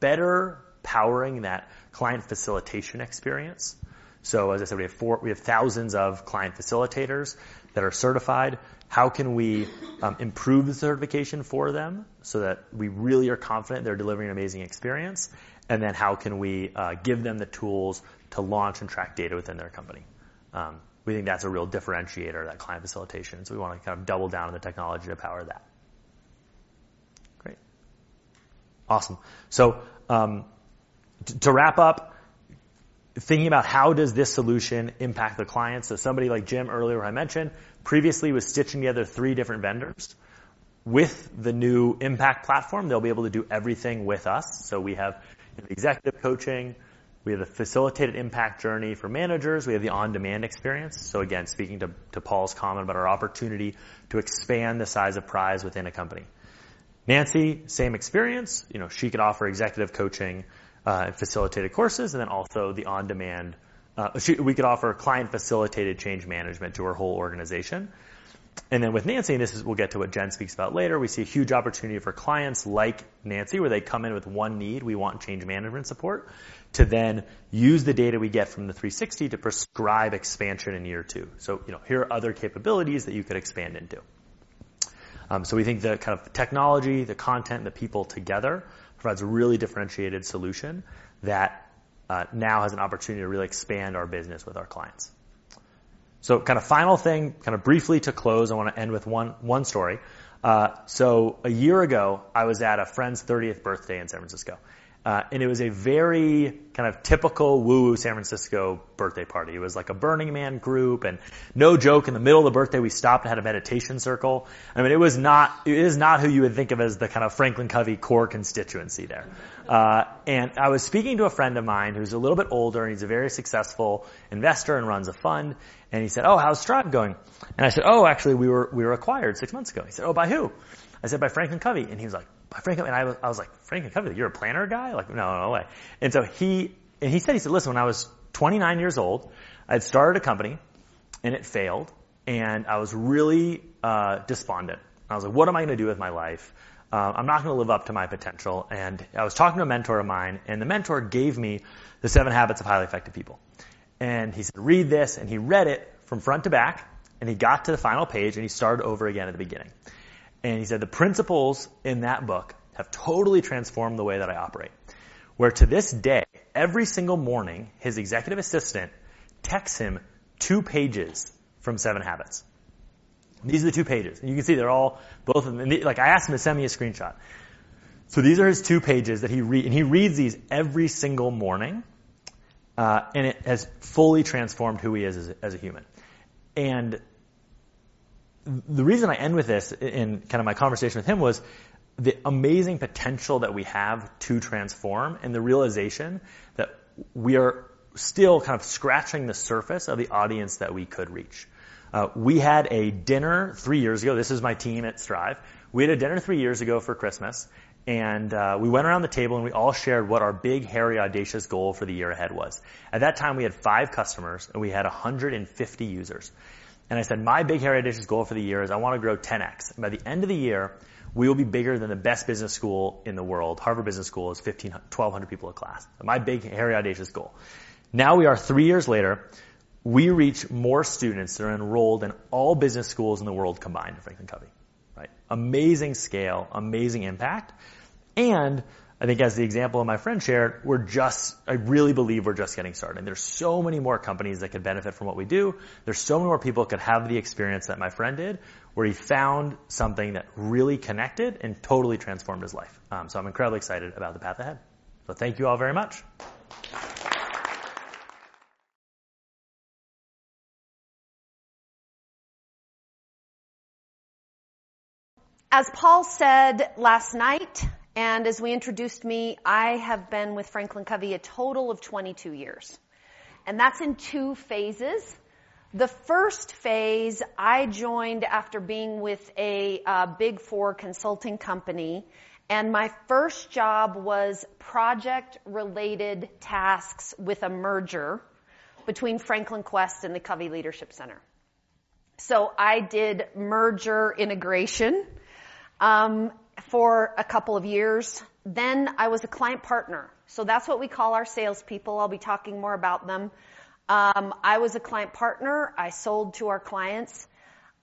better powering that client facilitation experience. As I said, we have thousands of client facilitators that are certified. How can we improve the certification for them so that we really are confident they're delivering an amazing experience? How can we give them the tools to launch and track data within their company? We think that's a real differentiator, that client facilitation. We want to kind of double down on the technology to power that. Great. Awesome. To wrap up, thinking about how does this solution impact the client? Somebody like Jim earlier, who I mentioned previously, was stitching together three different vendors. With the new Impact Platform, they'll be able to do everything with us. We have executive coaching, we have the facilitated impact journey for managers. We have the on-demand experience. Again, speaking to Paul's comment about our opportunity to expand the size of prize within a company. Nancy, same experience. You know, she could offer executive coaching, and facilitated courses and then also the on-demand, we could offer client-facilitated change management to her whole organization. With Nancy, we'll get to what Jen speaks about later. We see a huge opportunity for clients like Nancy, where they come in with 1 need. We want change management support to then use the data we get from the 360 to prescribe expansion in year 2. You know, here are other capabilities that you could expand into. We think the kind of technology, the content, the people together provides a really differentiated solution that now has an opportunity to really expand our business with our clients. Kind of final thing, kind of briefly to close, I want to end with 1 story. A year ago, I was at a friend's 30th birthday in San Francisco, and it was a very kind of typical woo-woo San Francisco birthday party. It was like a Burning Man group and no joke, in the middle of the birthday, we stopped and had a meditation circle. I mean, it is not who you would think of as the kind of FranklinCovey core constituency there. I was speaking to a friend of mine who's a little bit older, and he's a very successful investor and runs a fund. He said, "How's Stratton going?" I said, "Actually, we were acquired 6 months ago." He said, "By who?" I said, "By FranklinCovey." He was like, I was like, "FranklinCovey, you're a planner guy?" Like, "No, no way." He said, "Listen, when I was 29 years old, I had started a company and it failed, and I was really despondent. I was like, 'What am I gonna do with my life? I'm not gonna live up to my potential.' I was talking to a mentor of mine, and the mentor gave me The 7 Habits of Highly Effective People." He said, "Read this." He read it from front to back, and he got to the final page, and he started over again at the beginning. He said, "The principles in that book have totally transformed the way that I operate." Where to this day, every single morning, his executive assistant texts him 2 pages from 7 Habits. These are the 2 pages. You can see they're all, both of them. I asked him to send me a screenshot. These are his 2 pages that he read, and he reads these every single morning, and it has fully transformed who he is as a human. The reason I end with this in kind of my conversation with him was the amazing potential that we have to transform and the realization that we are still kind of scratching the surface of the audience that we could reach. We had a dinner 3 years ago. This is my team at Strive. We had a dinner 3 years ago for Christmas, we went around the table, and we all shared what our big, hairy, audacious goal for the year ahead was. At that time, we had 5 customers, and we had 150 users. I said, "My big, hairy, audacious goal for the year is I wanna grow 10x. By the end of the year, we will be bigger than the best business school in the world." Harvard Business School is 1,200 people a class. My big, hairy, audacious goal. Now we are 3 years later, we reach more students that are enrolled in all business schools in the world combined with FranklinCovey, right? Amazing scale, amazing impact. I think as the example of my friend shared, I really believe we're just getting started. There's so many more companies that could benefit from what we do. There's so many more people that could have the experience that my friend did, where he found something that really connected and totally transformed his life. I'm incredibly excited about the path ahead. Thank you all very much. As Paul said last night, as we introduced me, I have been with FranklinCovey a total of 22 years. That's in two phases. The first phase I joined after being with a big four consulting company. My first job was project-related tasks with a merger between FranklinQuest and the Covey Leadership Center. I did merger integration for a couple of years. I was a client partner. That's what we call our salespeople. I'll be talking more about them. I was a client partner. I sold to our clients.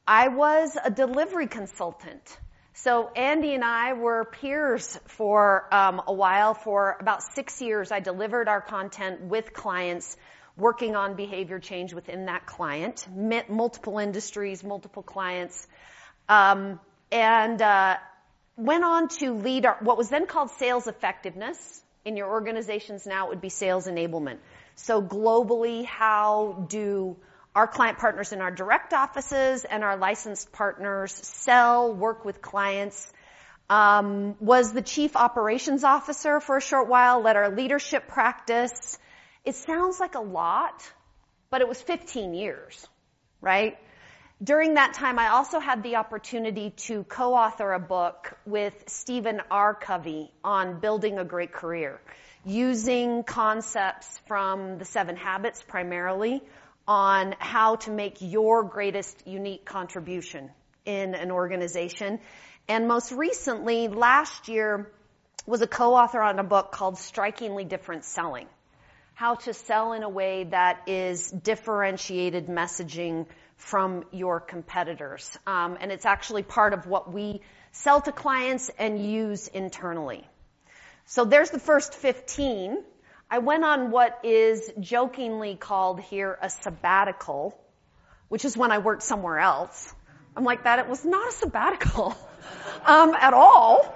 I was a delivery consultant, so Andy and I were peers for a while. For about 6 years, I delivered our content with clients working on behavior change within that client. Multiple industries, multiple clients. Went on to lead what was then called sales effectiveness. In your organizations now, it would be sales enablement. Globally, how do our client partners in our direct offices and our licensed partners sell, work with clients? Was the chief operations officer for a short while, led our leadership practice. It sounds like a lot, but it was 15 years, right? During that time, I also had the opportunity to co-author a book with Stephen R. Covey on building a great career, using concepts from The Seven Habits, primarily on how to make your greatest unique contribution in an organization. Most recently, last year, was a co-author on a book called Strikingly Different Selling, how to sell in a way that is differentiated messaging from your competitors. And it's actually part of what we sell to clients and use internally. There's the first 15. I went on what is jokingly called here a sabbatical, which is when I worked somewhere else. I'm like that it was not a sabbatical at all.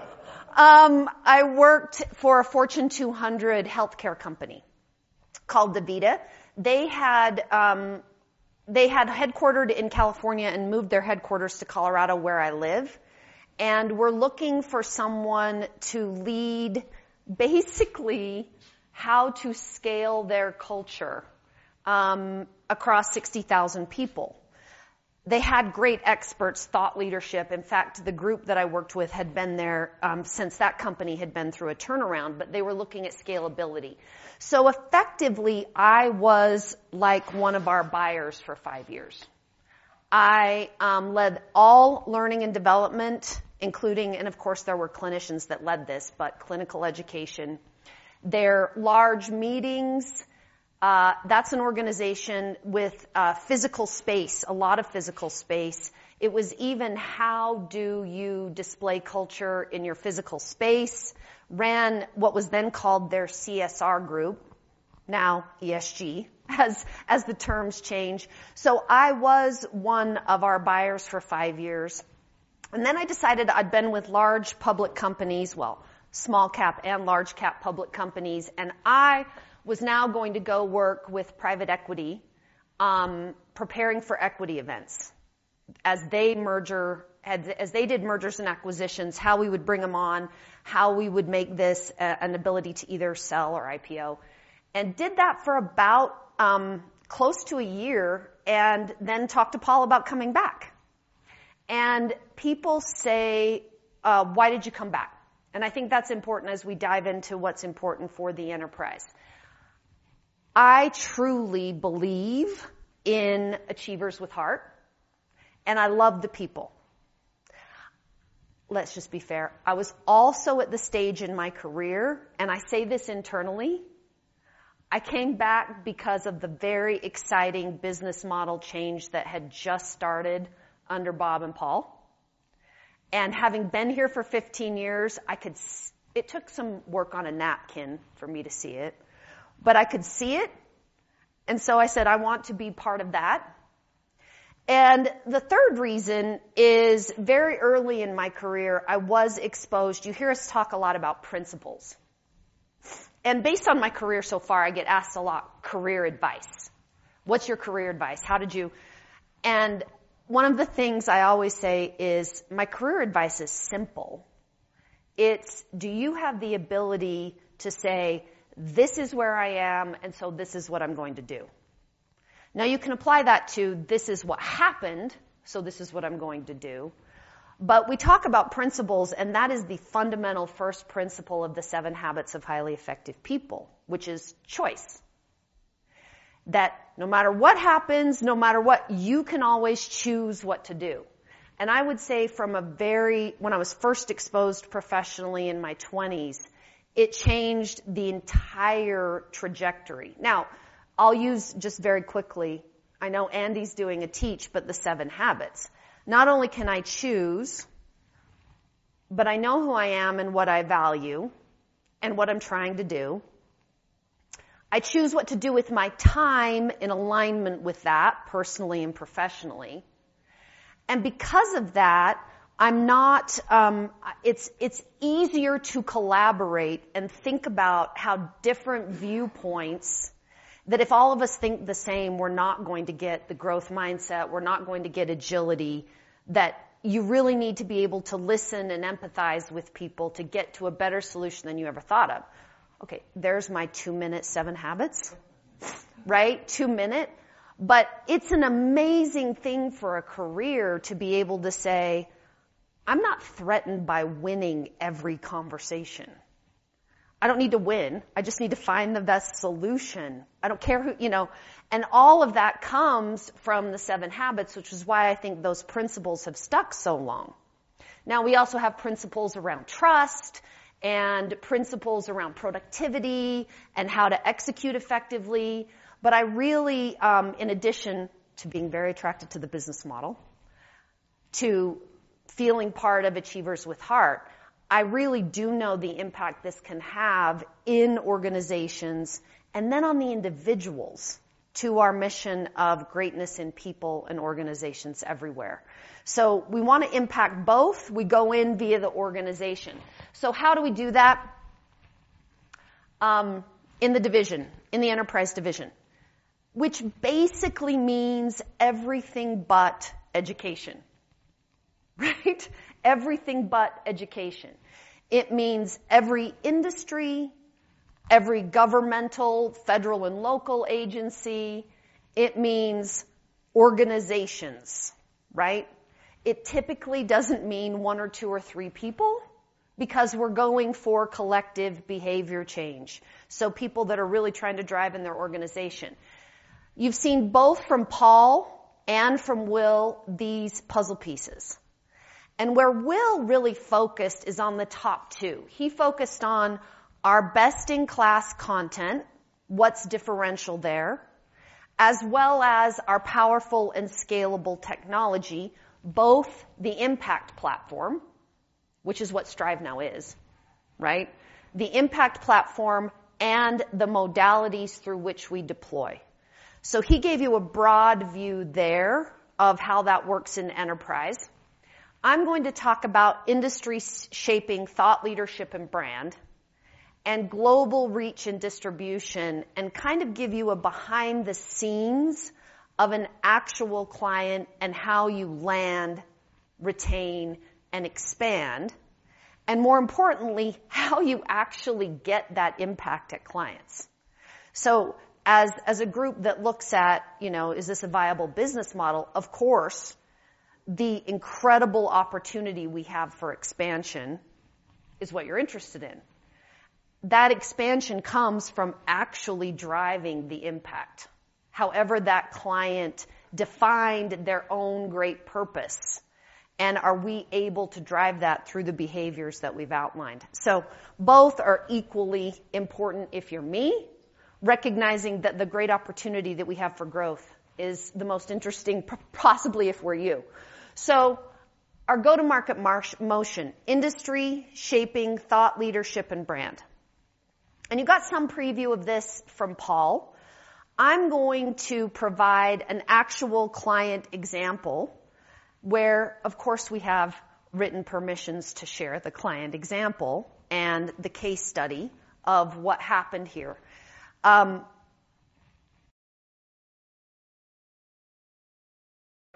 I worked for a Fortune 200 healthcare company called DaVita. They had headquartered in California and moved their headquarters to Colorado, where I live, and were looking for someone to lead basically how to scale their culture across 60,000 people. They had great experts, thought leadership. In fact, the group that I worked with had been there since that company had been through a turnaround. They were looking at scalability. Effectively, I was like one of our buyers for five years. I led all learning and development, including, and of course there were clinicians that led this, but clinical education. Their large meetings, that's an organization with physical space, a lot of physical space. It was even how do you display culture in your physical space? Ran what was then called their CSR group, now ESG, as the terms change. I was one of our buyers for 5 years, and then I decided I'd been with large public companies, well, small cap and large cap public companies, and I was now going to go work with private equity, preparing for equity events as they did mergers and acquisitions, how we would bring them on, how we would make this an ability to either sell or IPO. Did that for about close to a year and then talked to Paul about coming back. People say, "Why did you come back?" I think that's important as we dive into what's important for the enterprise. I truly believe in Achievers with Heart, and I love the people. Let's just be fair. I was also at the stage in my career, and I say this internally, I came back because of the very exciting business model change that had just started under Bob and Paul. Having been here for 15 years, I could it took some work on a napkin for me to see it, but I could see it, I said, "I want to be part of that." The third reason is very early in my career, I was exposed. You hear us talk a lot about principles. Based on my career so far, I get asked a lot career advice. "What's your career advice? How did you..." One of the things I always say is my career advice is simple. It's do you have the ability to say, "This is where I am, and so this is what I'm going to do"? You can apply that to, "This is what happened, so this is what I'm going to do." We talk about principles, and that is the fundamental first principle of The 7 Habits of Highly Effective People, which is choice. No matter what happens, no matter what, you can always choose what to do. I would say from a very... When I was first exposed professionally in my twenties, it changed the entire trajectory. I'll use just very quickly, I know Andy's doing a teach, but The 7 Habits. Not only can I choose, but I know who I am and what I value and what I'm trying to do. I choose what to do with my time in alignment with that personally and professionally. Because of that, I'm not, it's easier to collaborate and think about how different viewpoints, that if all of us think the same, we're not going to get the growth mindset, we're not going to get agility. That you really need to be able to listen and empathize with people to get to a better solution than you ever thought of. Okay, there's my 2-minute 7 Habits. Right? 2 minutes. It's an amazing thing for a career to be able to say, "I'm not threatened by winning every conversation. I don't need to win. I just need to find the best solution. I don't care who," you know. All of that comes from The 7 Habits, which is why I think those principles have stuck so long. We also have principles around trust and principles around productivity and how to execute effectively. I really, in addition to being very attracted to the business model, to feeling part of Achievers with Heart, I really do know the impact this can have in organizations and then on the individuals to our mission of greatness in people and organizations everywhere. We wanna impact both. We go in via the organization. How do we do that, in the Enterprise Division? Which basically means everything but education, right? Everything but education. It means every industry, every governmental, federal and local agency. It means organizations, right? It typically doesn't mean one or two or three people because we're going for collective behavior change. People that are really trying to drive in their organization. You've seen both from Paul and from Will these puzzle pieces. Where Will really focused is on the top two. He focused on our best-in-class content, what's differential there, as well as our powerful and scalable technology, both the Impact Platform, which is what Strive now is, right? The Impact Platform and the modalities through which we deploy. He gave you a broad view there of how that works in enterprise. I'm going to talk about industry shaping thought leadership and brand and global reach and distribution and kind of give you a behind-the-scenes of an actual client and how you land, retain, and expand, and more importantly, how you actually get that impact at clients. As a group that looks at, you know, is this a viable business model, of course, the incredible opportunity we have for expansion is what you're interested in. That expansion comes from actually driving the impact, however that client defined their own great purpose, and are we able to drive that through the behaviors that we've outlined? Both are equally important if you're me, recognizing that the great opportunity that we have for growth is the most interesting possibly if we're you. Our go-to-market motion, industry shaping thought, leadership and brand. You got some preview of this from Paul. I'm going to provide an actual client example where, of course, we have written permissions to share the client example and the case study of what happened here.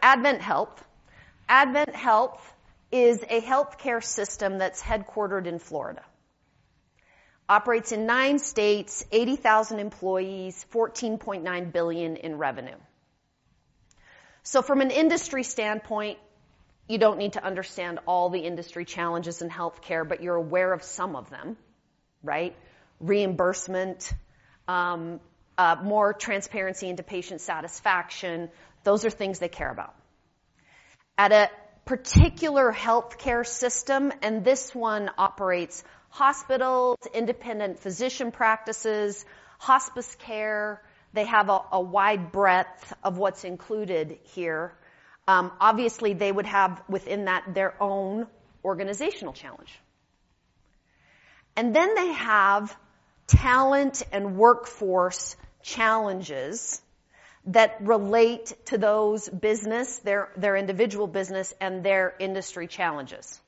AdventHealth. AdventHealth is a healthcare system that's headquartered in Florida. Operates in nine states, 80,000 employees, $14.9 billion in revenue. From an industry standpoint, you don't need to understand all the industry challenges in healthcare, but you're aware of some of them, right? Reimbursement, more transparency into patient satisfaction. Those are things they care about. At a particular healthcare system, and this one operates hospitals, independent physician practices, hospice care. They have a wide breadth of what's included here. Obviously, they would have within that their own organizational challenge. They have talent and workforce challenges that relate to those business, their individual business and their industry challenges.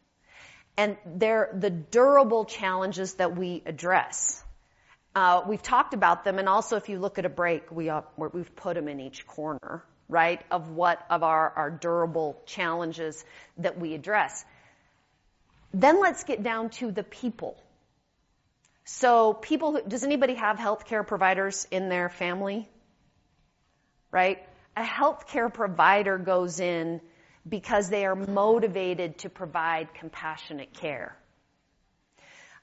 They're the durable challenges that we address. We've talked about them, and also if you look at a break, we've put them in each corner, right? Of our durable challenges that we address. Let's get down to the people. Does anybody have healthcare providers in their family? Right? A healthcare provider goes in because they are motivated to provide compassionate care.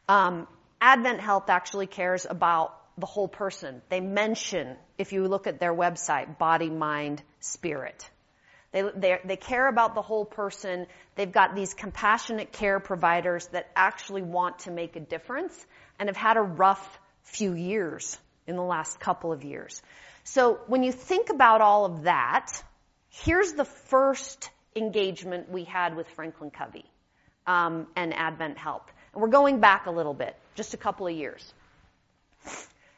AdventHealth actually cares about the whole person. They mention, if you look at their website, body, mind, spirit. They care about the whole person. They've got these compassionate care providers that actually want to make a difference and have had a rough few years in the last couple of years. When you think about all of that, here's the first engagement we had with FranklinCovey and AdventHealth. We're going back a little bit, just a couple of years.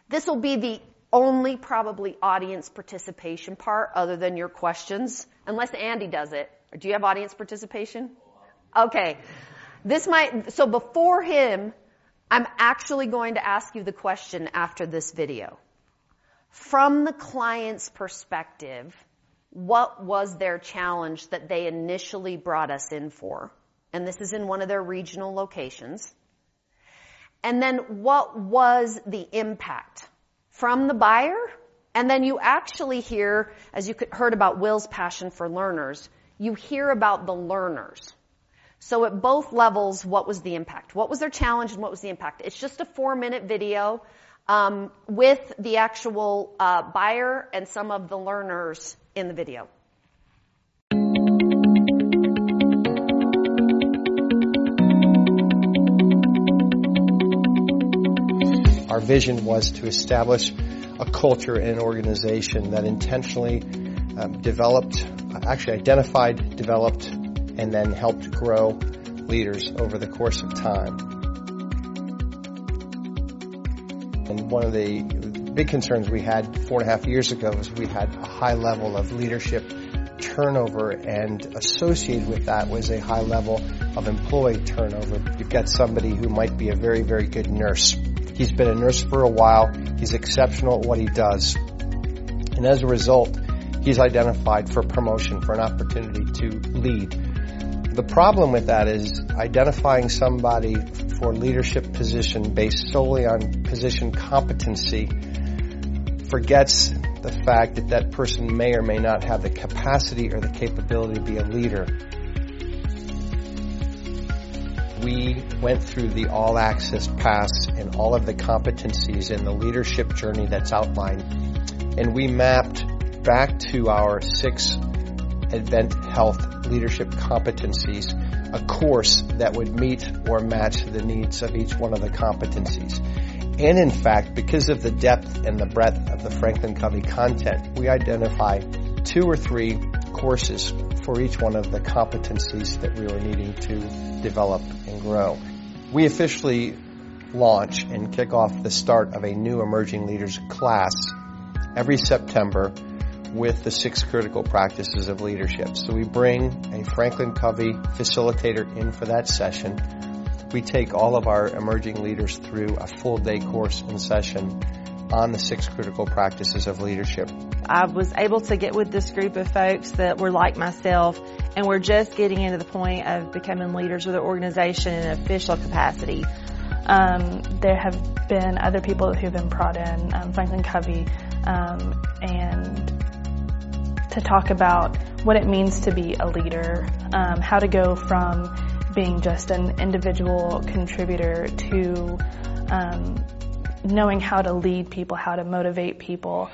This will be the only probably audience participation part other than your questions, unless Andy does it. Do you have audience participation? A little. Okay. Before him, I'm actually going to ask you the question after this video. From the client's perspective, what was their challenge that they initially brought us in for? This is in one of their regional locations. Then what was the impact from the buyer? Then you actually hear, as you heard about Will's passion for learners, you hear about the learners. At both levels, what was the impact? What was their challenge and what was the impact? It's just a four-minute video with the actual buyer and some of the learners in the video. Our vision was to establish a culture and an organization that intentionally identified, developed, and then helped grow leaders over the course of time. One of the big concerns we had 4 and a half years ago was we had a high level of leadership turnover, and associated with that was a high level of employee turnover. You've got somebody who might be a very, very good nurse. He's been a nurse for a while. He's exceptional at what he does. As a result, he's identified for promotion, for an opportunity to lead. The problem with that is identifying somebody for leadership position based solely on position competency forgets the fact that that person may or may not have the capacity or the capability to be a leader. We went through the All Access Pass and all of the competencies in the leadership journey that's outlined, we mapped back to our six AdventHealth leadership competencies, a course that would meet or match the needs of each one of the competencies. In fact, because of the depth and the breadth of the FranklinCovey content, we identified two or three courses for each one of the competencies that we were needing to develop and grow. We officially launch and kick off the start of a new emerging leaders class every September with the six critical practices of leadership. We bring a FranklinCovey facilitator in for that session. We take all of our emerging leaders through a full-day course and session on the six critical practices of leadership. I was able to get with this group of folks that were like myself and were just getting into the point of becoming leaders of the organization in an official capacity. There have been other people who've been brought in, FranklinCovey, and to talk about what it means to be a leader, how to go from being just an individual contributor to knowing how to lead people, how to motivate people.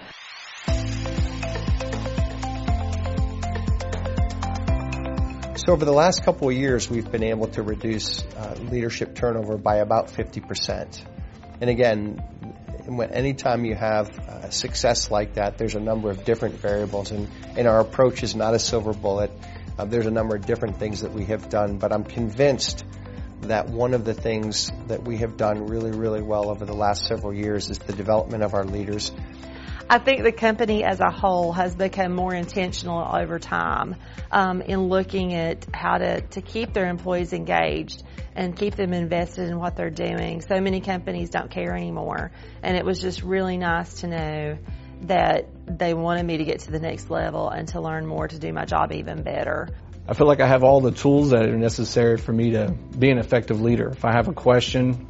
Over the last couple of years, we've been able to reduce leadership turnover by about 50%. Again, anytime you have success like that, there's a number of different variables, and our approach is not a silver bullet. There's a number of different things that we have done. I'm convinced that one of the things that we have done really, really well over the last several years is the development of our leaders. I think the company as a whole has become more intentional over time, in looking at how to keep their employees engaged and keep them invested in what they're doing. Many companies don't care anymore, and it was just really nice to know that they wanted me to get to the next level and to learn more to do my job even better. I feel like I have all the tools that are necessary for me to be an effective leader. If I have a question,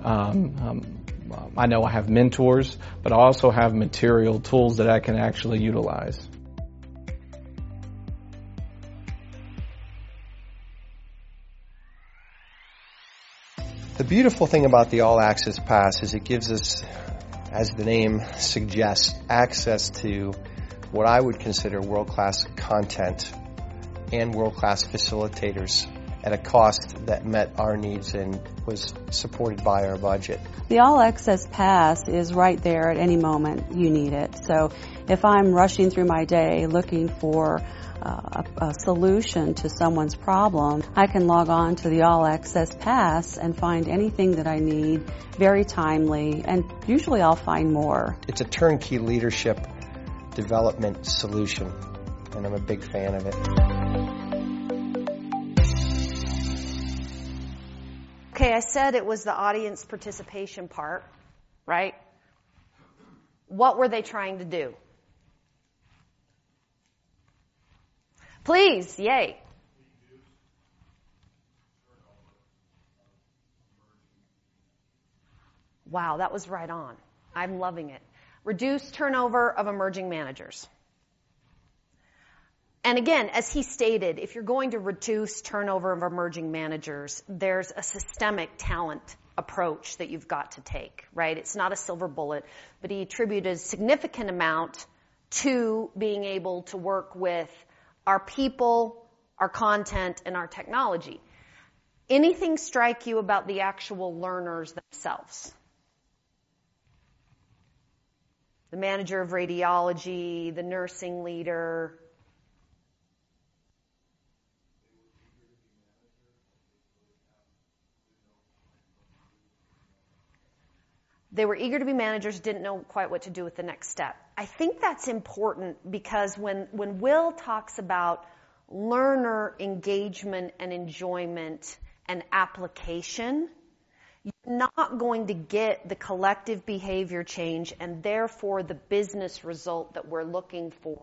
I know I have mentors, but I also have material tools that I can actually utilize. The beautiful thing about the All Access Pass is it gives us, as the name suggests, access to what I would consider world-class content and world-class facilitators at a cost that met our needs and was supported by our budget. The All Access Pass is right there at any moment you need it. If I'm rushing through my day looking for a solution to someone's problem, I can log on to the All Access Pass and find anything that I need very timely, and usually I'll find more. It's a turnkey leadership development solution, and I'm a big fan of it. Okay, I said it was the audience participation part, right? What were they trying to do? Please. Yay. Reduce turnover of emerging managers. Wow, that was right on. I'm loving it. Reduce turnover of emerging managers. Again, as he stated, if you're going to reduce turnover of emerging managers, there's a systemic talent approach that you've got to take, right? It's not a silver bullet, but he attributed a significant amount to being able to work with our people, our content, and our technology. Anything strike you about the actual learners themselves? The manager of radiology, the nursing leader. They were eager to be managers, but they really didn't know quite what to do with the next step. They were eager to be managers, didn't know quite what to do with the next step. I think that's important because when Will talks about learner engagement and enjoyment and application, you're not going to get the collective behavior change, and therefore the business result that we're looking for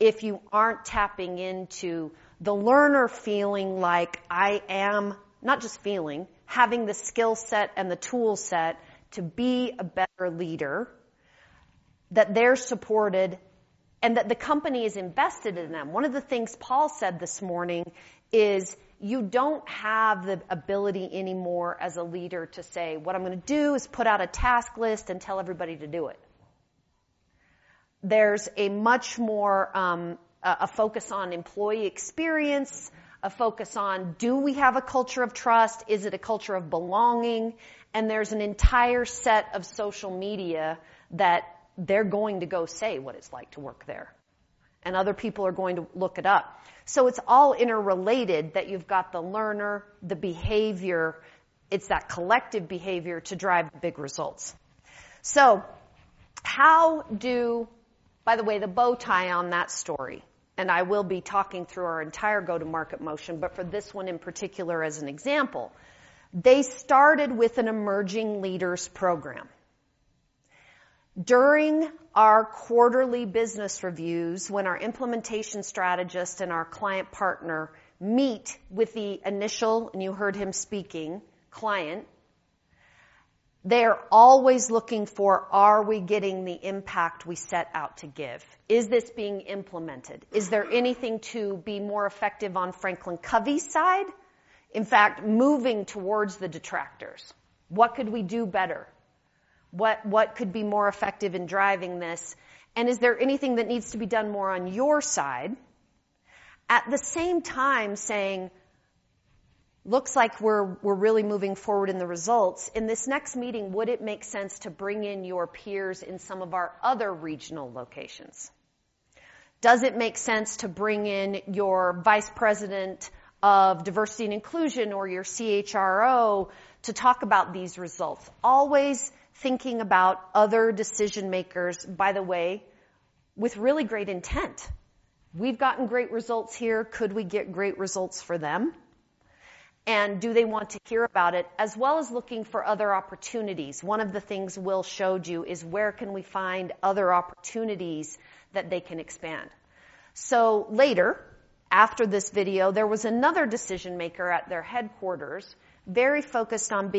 if you aren't tapping into the learner feeling like not just feeling, having the skill set and the tool set to be a better leader, that they're supported and that the company is invested in them. One of the things Paul said this morning is, "You don't have the ability anymore as a leader to say, 'What I'm gonna do is put out a task list and tell everybody to do it.'" There's a much more a focus on employee experience, a focus on do we have a culture of trust? Is it a culture of belonging? There's an entire set of social media that they're going to go say what it's like to work there, and other people are going to look it up. It's all interrelated that you've got the learner, the behavior. It's that collective behavior to drive big results. By the way, the bow tie on that story, and I will be talking through our entire go-to-market motion, but for this one in particular as an example, they started with an emerging leaders program. During our quarterly business reviews, when our implementation strategist and our client partner meet with the initial, and you heard him speaking, client, they're always looking for, are we getting the impact we set out to give? Is this being implemented? Is there anything to be more effective on FranklinCovey's side? In fact, moving towards the detractors, what could we do better? What could be more effective in driving this? Is there anything that needs to be done more on your side? At the same time saying, "Looks like we're really moving forward in the results. In this next meeting, would it make sense to bring in your peers in some of our other regional locations? Does it make sense to bring in your vice president of diversity and inclusion or your CHRO to talk about these results?" Always thinking about other decision-makers, by the way, with really great intent. We've gotten great results here. Could we get great results for them? Do they want to hear about it? As well as looking for other opportunities. One of the things Will showed you is where can we find other opportunities that they can expand. Later, after this video, there was another decision maker at their headquarters, very focused on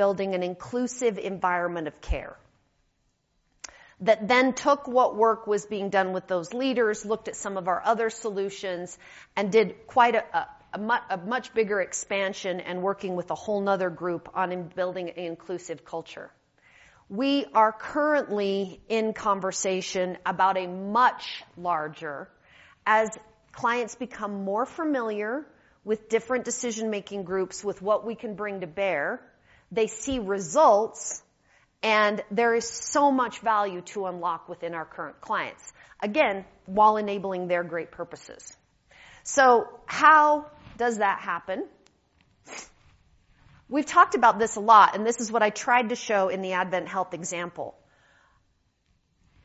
building an inclusive environment of care, that then took what work was being done with those leaders, looked at some of our other solutions, and did quite a much bigger expansion and working with a whole another group on in building an inclusive culture. We are currently in conversation about a much larger... As clients become more familiar with different decision-making groups, with what we can bring to bear, they see results, and there is so much value to unlock within our current clients, again, while enabling their great purposes. How does that happen? We've talked about this a lot, and this is what I tried to show in the AdventHealth example.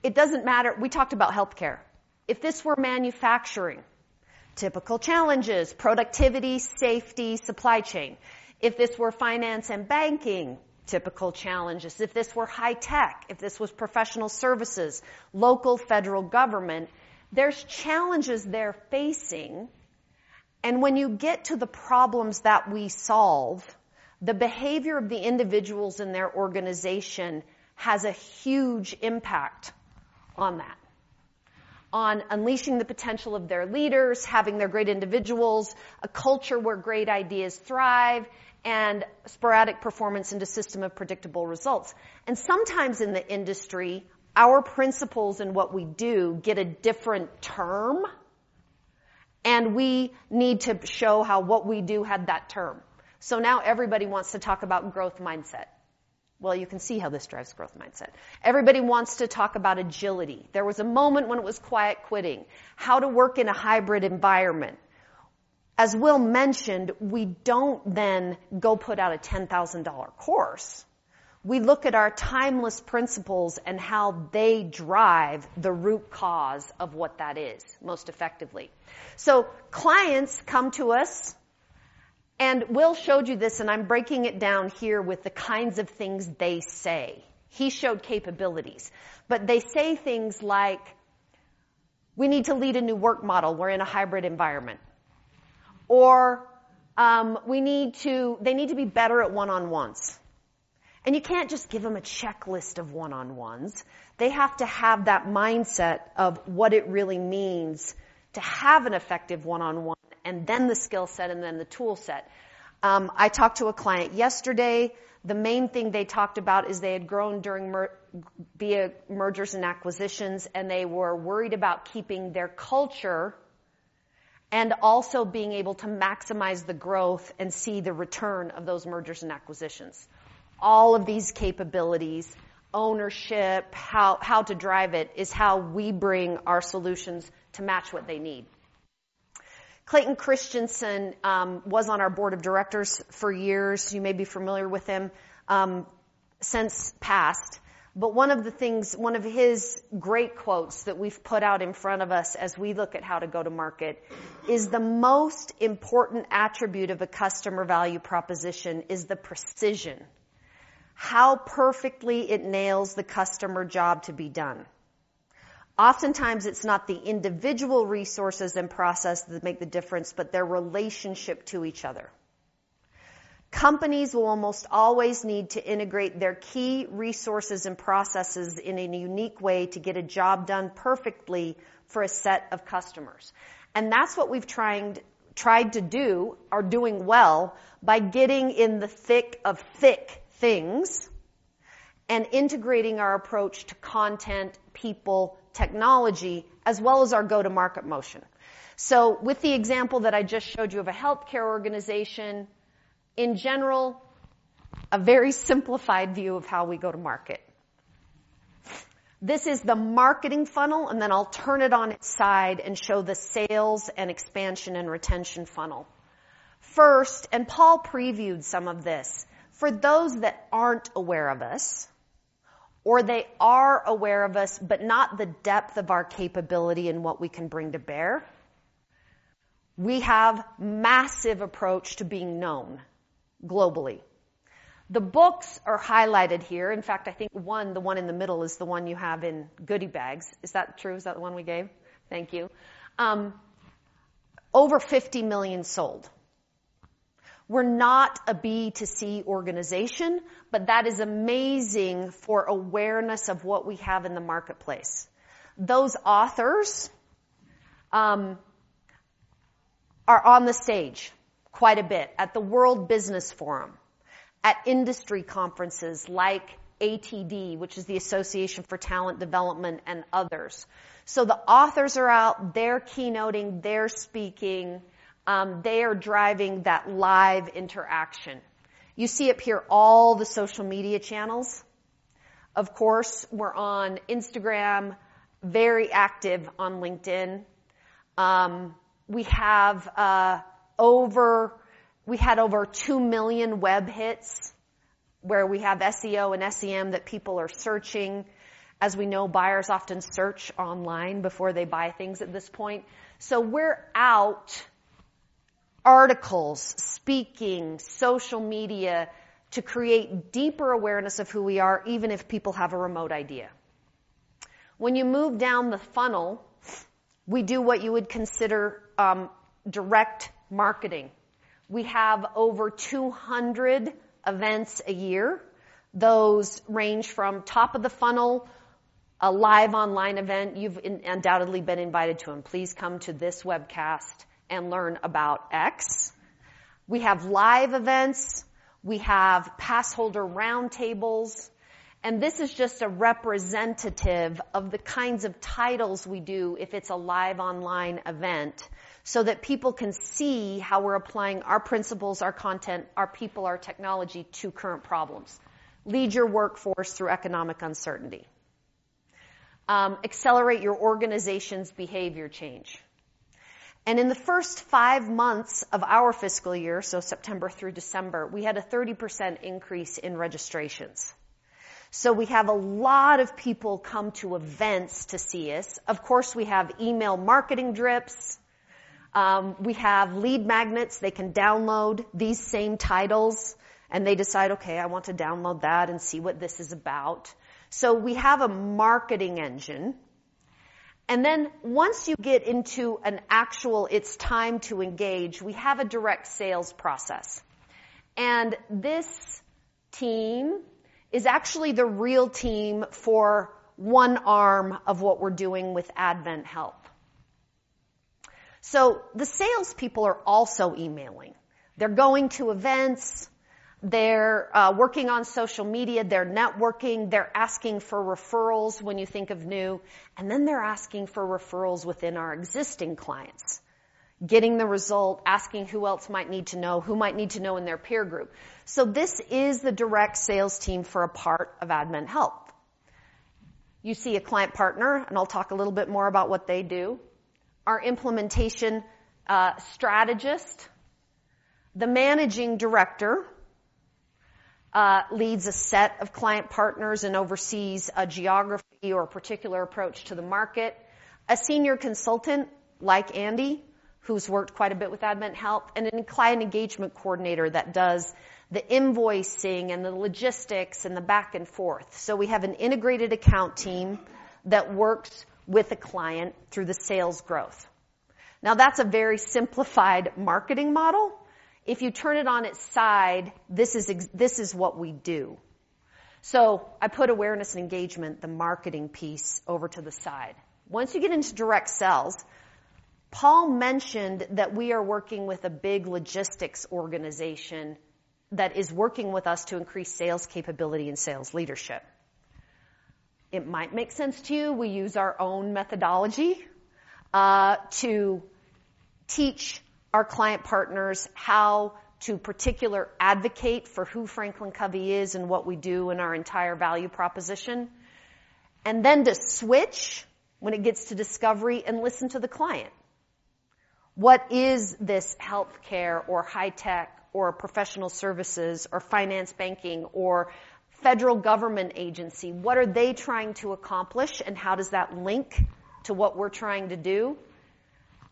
We talked about healthcare. If this were manufacturing, typical challenges, productivity, safety, supply chain. If this were finance and banking, typical challenges. If this were high tech, if this was professional services, local, federal government, there's challenges they're facing. When you get to the problems that we solve, the behavior of the individuals in their organization has a huge impact on that. On unleashing the potential of their leaders, having their great individuals, a culture where great ideas thrive, and sporadic performance in the system of predictable results. Sometimes in the industry, our principles and what we do get a different term, and we need to show how what we do had that term. Now everybody wants to talk about growth mindset. Well, you can see how this drives growth mindset. Everybody wants to talk about agility. There was a moment when it was quiet quitting, how to work in a hybrid environment. As Will mentioned, we don't go put out a $10,000 course. We look at our timeless principles and how they drive the root cause of what that is most effectively. Clients come to us, Will showed you this, I'm breaking it down here with the kinds of things they say. He showed capabilities, they say things like, "We need to lead a new work model. We're in a hybrid environment." They need to be better at one-on-ones. You can't just give them a checklist of one-on-ones. They have to have that mindset of what it really means to have an effective one-on-one, the skill set, the tool set. I talked to a client yesterday. The main thing they talked about is they had grown via mergers and acquisitions, they were worried about keeping their culture and also being able to maximize the growth and see the return of those mergers and acquisitions. All of these capabilities, ownership, how to drive it, is how we bring our solutions to match what they need. Clayton Christensen was on our board of directors for years. You may be familiar with him, since passed. One of his great quotes that we've put out in front of us as we look at how to go to market is, "The most important attribute of a customer value proposition is the precision, how perfectly it nails the customer job to be done. Oftentimes, it's not the individual resources and processes that make the difference, but their relationship to each other. Companies will almost always need to integrate their key resources and processes in a unique way to get a job done perfectly for a set of customers. That's what we've tried to do or doing well by getting in the thick of things and integrating our approach to content, people, technology, as well as our go-to-market motion. With the example that I just showed you of a healthcare organization, in general, a very simplified view of how we go to market. This is the marketing funnel, and then I'll turn it on its side and show the sales and expansion and retention funnel. First, and Paul previewed some of this, for those that aren't aware of us, or they are aware of us, but not the depth of our capability and what we can bring to bear, we have massive approach to being known globally. The books are highlighted here. In fact, I think one, the one in the middle is the one you have in goodie bags. Is that true? Is that the one we gave? Thank you. Over 50 million sold. We're not a B to C organization, but that is amazing for awareness of what we have in the marketplace. Those authors are on the stage quite a bit at the World Business Forum, at industry conferences like ATD, which is the Association for Talent Development, and others. The authors are out. They're keynoting. They're speaking. They are driving that live interaction. You see up here all the social media channels. Of course, we're on Instagram, very active on LinkedIn. We had over 2 million web hits where we have SEO and SEM that people are searching. As we know, buyers often search online before they buy things at this point. We're out articles, speaking, social media to create deeper awareness of who we are, even if people have a remote idea. You move down the funnel, we do what you would consider direct marketing. We have over 200 events a year. Those range from top of the funnel, a live online event. You've undoubtedly been invited to them. "Please come to this webcast and learn about X." We have live events. We have passholder roundtables, and this is just a representative of the kinds of titles we do if it's a live online event, so that people can see how we're applying our principles, our content, our people, our technology to current problems. Lead your workforce through economic uncertainty. Accelerate your organization's behavior change. In the first 5 months of our fiscal year, so September through December, we had a 30% increase in registrations. We have a lot of people come to events to see us. Of course, we have email marketing drips. We have lead magnets. They can download these same titles, and they decide, "Okay, I want to download that and see what this is about." We have a marketing engine. Once you get into an actual it's time to engage, we have a direct sales process. This team is actually the real team for one arm of what we're doing with AdventHealth. The salespeople are also emailing. They're going to events. They're working on social media. They're networking. They're asking for referrals when you think of new, and then they're asking for referrals within our existing clients. Getting the result, asking who else might need to know, who might need to know in their peer group. This is the direct sales team for a part of AdventHealth. You see a Client Partner, and I'll talk a little bit more about what they do. Our Implementation Strategist. The Managing Director leads a set of Client Partners and oversees a geography or a particular approach to the market. A senior consultant like Andy, who's worked quite a bit with AdventHealth, and a Client Engagement Coordinator that does the invoicing and the logistics and the back and forth. We have an integrated account team that works with the client through the sales growth. That's a very simplified marketing model. If you turn it on its side, this is what we do. I put awareness and engagement, the marketing piece, over to the side. Once you get into direct sales, Paul mentioned that we are working with a big logistics organization that is working with us to increase sales capability and sales leadership. It might make sense to you. We use our own methodology to teach our Client Partners how to particular advocate for who FranklinCovey is and what we do and our entire value proposition, and then to switch when it gets to discovery and listen to the client. What is this healthcare or high-tech or professional services or finance banking or federal government agency? What are they trying to accomplish, and how does that link to what we're trying to do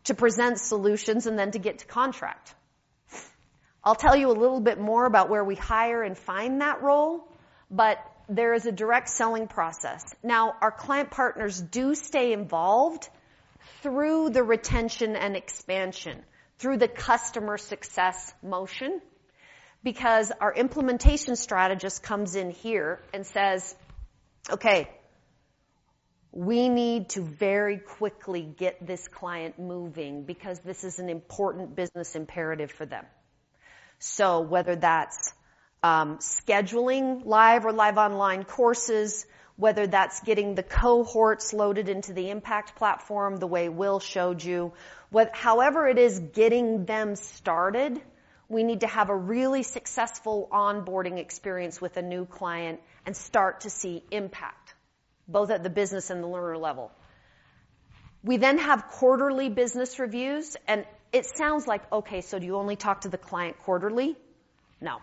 to present solutions and then to get to contract? I'll tell you a little bit more about where we hire and find that role. There is a direct selling process. Our Client Partners do stay involved through the retention and expansion, through the customer success motion, because our Implementation Strategist comes in here and says, "Okay, we need to very quickly get this client moving because this is an important business imperative for them." Whether that's scheduling live or live online courses, whether that's getting the cohorts loaded into the Impact Platform the way Will showed you. However it is getting them started, we need to have a really successful onboarding experience with a new client and start to see impact, both at the business and the learner level. We have Quarterly Business Reviews. It sounds like, okay, do you only talk to the client quarterly? No.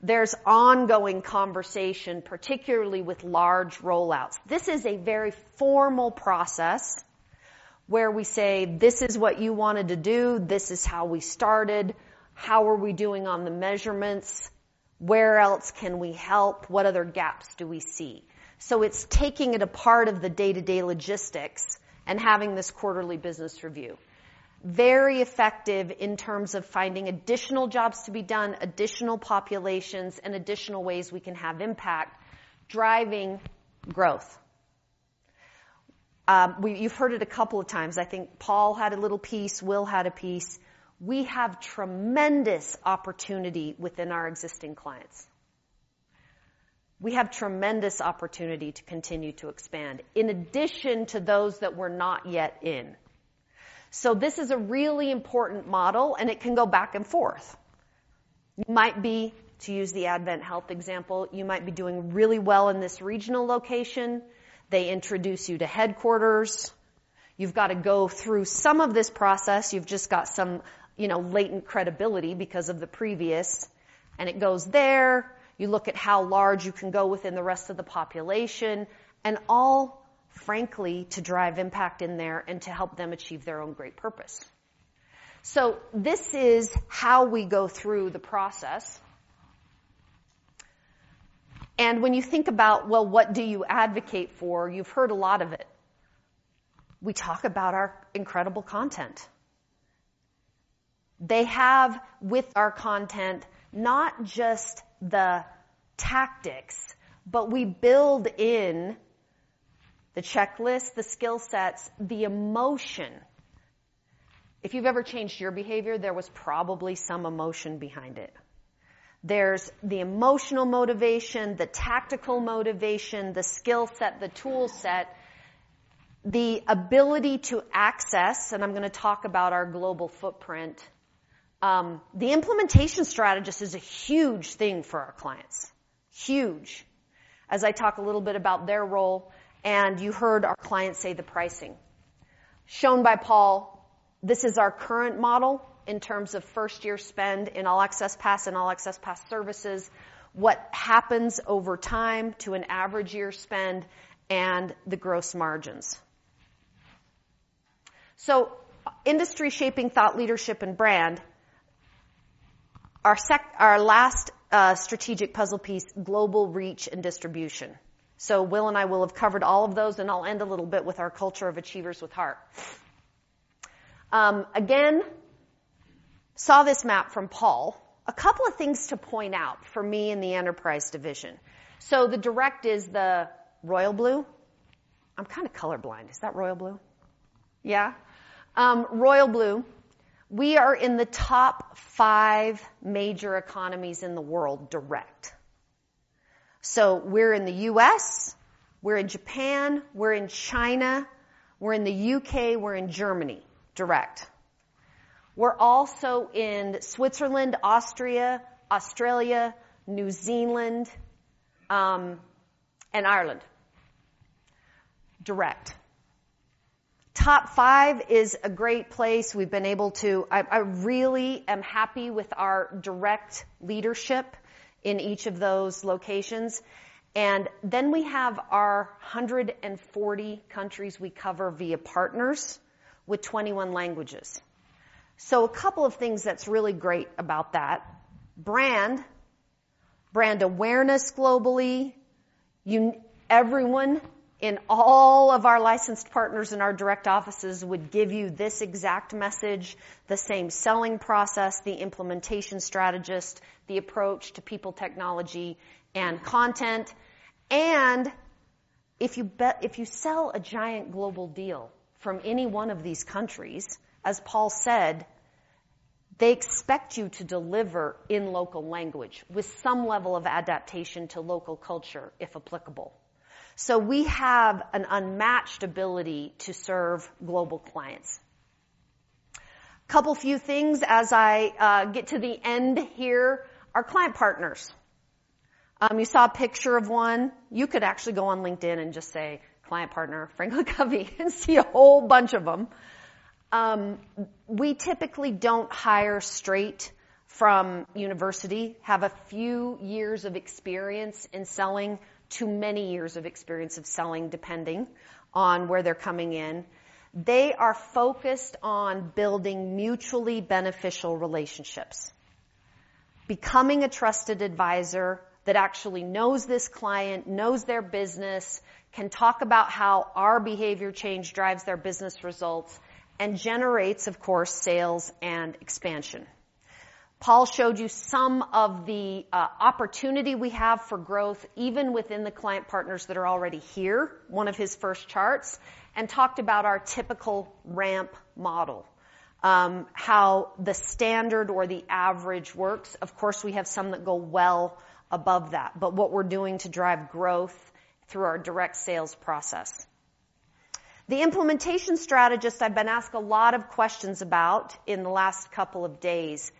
There's ongoing conversation, particularly with large rollouts. This is a very formal process where we say, "This is what you wanted to do. This is how we started. How are we doing on the measurements? Where else can we help? What other gaps do we see?" It's taking it a part of the day-to-day logistics and having this quarterly business review. Very effective in terms of finding additional jobs to be done, additional populations, and additional ways we can have impact, driving growth. You've heard it a couple of times. I think Paul had a little piece. Will had a piece. We have tremendous opportunity within our existing clients. We have tremendous opportunity to continue to expand in addition to those that we're not yet in. This is a really important model, and it can go back and forth. Might be, to use the AdventHealth example, you might be doing really well in this regional location. They introduce you to headquarters. You've got to go through some of this process. You've just got some, you know, latent credibility because of the previous, and it goes there. You look at how large you can go within the rest of the population, and all frankly to drive impact in there and to help them achieve their own great purpose. This is how we go through the process. When you think about, well, what do you advocate for? You've heard a lot of it. We talk about our incredible content. They have with our content, not just the tactics, but we build in the checklist, the skill sets, the emotion. If you've ever changed your behavior, there was probably some emotion behind it. There's the emotional motivation, the tactical motivation, the skill set, the tool set, the ability to access, and I'm going to talk about our global footprint. The Implementation Strategist is a huge thing for our clients. Huge. As I talk a little bit about their role, and you heard our client say the pricing. Shown by Paul, this is our current model in terms of first-year spend in All Access Pass and All Access Pass services, what happens over time to an average year spend and the gross margins. Industry shaping thought, leadership, and brand. Our last strategic puzzle piece, global reach and distribution. Will and I will have covered all of those, and I'll end a little bit with our culture of Achievers with Heart. Again, saw this map from Paul. A couple of things to point out for me in the Enterprise Division. The direct is the royal blue. I'm kinda colorblind. Is that royal blue? Yeah. Royal blue. We are in the top five major economies in the world direct. We're in the U.S., we're in Japan, we're in China, we're in the U.K., we're in Germany, direct. We're also in Switzerland, Austria, Australia, New Zealand, and Ireland, direct. Top five is a great place. I really am happy with our direct leadership in each of those locations, we have our 140 countries we cover via partners with 21 languages. A couple of things that's really great about that. Brand, brand awareness globally. Everyone in all of our licensed partners in our direct offices would give you this exact message, the same selling process, the Implementation Strategist, the approach to people, technology and content. If you sell a giant global deal from any one of these countries, as Paul said, they expect you to deliver in local language with some level of adaptation to local culture, if applicable. We have an unmatched ability to serve global clients. Couple few things as I get to the end here. Our Client Partners. You saw a picture of one. You could actually go on LinkedIn and just say, "Client Partner, FranklinCovey," and see a whole bunch of them. We typically don't hire straight from university, have a few years of experience in selling to many years of experience of selling, depending on where they're coming in. They are focused on building mutually beneficial relationships, becoming a trusted advisor that actually knows this client, knows their business, can talk about how our behavior change drives their business results and generates, of course, sales and expansion. Paul showed you some of the opportunity we have for growth, even within the client partners that are already here, one of his first charts, and talked about our typical ramp model, how the standard or the average works. Of course, we have some that go well above that, but what we're doing to drive growth through our direct sales process. The implementation strategist, I've been asked a lot of questions about in the last couple of days.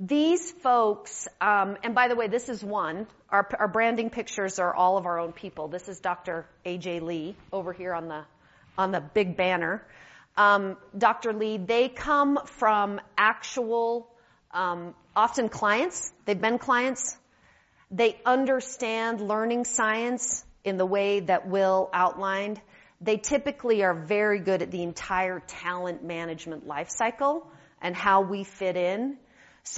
These folks, and by the way, this is one. Our branding pictures are all of our own people. This is Dr. AJ Lee over here on the, on the big banner. Dr. Lee, they come from actual, often clients. They've been clients. They understand learning science in the way that Will outlined. They typically are very good at the entire talent management life cycle and how we fit in.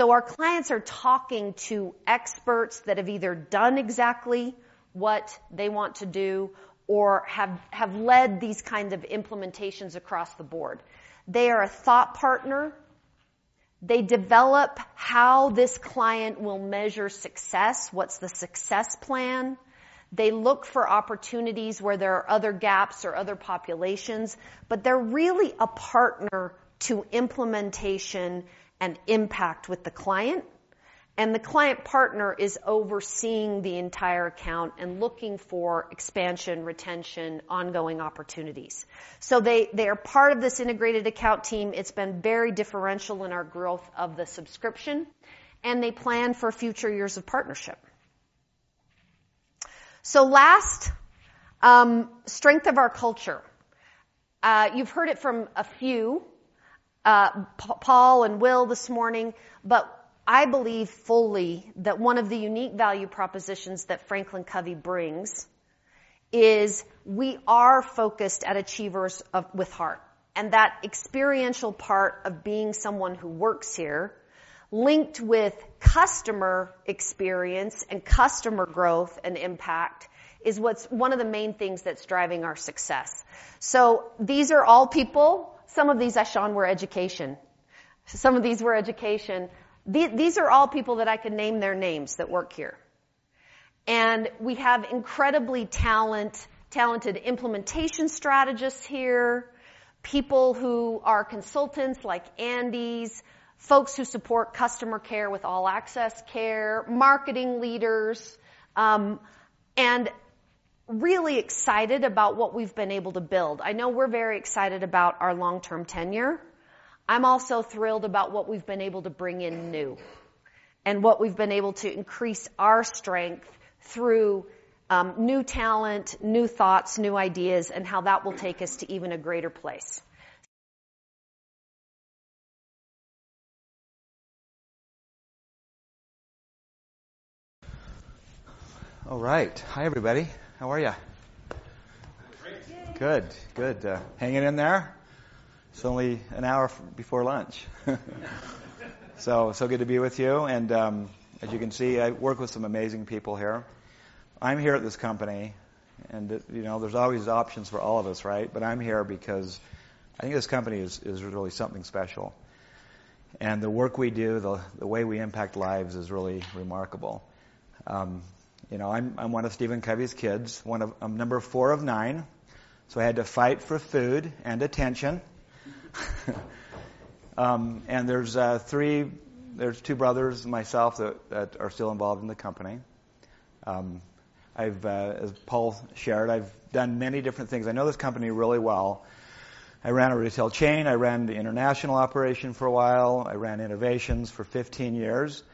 Our clients are talking to experts that have either done exactly what they want to do or have led these kinds of implementations across the board. They are a thought partner. They develop how this client will measure success. What's the success plan? They look for opportunities where there are other gaps or other populations, but they're really a partner to implementation and impact with the client. The client partner is overseeing the entire account and looking for expansion, retention, ongoing opportunities. They are part of this integrated account team. It's been very differential in our growth of the subscription, and they plan for future years of partnership. Last, strength of our culture. You've heard it from a few, Paul and Will this morning, but I believe fully that one of the unique value propositions that FranklinCovey brings is we are focused at Achievers with Heart. That experiential part of being someone who works here linked with customer experience and customer growth and impact is what's one of the main things that's driving our success. These are all people. Some of these, Ashaan, were education. Some of these were education. These are all people that I can name their names that work here. We have incredibly talented implementation strategists here, people who are consultants like Andy's, folks who support customer care with All Access Care, marketing leaders, and really excited about what we've been able to build. I know we're very excited about our long-term tenure. I'm also thrilled about what we've been able to bring in new and what we've been able to increase our strength through new talent, new thoughts, new ideas, and how that will take us to even a greater place. All right. Hi, everybody. How are you? Great. Good. Good. Hanging in there? It's only an hour before lunch. Good to be with you, as you can see, I work with some amazing people here. I'm here at this company, you know, there's always options for all of us, right? I'm here because I think this company is really something special. The work we do, the way we impact lives is really remarkable. You know, I'm one of Stephen Covey's kids, I'm number 4 of 9, I had to fight for food and attention. There's 2 brothers and myself that are still involved in the company. I've, as Paul shared, I've done many different things. I know this company really well. I ran a retail chain. I ran the international operation for a while. I ran innovations for 15 years,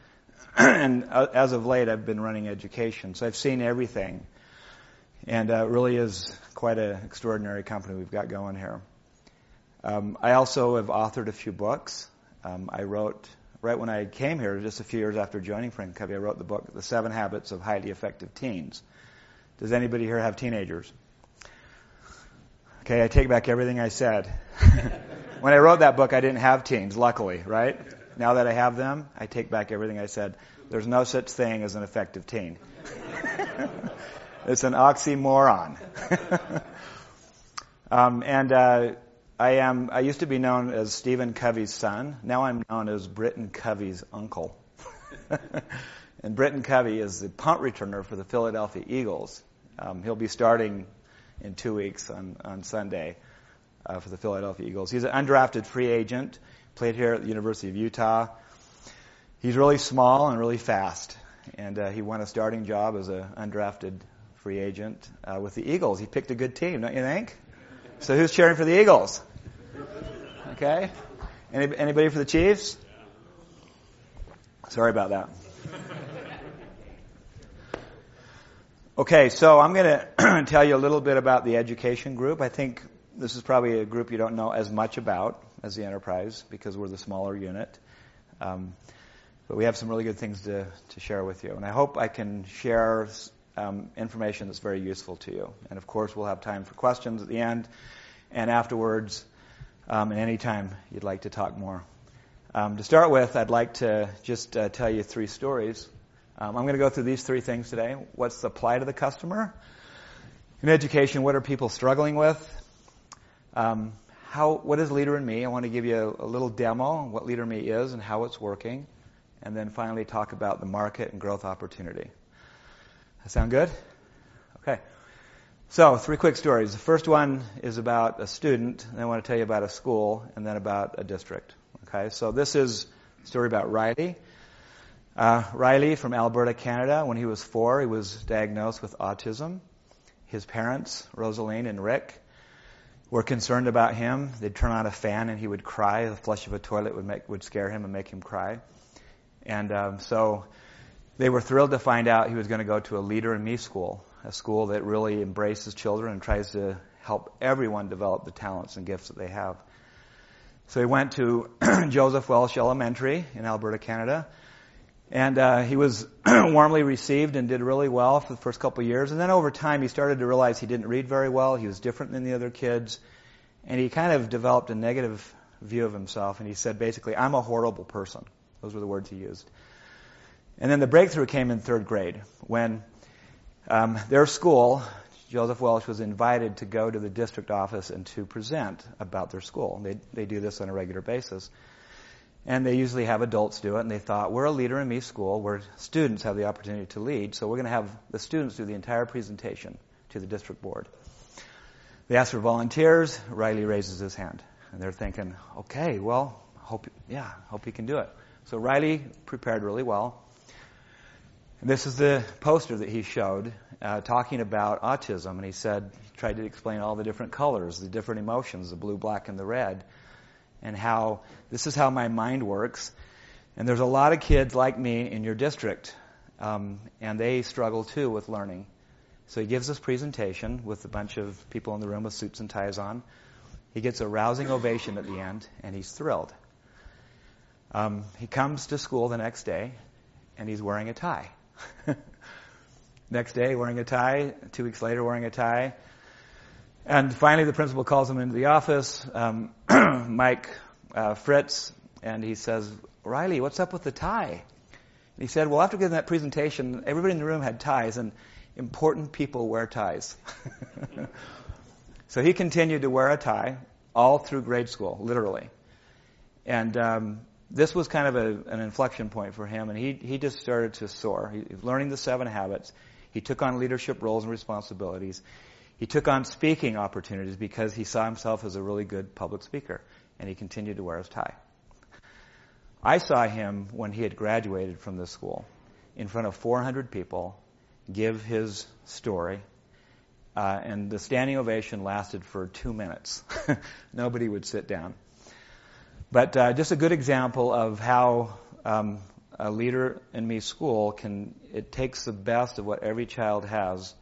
and as of late, I've been running education. I've seen everything, and it really is quite an extraordinary company we've got going here. I also have authored a few books. Right when I came here, just a few years after joining FranklinCovey, I wrote the book The 7 Habits of Highly Effective Teens. Does anybody here have teenagers? Okay, I take back everything I said. When I wrote that book, I didn't have teens, luckily, right? Now that I have them, I take back everything I said. There's no such thing as an effective teen. It's an oxymoron. I used to be known as Stephen Covey's son. Now I'm known as Britton Covey's uncle. Britton Covey is the punt returner for the Philadelphia Eagles. He'll be starting in two weeks on Sunday for the Philadelphia Eagles. He's an undrafted free agent, played here at the University of Utah. He's really small and really fast, and he won a starting job as an undrafted free agent with the Eagles. He picked a good team, don't you think? Who's cheering for the Eagles? Okay. Anybody for the Chiefs? Yeah. Sorry about that. I'm gonna tell you a little bit about the education group. I think this is probably a group you don't know as much about as the Enterprise because we're the smaller unit. We have some really good things to share with you, and I hope I can share information that's very useful to you. Of course, we'll have time for questions at the end and afterwards, any time you'd like to talk more. To start with, I'd like to just tell you three stories. I'm gonna go through these three things today. What's the play to the customer? In education, what are people struggling with? What is Leader in Me? I want to give you a little demo on what Leader in Me is and how it's working, and then finally talk about the market and growth opportunity. That sound good? Okay. Three quick stories. The first one is about a student, then I want to tell you about a school, and then about a district. Okay? This is a story about Riley. Riley from Alberta, Canada. When he was four, he was diagnosed with autism. His parents, Rosaline and Rick, were concerned about him. They'd turn on a fan, and he would cry. The flush of a toilet would scare him and make him cry. They were thrilled to find out he was going to go to a Leader in Me school, a school that really embraces children and tries to help everyone develop the talents and gifts that they have. He went to Joseph Welsh Elementary in Alberta, Canada, and he was warmly received and did really well for the first couple of years. Over time, he started to realize he didn't read very well, he was different than the other kids, and he kind of developed a negative view of himself, and he said, basically, "I'm a horrible person." Those were the words he used. The breakthrough came in third grade when their school, Joseph Welsh, was invited to go to the district office and to present about their school. They do this on a regular basis, and they usually have adults do it, and they thought, "We're a Leader in Me school where students have the opportunity to lead, so we're gonna have the students do the entire presentation to the district board." They asked for volunteers. Riley raises his hand, they're thinking, "Okay, well, hope he can do it." Riley prepared really well. This is the poster that he showed, talking about autism, he tried to explain all the different colors, the different emotions, the blue, black, and the red, how, "This is how my mind works, there's a lot of kids like me in your district, they struggle too with learning." He gives this presentation with a bunch of people in the room with suits and ties on. He gets a rousing ovation at the end, he's thrilled. He comes to school the next day, he's wearing a tie. Next day, wearing a tie. Two weeks later, wearing a tie. Finally, the principal calls him into the office, Mike Fritz, and he says, "Riley, what's up with the tie?" He said, "Well, after giving that presentation, everybody in the room had ties, and important people wear ties." He continued to wear a tie all through grade school, literally. This was kind of a, an inflection point for him, he just started to soar. He's learning the 7 habits. He took on leadership roles and responsibilities. He took on speaking opportunities because he saw himself as a really good public speaker, and he continued to wear his tie. I saw him when he had graduated from this school in front of 400 people give his story, and the standing ovation lasted for 2 minutes. Nobody would sit down. Just a good example of how a Leader in Me school can. It takes the best of what every child has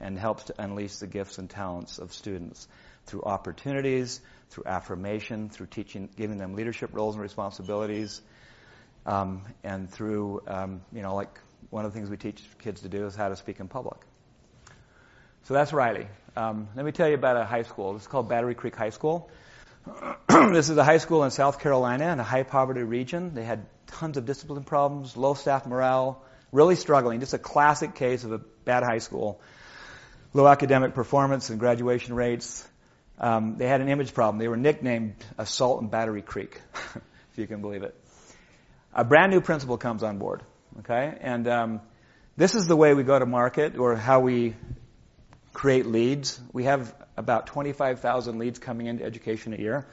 and helps to unleash the gifts and talents of students through opportunities, through affirmation, through teaching, giving them leadership roles and responsibilities, and through, you know, like one of the things we teach kids to do is how to speak in public. That's Riley. Let me tell you about a high school. This is called Battery Creek High School. This is a high school in South Carolina in a high poverty region. They had tons of discipline problems, low staff morale, really struggling. Just a classic case of a bad high school. Low academic performance and graduation rates. They had an image problem. They were nicknamed Assault and Battery Creek, if you can believe it. A brand-new principal comes on board, okay? This is the way we go to market or how we create leads. We have about 25,000 leads coming into education a year,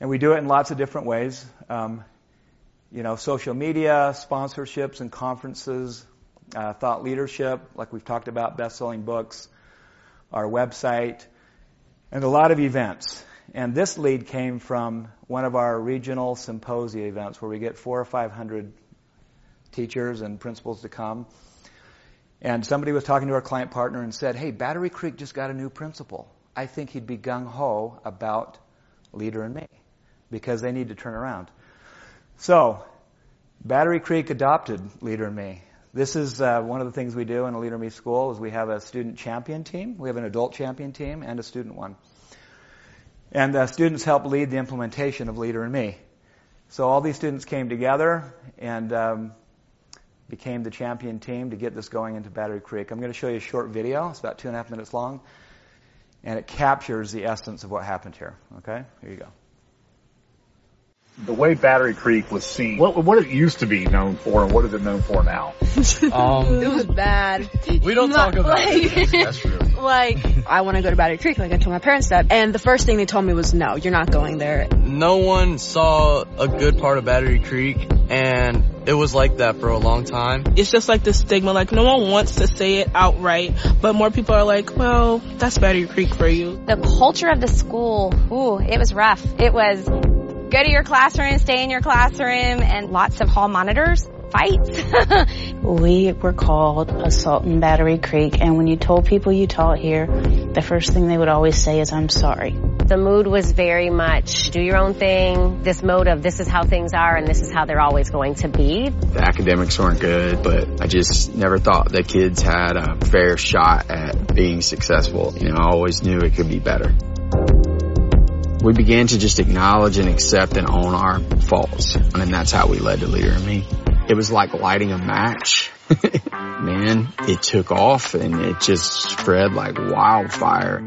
we do it in lots of different ways. You know, social media, sponsorships and conferences, thought leadership, like we've talked about, best-selling books, our website, and a lot of events. This lead came from one of our regional symposia events where we get 400 or 500 teachers and principals to come. Somebody was talking to our Client Partner and said, "Hey, Battery Creek just got a new principal. I think he'd be gung ho about Leader in Me because they need to turn around." Battery Creek adopted Leader in Me. This is one of the things we do in a Leader in Me school is we have a student champion team. We have an adult champion team and a student one. Students help lead the implementation of Leader in Me. All these students came together and became the champion team to get this going into Battery Creek. I'm gonna show you a short video. It's about 2 and a half minutes long, and it captures the essence of what happened here. Okay? Here you go. What it used to be known for and what is it known for now? It was bad. We don't talk about it. That's true. Like... I wanna go to Battery Creek, like I told my parents that, and the first thing they told me was, "No, you're not going there. No one saw a good part of Battery Creek, and it was like that for a long time. It's just like this stigma, like no one wants to say it outright, but more people are like, "Well, that's Battery Creek for you. The culture of the school, it was rough. It was, "Go to your classroom, stay in your classroom," and lots of hall monitors, fights. We were called Assault and Battery Creek. When you told people you taught here, the first thing they would always say is, "I'm sorry. The mood was very much do your own thing. This mode of this is how things are, and this is how they're always going to be. The academics weren't good, but I just never thought the kids had a fair shot at being successful. You know, I always knew it could be better. We began to just acknowledge and accept and own our faults, and that's how we led to Leader in Me. It was like lighting a match. Man, it took off, and it just spread like wildfire.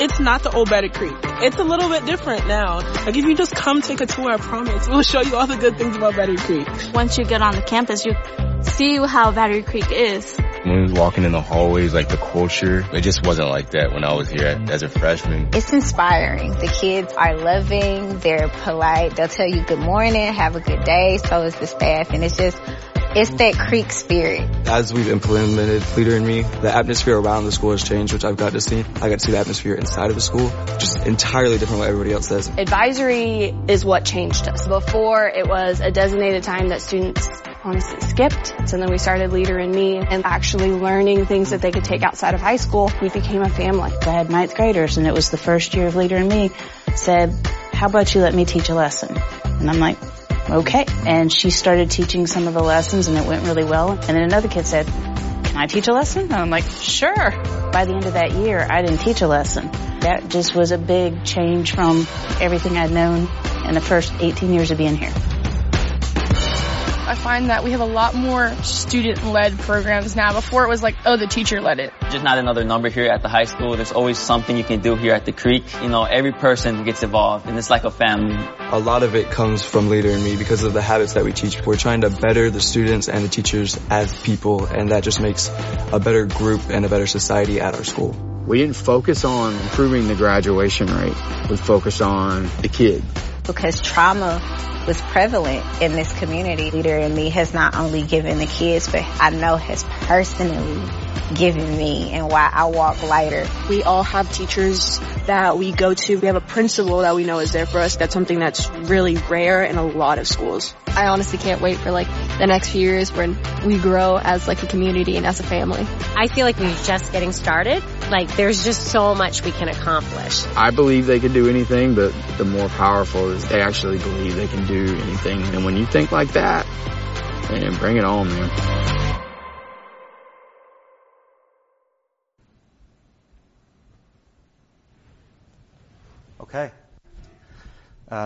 It's not the old Battery Creek. It's a little bit different now. Like, if you just come take a tour, I promise we'll show you all the good things about Battery Creek. Once you get on the campus, you see how Battery Creek is. When we was walking in the hallways, like the culture, it just wasn't like that when I was here as a freshman. It's inspiring. The kids are loving, they're polite. They'll tell you, "Good morning, have a good day." So is the staff. It's that Creek spirit. As we've implemented Leader in Me, the atmosphere around the school has changed, which I've got to see. I got to see the atmosphere inside of the school, just entirely different what everybody else says. Advisory is what changed us. Before, it was a designated time that students honestly skipped. We started Leader in Me, and actually learning things that they could take outside of high school, we became a family. I had ninth graders, and it was the first year of Leader in Me, said, "How about you let me teach a lesson?" I'm like, "Okay." She started teaching some of the lessons, and it went really well. Then another kid said, "Can I teach a lesson?" I'm like, "Sure." By the end of that year, I didn't teach a lesson. That just was a big change from everything I'd known in the first 18 years of being here. I find that we have a lot more student-led programs now. Before it was like, "Oh, the teacher led it. Just not another number here at the high school. There's always something you can do here at the Creek. You know, every person gets involved, and it's like a family. A lot of it comes from Leader in Me because of the habits that we teach. We're trying to better the students and the teachers as people, and that just makes a better group and a better society at our school. We didn't focus on improving the graduation rate. We focused on the kid. Because trauma was prevalent in this community, Leader in Me has not only given the kids, but I know has personally given me and why I walk lighter. We all have teachers that we go to. We have a principal that we know is there for us. That's something that's really rare in a lot of schools. I honestly can't wait for like the next few years when we grow as like a community and as a family. I feel like we're just getting started. Like, there's just so much we can accomplish. I believe they can do anything, but the more powerful is they actually believe they can do anything. When you think like that, man, bring it on, man. Okay.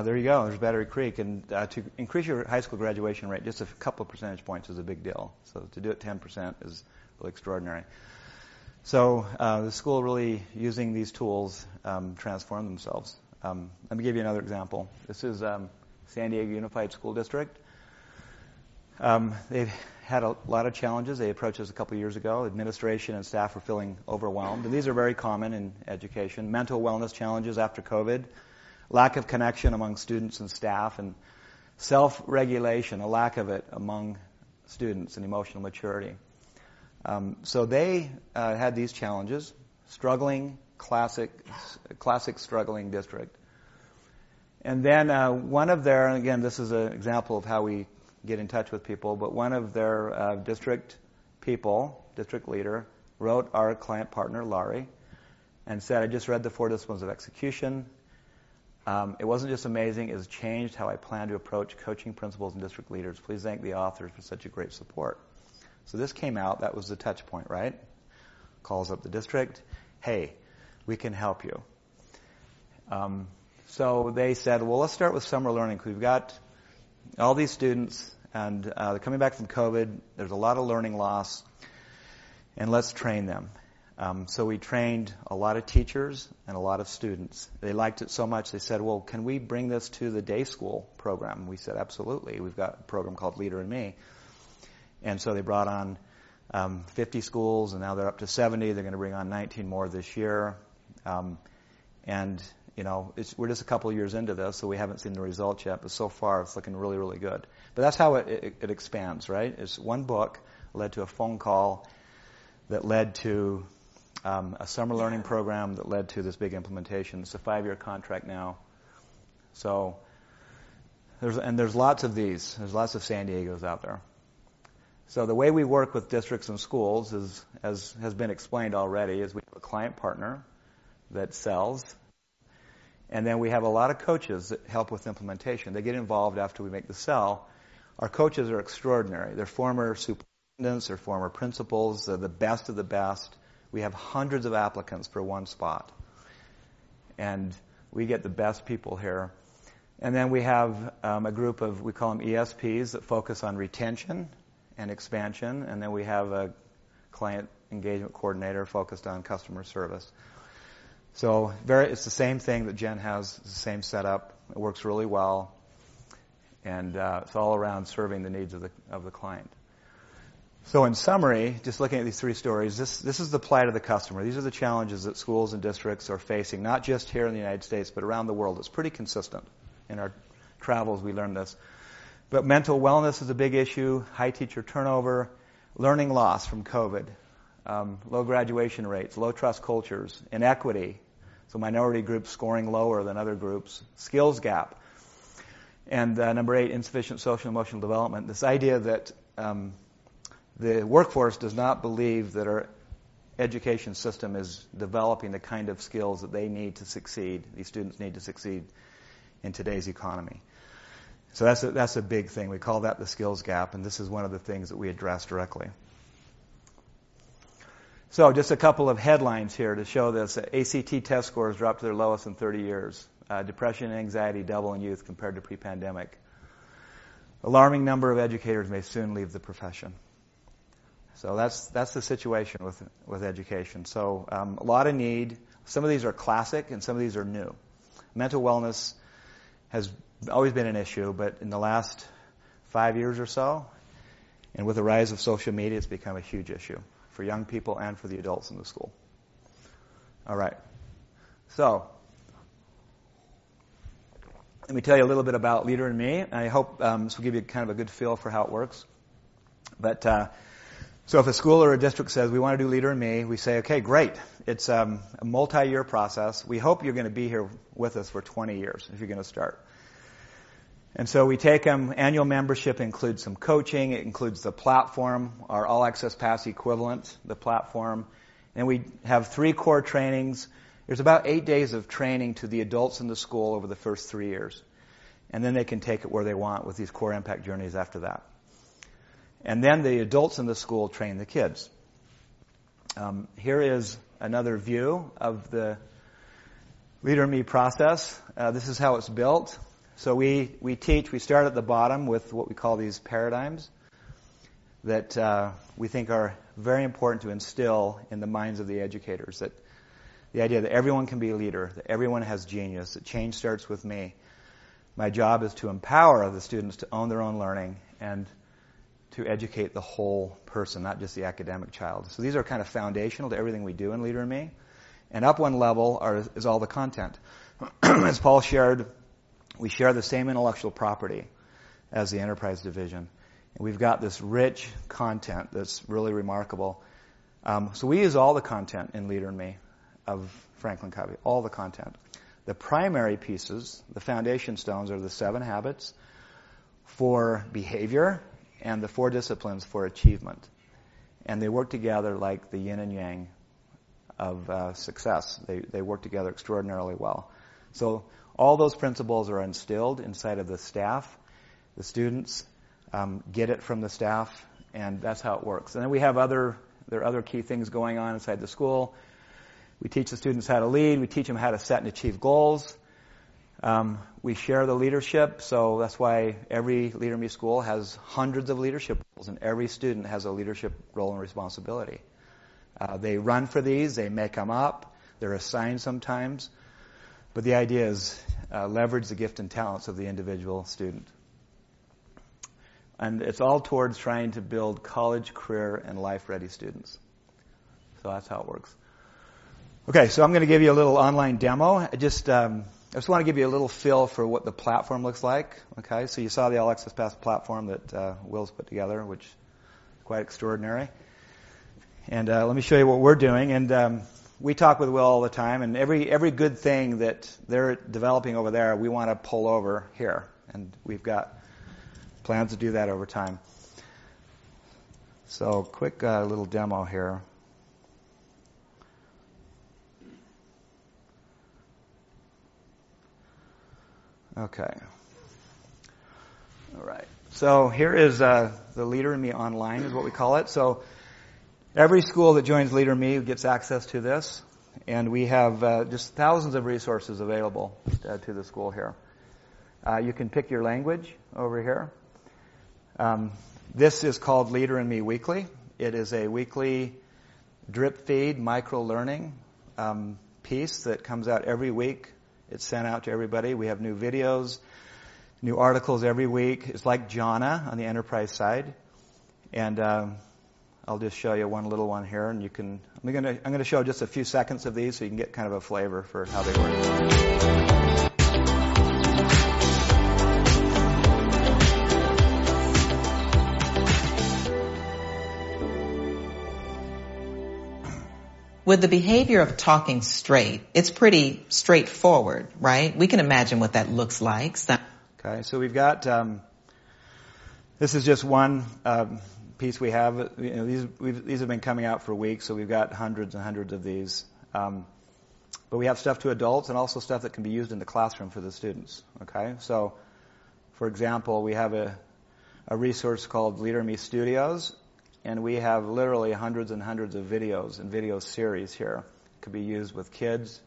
There you go. There's Battery Creek. To increase your high school graduation rate, just a couple percentage points is a big deal. To do it 10% is really extraordinary. The school really using these tools transformed themselves. Let me give you another example. This is San Diego Unified School District. They've had a lot of challenges. They approached us a couple years ago. Administration and staff were feeling overwhelmed, these are very common in education. Mental wellness challenges after COVID, lack of connection among students and staff, and self-regulation, a lack of it among students and emotional maturity. They had these challenges, struggling, classic struggling district. One of their, and again, this is an example of how we get in touch with people, one of their district people, district leader, wrote our Client Partner, Larry, and said, "I just read The Four Disciplines of Execution. It wasn't just amazing, it has changed how I plan to approach coaching principals and district leaders. Please thank the authors for such a great support." This came out, that was the touch point, right? Calls up the district. "Hey, we can help you." They said, "Let's start with summer learning. We've got all these students and they're coming back from COVID. There's a lot of learning loss, let's train them." We trained a lot of teachers and a lot of students. They liked it so much, they said, "Well, can we bring this to the day school program?" We said, "Absolutely. We've got a program called Leader in Me." They brought on 50 schools, and now they're up to 70. They're gonna bring on 19 more this year. You know, we're just a couple of years into this, so we haven't seen the results yet, but so far it's looking really, really good. That's how it expands, right? It's one book led to a phone call that led to a summer learning program that led to this big implementation. It's a five-year contract now. There's lots of these. There's lots of San Diegos out there. The way we work with districts and schools is, as has been explained already, is we have a client partner that sells, and then we have a lot of coaches that help with implementation. They get involved after we make the sell. Our coaches are extraordinary. They're former superintendents, they're former principals. They're the best of the best. We have hundreds of applicants for one spot. We get the best people here. Then we have a group of, we call them ESPs, that focus on retention and expansion. Then we have a client engagement coordinator focused on customer service. Very, it's the same thing that Jen has, the same setup. It works really well. It's all around serving the needs of the, of the client. In summary, just looking at these three stories, this is the plight of the customer. These are the challenges that schools and districts are facing, not just here in the United States, but around the world. It's pretty consistent. In our travels, we learn this. Mental wellness is a big issue, high teacher turnover, learning loss from COVID, low graduation rates, low trust cultures, inequity, so minority groups scoring lower than other groups, skills gap, and number 8, insufficient social and emotional development. This idea that the workforce does not believe that our education system is developing the kind of skills that they need to succeed, these students need to succeed in today's economy. That's a big thing. We call that the skills gap, and this is one of the things that we address directly. Just a couple of headlines here to show this. ACT test scores dropped to their lowest in 30 years. Depression and anxiety double in youth compared to pre-pandemic. Alarming number of educators may soon leave the profession. That's the situation with education. A lot of need. Some of these are classic, and some of these are new. Mental wellness has always been an issue, but in the last 5 years or so, and with the rise of social media, it's become a huge issue for young people and for the adults in the school. All right. Let me tell you a little bit about Leader in Me. I hope this will give you kind of a good feel for how it works. If a school or a district says, "We wanna do Leader in Me," we say, "Okay, great. It's a multi-year process. We hope you're gonna be here with us for 20 years if you're gonna start." We take annual membership includes some coaching, it includes the platform, our All Access Pass equivalent, the platform, and we have 3 core trainings. There's about 8 days of training to the adults in the school over the first 3 years. They can take it where they want with these core impact journeys after that. The adults in the school train the kids. Here is another view of the Leader in Me process. This is how it's built. We teach, we start at the bottom with what we call these paradigms that we think are very important to instill in the minds of the educators that the idea that everyone can be a leader, that everyone has genius, that change starts with me. My job is to empower the students to own their own learning and to educate the whole person, not just the academic child. These are kind of foundational to everything we do in Leader in Me. Up one level is all the content. As Paul shared, we share the same intellectual property as the enterprise division, we've got this rich content that's really remarkable. We use all the content in Leader in Me of FranklinCovey, all the content. The primary pieces, the foundation stones, are the seven habits for behavior and the four disciplines for achievement, they work together like the yin and yang of success. They work together extraordinarily well. All those principles are instilled inside of the staff. The students get it from the staff, that's how it works. We have other... There are other key things going on inside the school. We teach the students how to lead. We teach them how to set and achieve goals. We share the leadership, that's why every Leader in Me school has hundreds of leadership roles, and every student has a leadership role and responsibility. They run for these. They make them up. They're assigned sometimes. The idea is, leverage the gift and talents of the individual student. It's all towards trying to build college, career, and life-ready students. That's how it works. Okay, I'm gonna give you a little online demo. I just wanna give you a little feel for what the platform looks like, okay? You saw the All Access Pass platform that Will's put together, which quite extraordinary. Let me show you what we're doing. We talk with Will all the time, every good thing that they're developing over there, we wanna pull over here, we've got plans to do that over time. Quick little demo here. Okay. All right. Here is the Leader in Me Online, is what we call it. Every school that joins Leader in Me gets access to this, and we have just thousands of resources available to the school here. You can pick your language over here. This is called Leader in Me Weekly. It is a weekly drip feed micro-learning piece that comes out every week. It's sent out to everybody. We have new videos, new articles every week. It's like Jhana on the enterprise side. I'll just show you one little one here, and I'm gonna show just a few seconds of these, so you can get kind of a flavor for how they work. With the behavior of talking straight, it's pretty straightforward, right? We can imagine what that looks like. Okay, we've got. This is just one piece we have. You know, these have been coming out for a week, we've got hundreds and hundreds of these. We have stuff to adults and also stuff that can be used in the classroom for the students, okay? For example, we have a resource called Leader in Me Studios, and we have literally hundreds and hundreds of videos and video series here. Could be used with kids,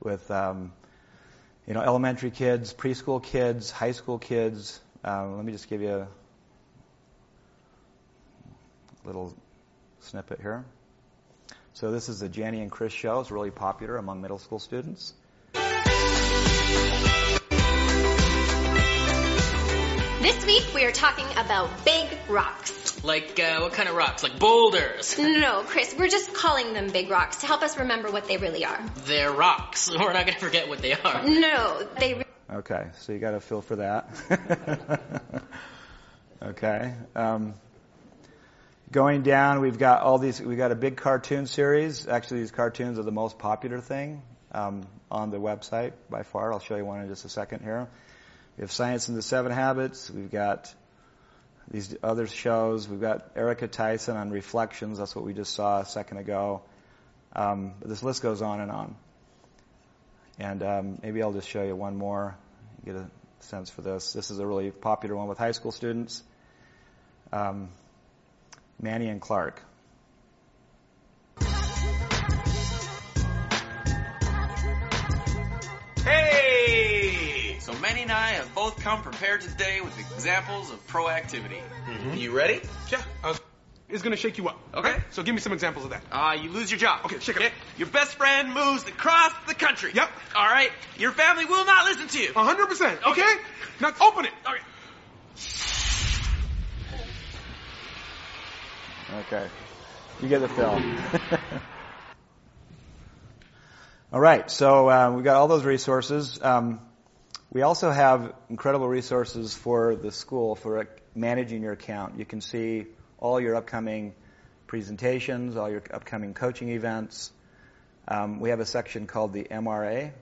with, you know, elementary kids, preschool kids, high school kids. Let me just give you a little snippet here. This is the Jenny and Chris Show. It's really popular among middle school students. This week we are talking about big rocks. Like, what kind of rocks? Like boulders. No, Chris. We're just calling them big rocks to help us remember what they really are. They're rocks. We're not gonna forget what they are. No. Okay. You got a feel for that. Okay. Going down, we've got a big cartoon series. Actually, these cartoons are the most popular thing on the website by far. I'll show you 1 in just a second here. We have Science and the 7 Habits. We've got these other shows. We've got Erica Tyson on Reflections. That's what we just saw a second ago. This list goes on and on. Maybe I'll just show you 1 more. Get a sense for this. This is a really popular one with high school students. Manny and Clark. Hey. Manny and I have both come prepared today with examples of proactivity. Mm-hmm. Are you ready? Yeah. It's gonna shake you up. Okay. Give me some examples of that. You lose your job. Okay, shake it up. Your best friend moves across the country. Yep. All right. Your family will not listen to you. 100%. Okay? Now open it. All right. Okay. You get the feel. All right, we've got all those resources. We also have incredible resources for the school for managing your account. You can see all your upcoming presentations, all your upcoming coaching events. We have a section called the MRA.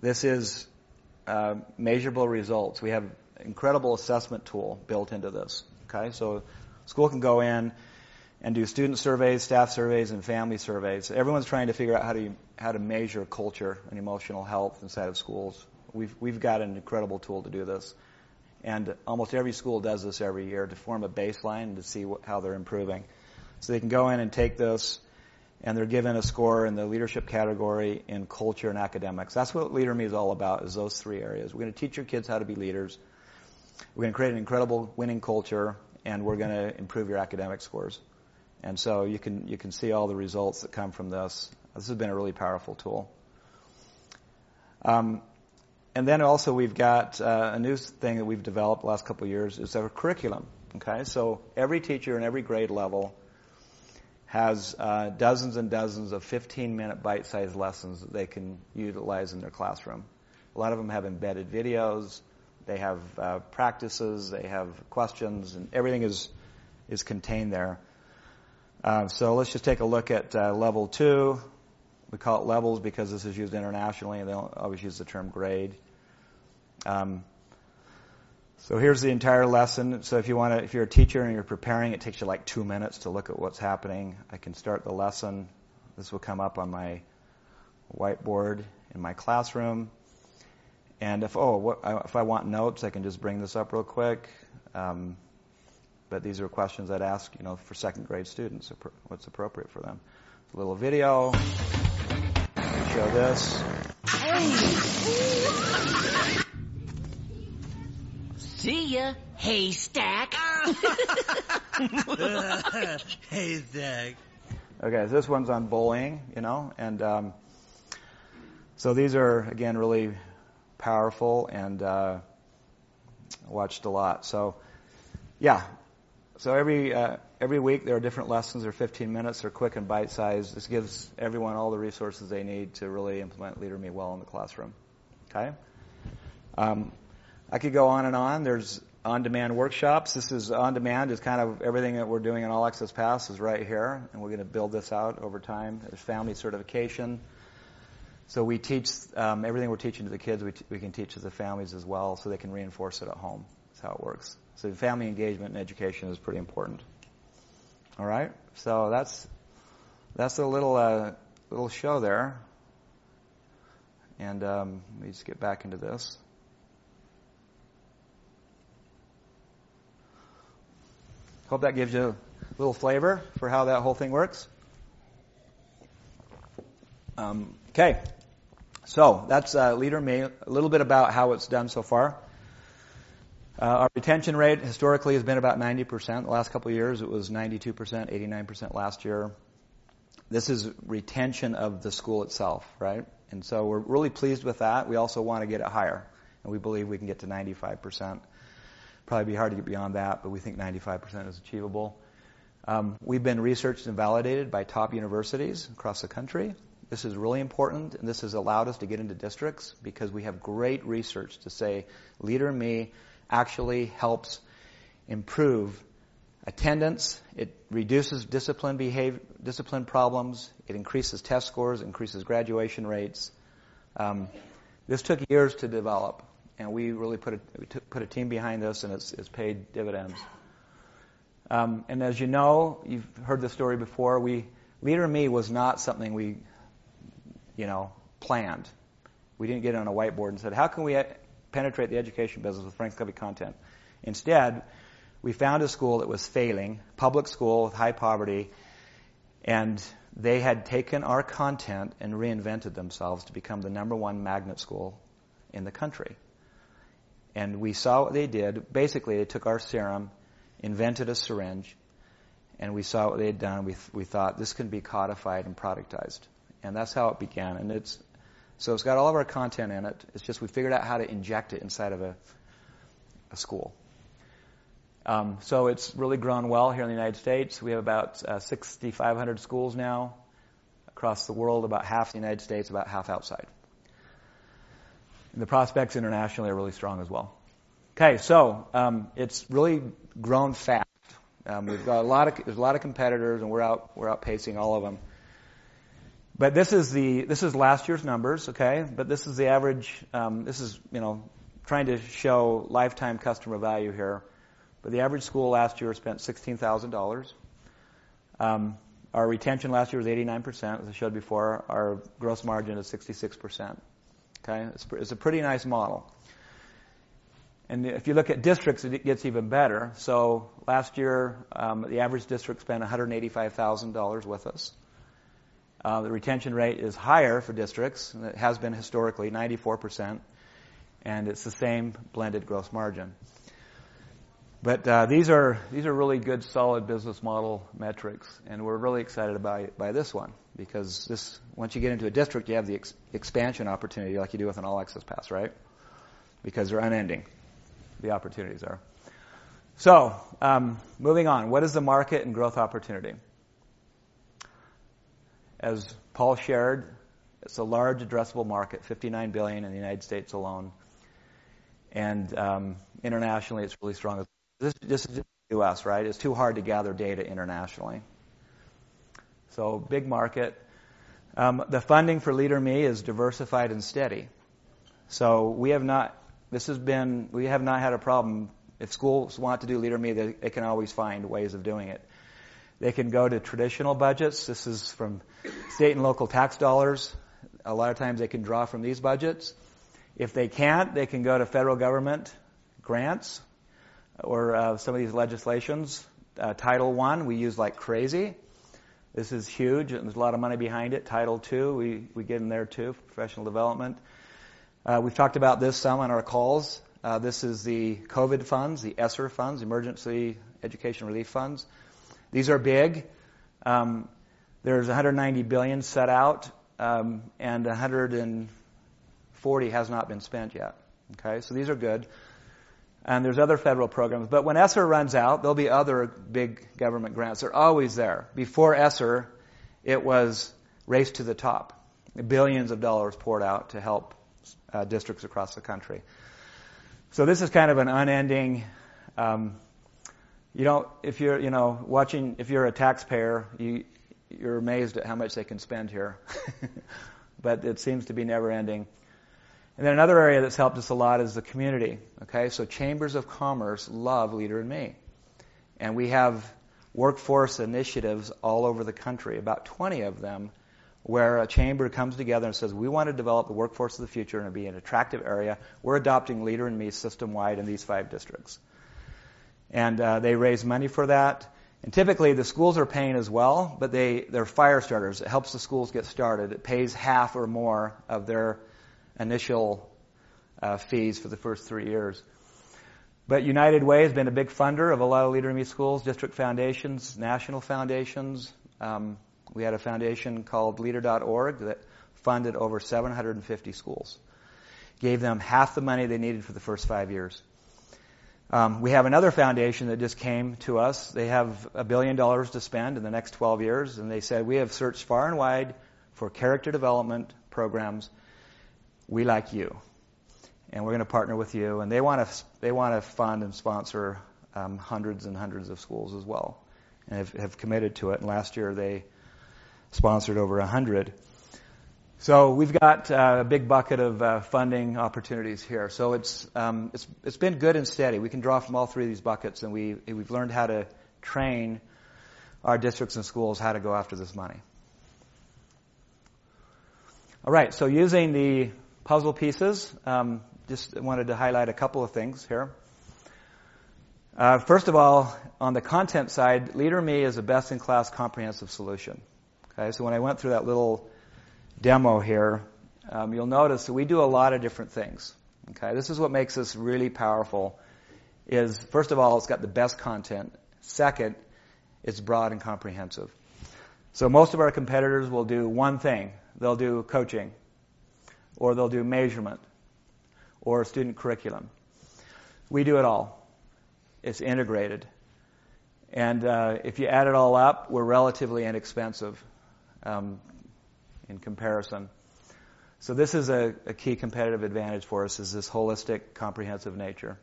This is measurable results. We have incredible assessment tool built into this. Okay? School can go in and do student surveys, staff surveys, and family surveys. Everyone's trying to figure out how to measure culture and emotional health inside of schools. We've got an incredible tool to do this, and almost every school does this every year to form a baseline to see how they're improving. They can go in and take this, and they're given a score in the leadership category in culture and academics. That's what Leader in Me is all about, is those three areas. We're gonna teach your kids how to be leaders. We're gonna create an incredible winning culture, we're gonna improve your academic scores. You can see all the results that come from this. This has been a really powerful tool. Also we've got a new thing that we've developed the last couple of years is our curriculum. Okay? Every teacher in every grade level has dozens and dozens of 15-minute bite-sized lessons that they can utilize in their classroom. A lot of them have embedded videos. They have practices. They have questions, everything is contained there. Let's just take a look at level two. We call it levels because this is used internationally, they don't always use the term grade. Here's the entire lesson. If you're a teacher and you're preparing, it takes you, like, two minutes to look at what's happening. I can start the lesson. This will come up on my whiteboard in my classroom. If I want notes, I can just bring this up real quick. These are questions I'd ask, you know, for second-grade students, what's appropriate for them. A little video. Show this. Hey. See ya, Haystack. Haystack. Okay, this one's on bullying, you know. These are again, really powerful and watched a lot. Yeah. Every week there are different lessons. They're 15 minutes. They're quick and bite-sized. This gives everyone all the resources they need to really implement Leader in Me well in the classroom. Okay? I could go on and on. There's on-demand workshops. This is on demand. It's kind of everything that we're doing in All Access Pass is right here, and we're gonna build this out over time. There's family certification. We teach everything we're teaching to the kids, we can teach to the families as well, so they can reinforce it at home. That's how it works. Family engagement and education is pretty important. All right? That's the little show there. Let me just get back into this. Hope that gives you a little flavor for how that whole thing works. Okay. That's Leader in Me. A little bit about how it's done so far. Our retention rate historically has been about 90%. The last couple years, it was 92%, 89% last year. This is retention of the school itself, right? We're really pleased with that. We also wanna get it higher, and we believe we can get to 95%. Probably be hard to get beyond that, but we think 95% is achievable. We've been researched and validated by top universities across the country. This is really important, and this has allowed us to get into districts because we have great research to say Leader in Me actually helps improve attendance. It reduces discipline problems. It increases test scores, increases graduation rates. This took years to develop, and we really put a team behind this, and it's paid dividends. As you know, you've heard this story before. Leader in Me was not something we, you know, planned. We didn't get on a whiteboard and said, "How can we penetrate the education business with FranklinCovey content?" Instead, we found a school that was failing, public school with high poverty, and they had taken our content and reinvented themselves to become the number 1 magnet school in the country. We saw what they did. Basically, they took our serum, invented a syringe, and we saw what they had done. We thought, "This can be codified and productized." That's how it began. It's got all of our content in it. It's just we figured out how to inject it inside of a school. It's really grown well here in the United States. We have about 6,500 schools now across the world, about half in the United States, about half outside. The prospects internationally are really strong as well. It's really grown fast. We've got a lot of, there's a lot of competitors, and we're outpacing all of them. This is last year's numbers. This is the average, you know, trying to show lifetime customer value here. The average school last year spent $16,000. Our retention last year was 89%, as I showed before. Our gross margin is 66%. It's a pretty nice model. If you look at districts, it gets even better. Last year, the average district spent $185,000 with us. The retention rate is higher for districts. It has been historically 94%, and it's the same blended gross margin. These are really good solid business model metrics, and we're really excited about it by this one because once you get into a district, you have the expansion opportunity like you do with an All Access Pass, right? Because they're unending, the opportunities are. Moving on. What is the market and growth opportunity? As Paul shared, it's a large addressable market, $59 billion in the United States alone. Internationally, it's really strong. This is just US, right? It's too hard to gather data internationally. Big market. The funding for Leader in Me is diversified and steady. We have not had a problem. If schools want to do Leader in Me, they can always find ways of doing it. They can go to traditional budgets. This is from state and local tax dollars. A lot of times they can draw from these budgets. If they can't, they can go to federal government grants or some of these legislations. Title I, we use like crazy. This is huge. There's a lot of money behind it. Title II, we get in there too, professional development. We've talked about this some on our calls. This is the COVID funds, the ESSER funds, Emergency Education Relief funds. These are big. There's $190 billion set out, and $140 billion has not been spent yet, okay? These are good. There's other federal programs. When ESSER runs out, there'll be other big government grants. They're always there. Before ESSER, it was Race to the Top. Billions of dollars poured out to help districts across the country. This is kind of an unending. If you're, you know, watching if you're a taxpayer, you're amazed at how much they can spend here. It seems to be never-ending. Another area that's helped us a lot is the community, okay? Chambers of commerce love Leader in Me, and we have workforce initiatives all over the country, about 20 of them, where a chamber comes together and says, "We wanna develop the workforce of the future and be an attractive area. We're adopting Leader in Me system-wide in these 5 districts." They raise money for that. Typically, the schools are paying as well, but they're firestarters. It helps the schools get started. It pays half or more of their initial fees for the first 3 years. United Way has been a big funder of a lot of Leader in Me schools, district foundations, national foundations. We had a foundation called Leader.org that funded over 750 schools, gave them half the money they needed for the first 5 years. We have another foundation that just came to us. They have $1 billion to spend in the next 12 years, they said, "We have searched far and wide for character development programs. We like you, we're gonna partner with you." They wanna fund and sponsor hundreds and hundreds of schools as well, have committed to it. Last year, they sponsored over 100. We've got a big bucket of funding opportunities here. It's been good and steady. We can draw from all 3 of these buckets, we've learned how to train our districts and schools how to go after this money. All right. Using the puzzle pieces, just wanted to highlight a couple of things here. First of all, on the content side, Leader in Me is a best-in-class comprehensive solution. Okay? When I went through that little demo here, you'll notice that we do a lot of different things. Okay? This is what makes us really powerful is, first of all, it's got the best content, second, it's broad and comprehensive. Most of our competitors will do 1 thing. They'll do coaching or they'll do measurement or student curriculum. We do it all. It's integrated. If you add it all up, we're relatively inexpensive in comparison. This is a key competitive advantage for us, is this holistic, comprehensive nature.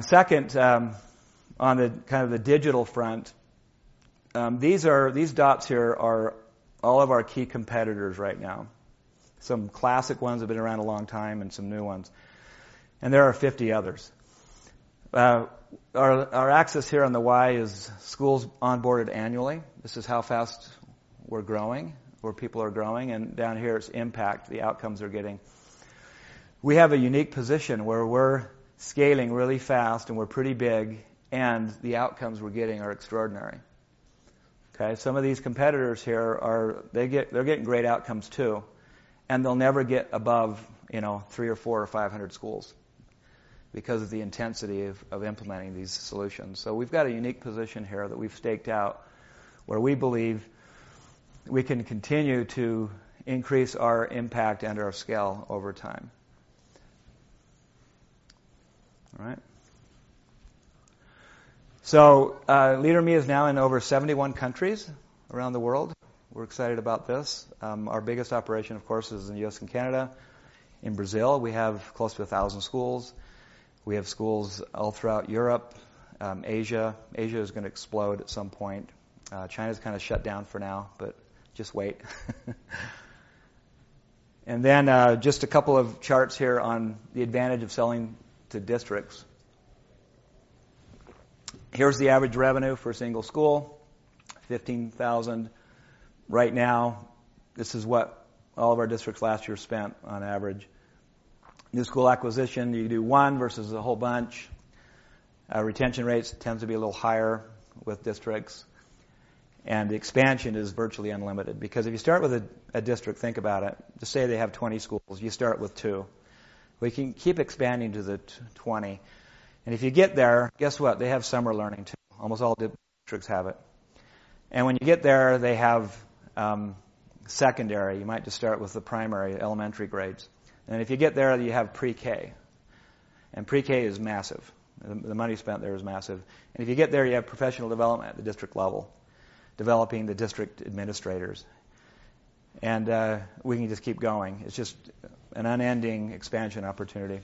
Second, on the kind of the digital front, these dots here are all of our key competitors right now. Some classic ones have been around a long time and some new ones, and there are 50 others. Our axis here on the Y is schools onboarded annually. This is how fast we're growing, where people are growing, and down here it's impact, the outcomes they're getting. We have a unique position where we're scaling really fast and we're pretty big, and the outcomes we're getting are extraordinary. Okay? Some of these competitors here they're getting great outcomes too, and they'll never get above, you know, 300 or 400 or 500 schools because of the intensity of implementing these solutions. We've got a unique position here that we've staked out, where we believe, we can continue to increase our impact and our scale over time. All right. Leader in Me is now in over 71 countries around the world. We're excited about this. Our biggest operation, of course, is in the U.S. and Canada. In Brazil, we have close to 1,000 schools. We have schools all throughout Europe, Asia. Asia is gonna explode at some point. China's kinda shut down for now but just wait. Just a couple of charts here on the advantage of selling to districts. Here's the average revenue for a single school, $15,000. Right now, this is what all of our districts last year spent on average. New school acquisition, you do 1 versus a whole bunch. Retention rates tend to be a little higher with districts. The expansion is virtually unlimited. If you start with a district, think about it, just say they have 20 schools, you start with 2. We can keep expanding to the 20. If you get there, guess what? They have summer learning too. Almost all districts have it. When you get there, they have secondary. You might just start with the primary, elementary grades. If you get there, you have pre-K, and pre-K is massive. The money spent there is massive. If you get there, you have professional development at the district level, developing the district administrators. We can just keep going. It's just an unending expansion opportunity.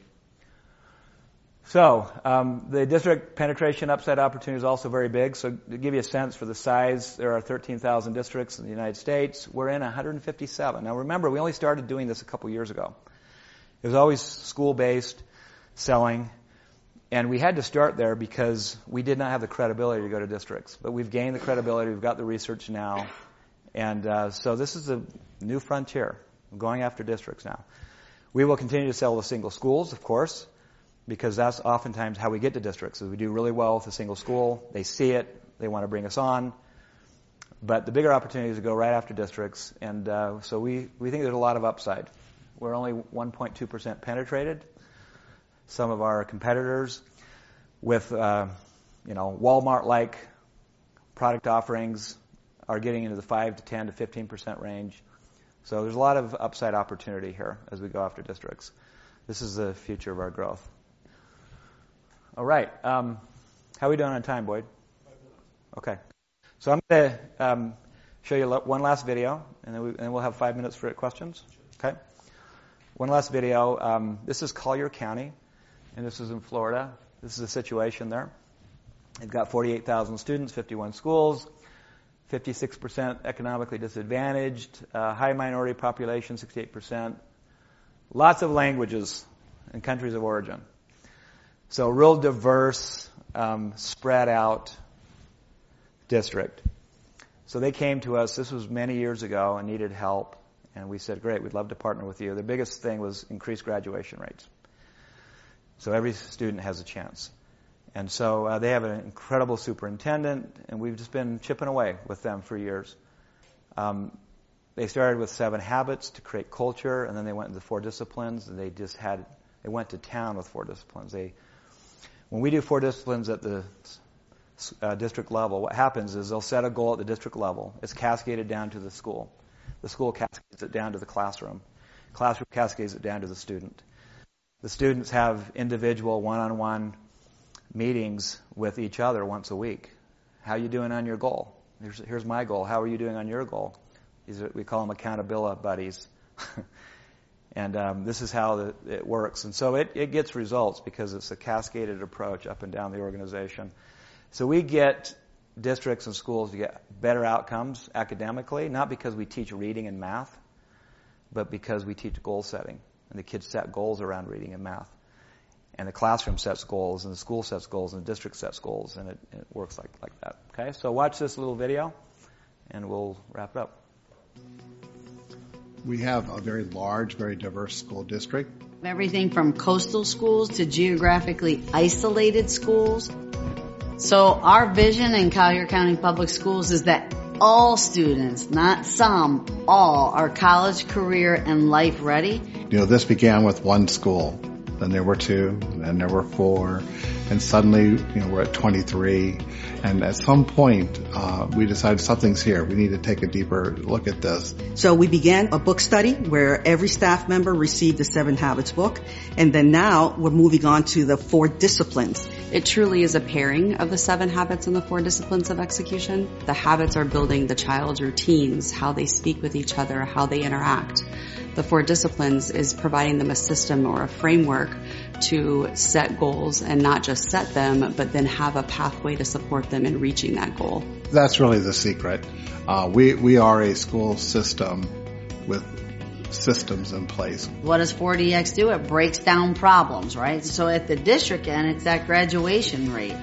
The district penetration upside opportunity is also very big. To give you a sense for the size, there are 13,000 districts in the United States. We're in 157. Now, remember, we only started doing this a couple years ago. It was always school-based selling, and we had to start there because we did not have the credibility to go to districts. We've gained the credibility, we've got the research now. This is a new frontier. We're going after districts now. We will continue to sell to single schools, of course, because that's oftentimes how we get to districts, is we do really well with a single school, they see it, they wanna bring us on. The bigger opportunity is to go right after districts. We think there's a lot of upside. We're only 1.2% penetrated. Some of our competitors with, you know, Walmart-like product offerings are getting into the 5% to 10% to 15% range. There's a lot of upside opportunity here as we go after districts. This is the future of our growth. All right. How we doing on time, Boyd? Five minutes. Okay. I'm gonna show you one last video, and we'll have five minutes for questions. Sure. Okay. One last video. This is Collier County, and this is in Florida. This is the situation there. They've got 48,000 students, 51 schools, 56% economically disadvantaged, high minority population, 68%. Lots of languages and countries of origin. Real diverse, spread out district. They came to us, this was many years ago, and needed help, and we said, "Great, we'd love to partner with you." Their biggest thing was increased graduation rates. Every student has a chance. They have an incredible superintendent, and we've just been chipping away with them for years. They started with 7 Habits to create culture, and then they went into the 4 Disciplines, and they went to town with 4 Disciplines. When we do 4 Disciplines at the district level, what happens is they'll set a goal at the district level. It's cascaded down to the school. The school cascades it down to the classroom. Classroom cascades it down to the student. The students have individual 1-on-1 meetings with each other once a week. How are you doing on your goal? Here's my goal. How are you doing on your goal? These are we call them accountabilibuddies. This is how it works. It gets results because it's a cascaded approach up and down the organization. We get districts and schools to get better outcomes academically, not because we teach reading and math, but because we teach goal setting, and the kids set goals around reading and math, and the classroom sets goals, and the school sets goals, and the district sets goals, and it works like that. Okay? Watch this little video, and we'll wrap it up. We have a very large, very diverse school district. Everything from coastal schools to geographically isolated schools. Our vision in Collier County Public Schools is that all students, not some, all, are college, career, and life ready. You know, this began with one school, then there were two, then there were four, and suddenly, you know, we're at 23. At some point, we decided something's here. We need to take a deeper look at this. We began a book study where every staff member received a 7 Habits book, and then now we're moving on to the 4 Disciplines. It truly is a pairing of the Seven Habits and the Four Disciplines of Execution. The habits are building the child's routines, how they speak with each other, how they interact. The four disciplines is providing them a system or a framework to set goals and not just set them, have a pathway to support them in reaching that goal. That's really the secret. We are a school system with systems in place. What does 4DX do? It breaks down problems, right? At the district end, it's that graduation rate.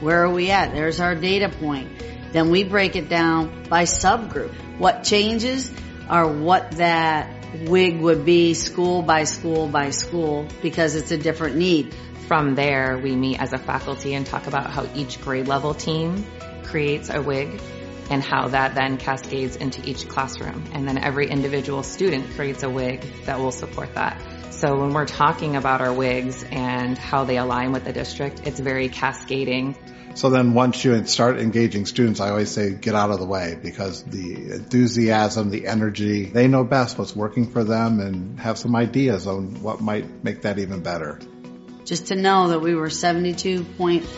Where are we at? There's our data point. We break it down by subgroup. What changes are what that WIG would be school by school by school because it's a different need. From there, we meet as a faculty and talk about how each grade level team creates a WIG and how that then cascades into each classroom. Then every individual student creates a WIG that will support that. When we're talking about our WIGs and how they align with the district, it's very cascading. Once you start engaging students, I always say get out of the way because the enthusiasm, the energy, they know best what's working for them and have some ideas on what might make that even better. Just to know that we were 72.5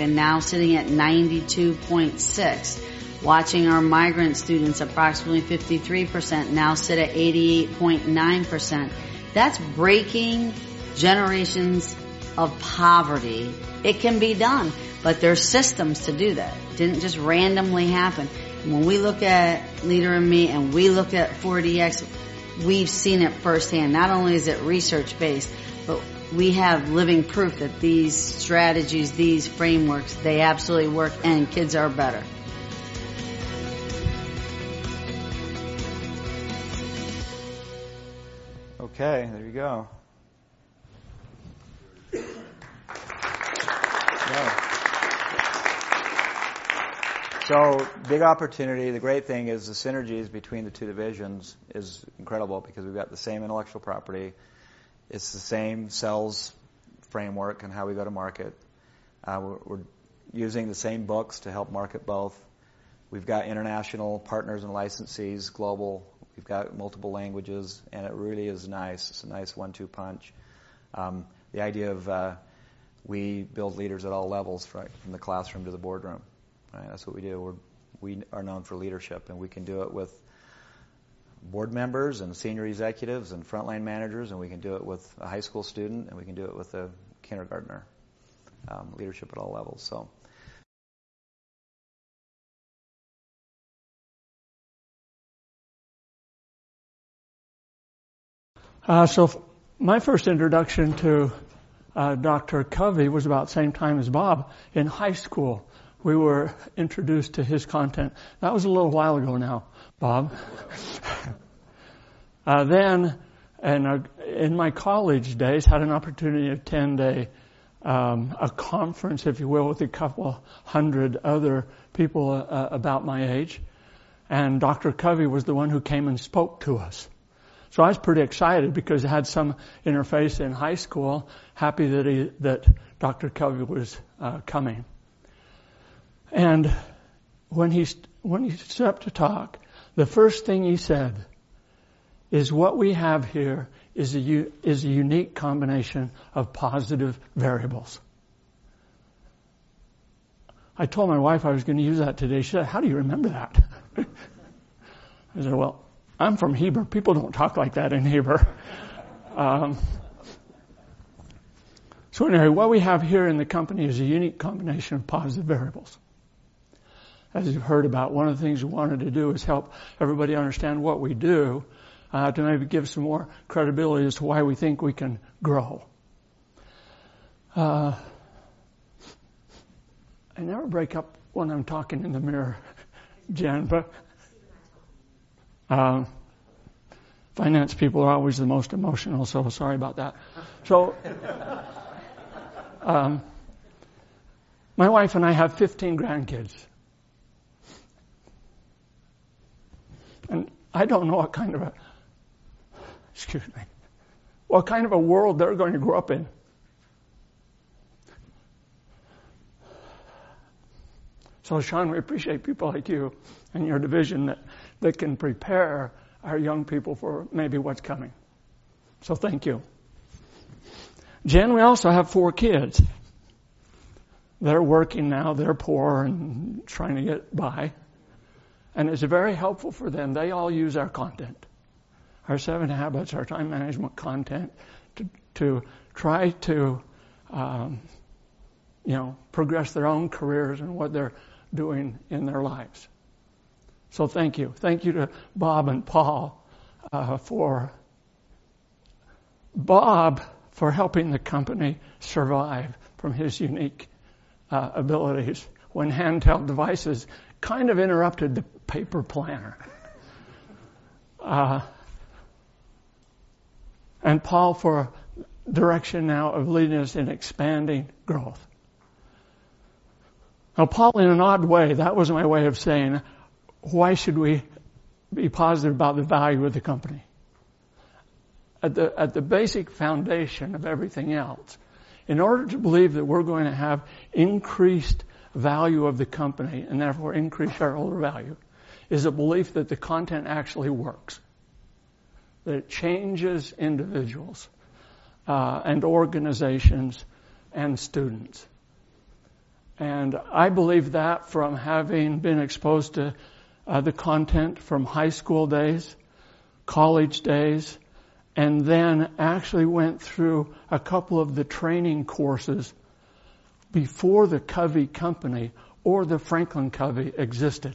and now sitting at 92.6, watching our migrant students, approximately 53%, now sit at 88.9%, that's breaking generations of poverty. It can be done; there are systems to do that. Didn't just randomly happen. When we look at Leader in Me and we look at 4DX, we've seen it firsthand. Not only is it research-based, we have living proof that these strategies, these frameworks, they absolutely work, and kids are better. Okay, there you go. Big opportunity. The great thing is the synergies between the two divisions is incredible because we've got the same intellectual property. It's the same sales framework and how we go to market. We're using the same books to help market both. We've got international partners and licensees, global. We've got multiple languages. It really is nice. It's a nice one-two punch. The idea of, we build leaders at all levels, right, from the classroom to the boardroom. All right, that's what we do. We are known for leadership, and we can do it with board members and senior executives and frontline managers, and we can do it with a high school student, and we can do it with a kindergartner. Leadership at all levels. My first introduction to Dr. Covey was about the same time as Bob. In high school, we were introduced to his content. That was a little while ago now, Bob. Then in my college days, had an opportunity to attend a conference, if you will, with 200 other people about my age, and Dr. Covey was the one who came and spoke to us. I was pretty excited because I had some interface in high school, happy that Dr. Covey was coming. When he stood up to talk, the first thing he said is what we have here is a unique combination of positive variables. I told my wife I was gonna use that today. She said, "How do you remember that?" I said, "Well, I'm from Heber. People don't talk like that in Heber." Anyway, what we have here in the company is a unique combination of positive variables. As you've heard about, one of the things we wanted to do is help everybody understand what we do, to maybe give some more credibility as to why we think we can grow. I never break up when I'm talking in the mirror, Jen. Finance people are always the most emotional, sorry about that. My wife and I have 15 grandkids. I don't know what kind of a Excuse me. What kind of a world they're going to grow up in. Sean, we appreciate people like you and your division that can prepare our young people for maybe what's coming. Thank you. Jen, we also have four kids. They're working now. They're poor and trying to get by, and it's very helpful for them. They all use our content, our 7 Habits, our time management content, to try to, you know, progress their own careers and what they're doing in their lives. Thank you. Thank you to Bob and Paul, for Bob, for helping the company survive from his unique abilities when handheld devices kind of interrupted the paper planner. Paul for direction now of leading us in expanding growth. Paul, in an odd way, that was my way of saying, why should we be positive about the value of the company? At the basic foundation of everything else, in order to believe that we're going to have increased value of the company, and therefore increased shareholder value, is a belief that the content actually works, that it changes individuals, and organizations and students. I believe that from having been exposed to the content from high school days, college days, and then actually went through a couple of the training courses before the Covey Company or the FranklinCovey existed.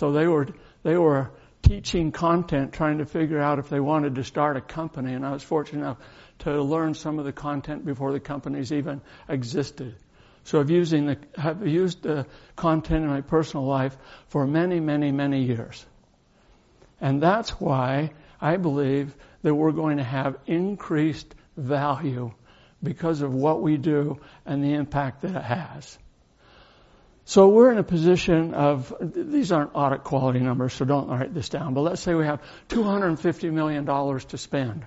They were teaching content, trying to figure out if they wanted to start a company, and I was fortunate enough to learn some of the content before the companies even existed. I've used the content in my personal life for many, many, many years. That's why I believe that we're going to have increased value because of what we do and the impact that it has. We're in a position of these aren't audit quality numbers, so don't write this down, but let's say we have $250 million to spend.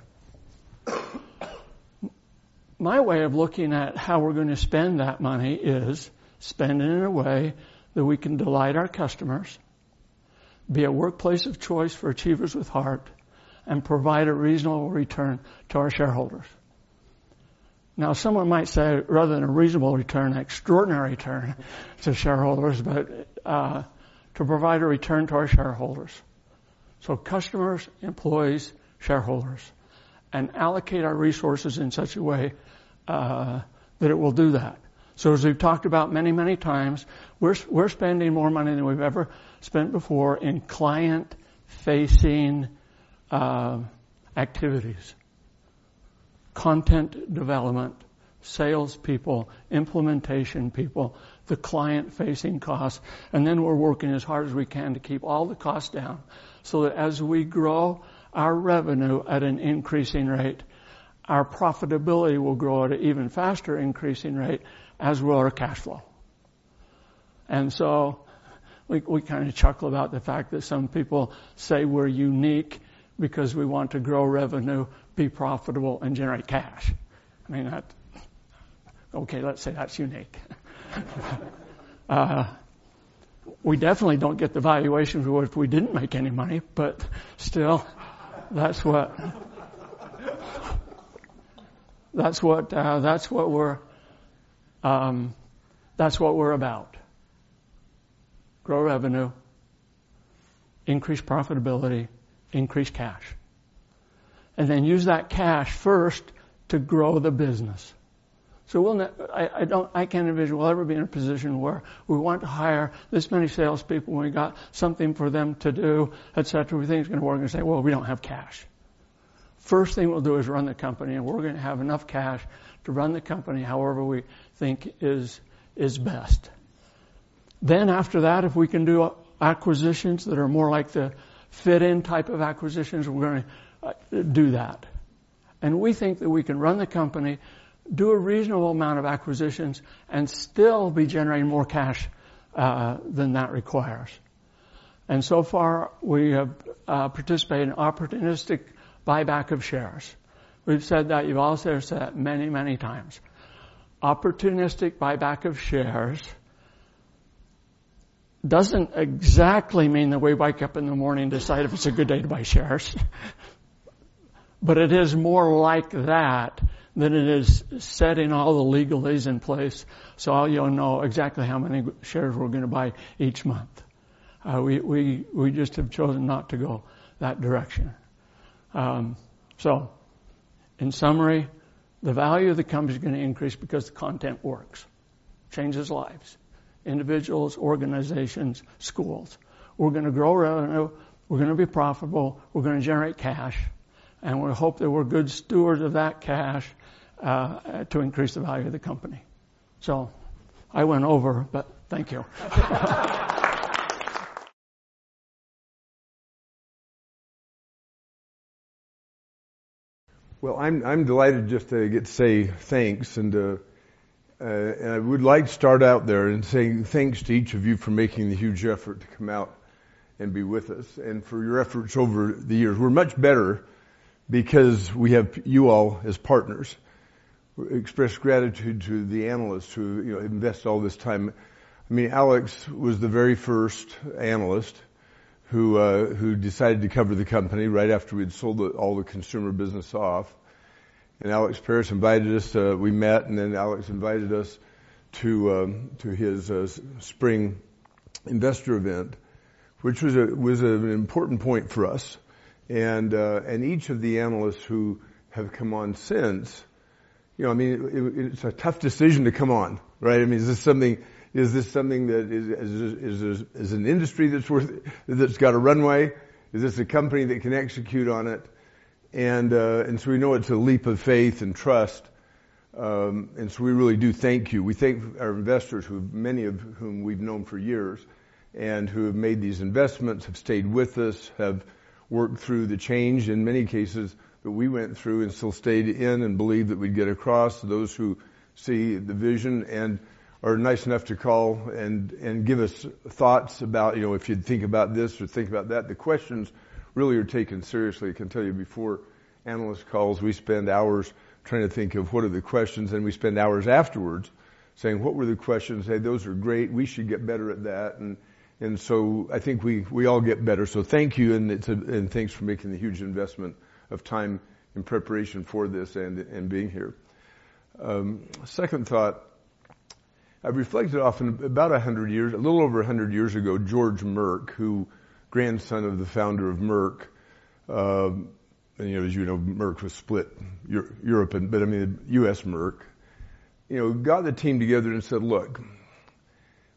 My way of looking at how we're going to spend that money is spend it in a way that we can delight our customers, be a workplace of choice for Achievers with Heart, and provide a reasonable return to our shareholders. Now, someone might say, rather than a reasonable return, extraordinary return to shareholders, but to provide a return to our shareholders. Customers, employees, shareholders, and allocate our resources in such a way that it will do that. As we've talked about many, many times, we're spending more money than we've ever spent before in client-facing activities, content development, salespeople, implementation people, the client-facing costs, and then we're working as hard as we can to keep all the costs down so that as we grow our revenue at an increasing rate, our profitability will grow at an even faster increasing rate, as will our cash flow. We, we kinda chuckle about the fact that some people say we're unique because we want to grow revenue, be profitable, and generate cash. I mean, that. Okay, let's say that's unique. We definitely don't get the valuation we would if we didn't make any money, but still, that's what we're about. Grow revenue, increase profitability, increase cash, then use that cash first to grow the business. I can't envision we'll ever be in a position where we want to hire this many salespeople, and we got something for them to do, et cetera. We think it's gonna work, and say, "Well, we don't have cash." First thing we'll do is run the company, and we're gonna have enough cash to run the company however we think is best. After that, if we can do acquisitions that are more like the fit-in type of acquisitions, we're gonna do that. We think that we can run the company, do a reasonable amount of acquisitions, and still be generating more cash than that requires. So far, we have participated in opportunistic buyback of shares. We've said that. You've also said many times. Opportunistic buyback of shares doesn't exactly mean that we wake up in the morning, decide if it's a good day to buy shares, but it is more like that than it is setting all the legalese in place so all y'all know exactly how many shares we're gonna buy each month. We just have chosen not to go that direction. In summary, the value of the company is gonna increase because the content works, changes lives, individuals, organizations, schools. We're gonna grow revenue. We're gonna be profitable. We're gonna generate cash, and we hope that we're good stewards of that cash to increase the value of the company. I went over, but thank you. Well, I'm delighted just to get to say thanks. I would like to start out there in saying thanks to each of you for making the huge effort to come out and be with us, and for your efforts over the years. We're much better because we have you all as partners. Express gratitude to the analysts who, you know, invest all this time. I mean, Alex Paris was the very first analyst who decided to cover the company right after we'd sold all the consumer business off. Alex Paris invited us to... We met, and then Alex Paris invited us to his spring investor event, which was an important point for us. Each of the analysts who have come on since, you know, I mean, it's a tough decision to come on, right? I mean, is this something that is an industry that's got a runway? Is this a company that can execute on it? We know it's a leap of faith and trust. We really do thank you. We thank our investors who many of whom we've known for years, and who have made these investments, have stayed with us, have worked through the change in many cases that we went through and still stayed in and believed that we'd get across. Those who see the vision and are nice enough to call and give us thoughts about, you know, if you'd think about this or think about that. The questions really are taken seriously. I can tell you before analyst calls, we spend hours trying to think of what are the questions, and we spend hours afterwards saying, "What were the questions? Hey, those are great. We should get better at that." I think we all get better. Thank you and thanks for making the huge investment of time in preparation for this and being here. Second thought, I've reflected often about a little over 100 years ago, George Merck, who grandson of the founder of Merck, and as you know, Merck was split Europe but I mean, US Merck, you know, got the team together and said, "Look,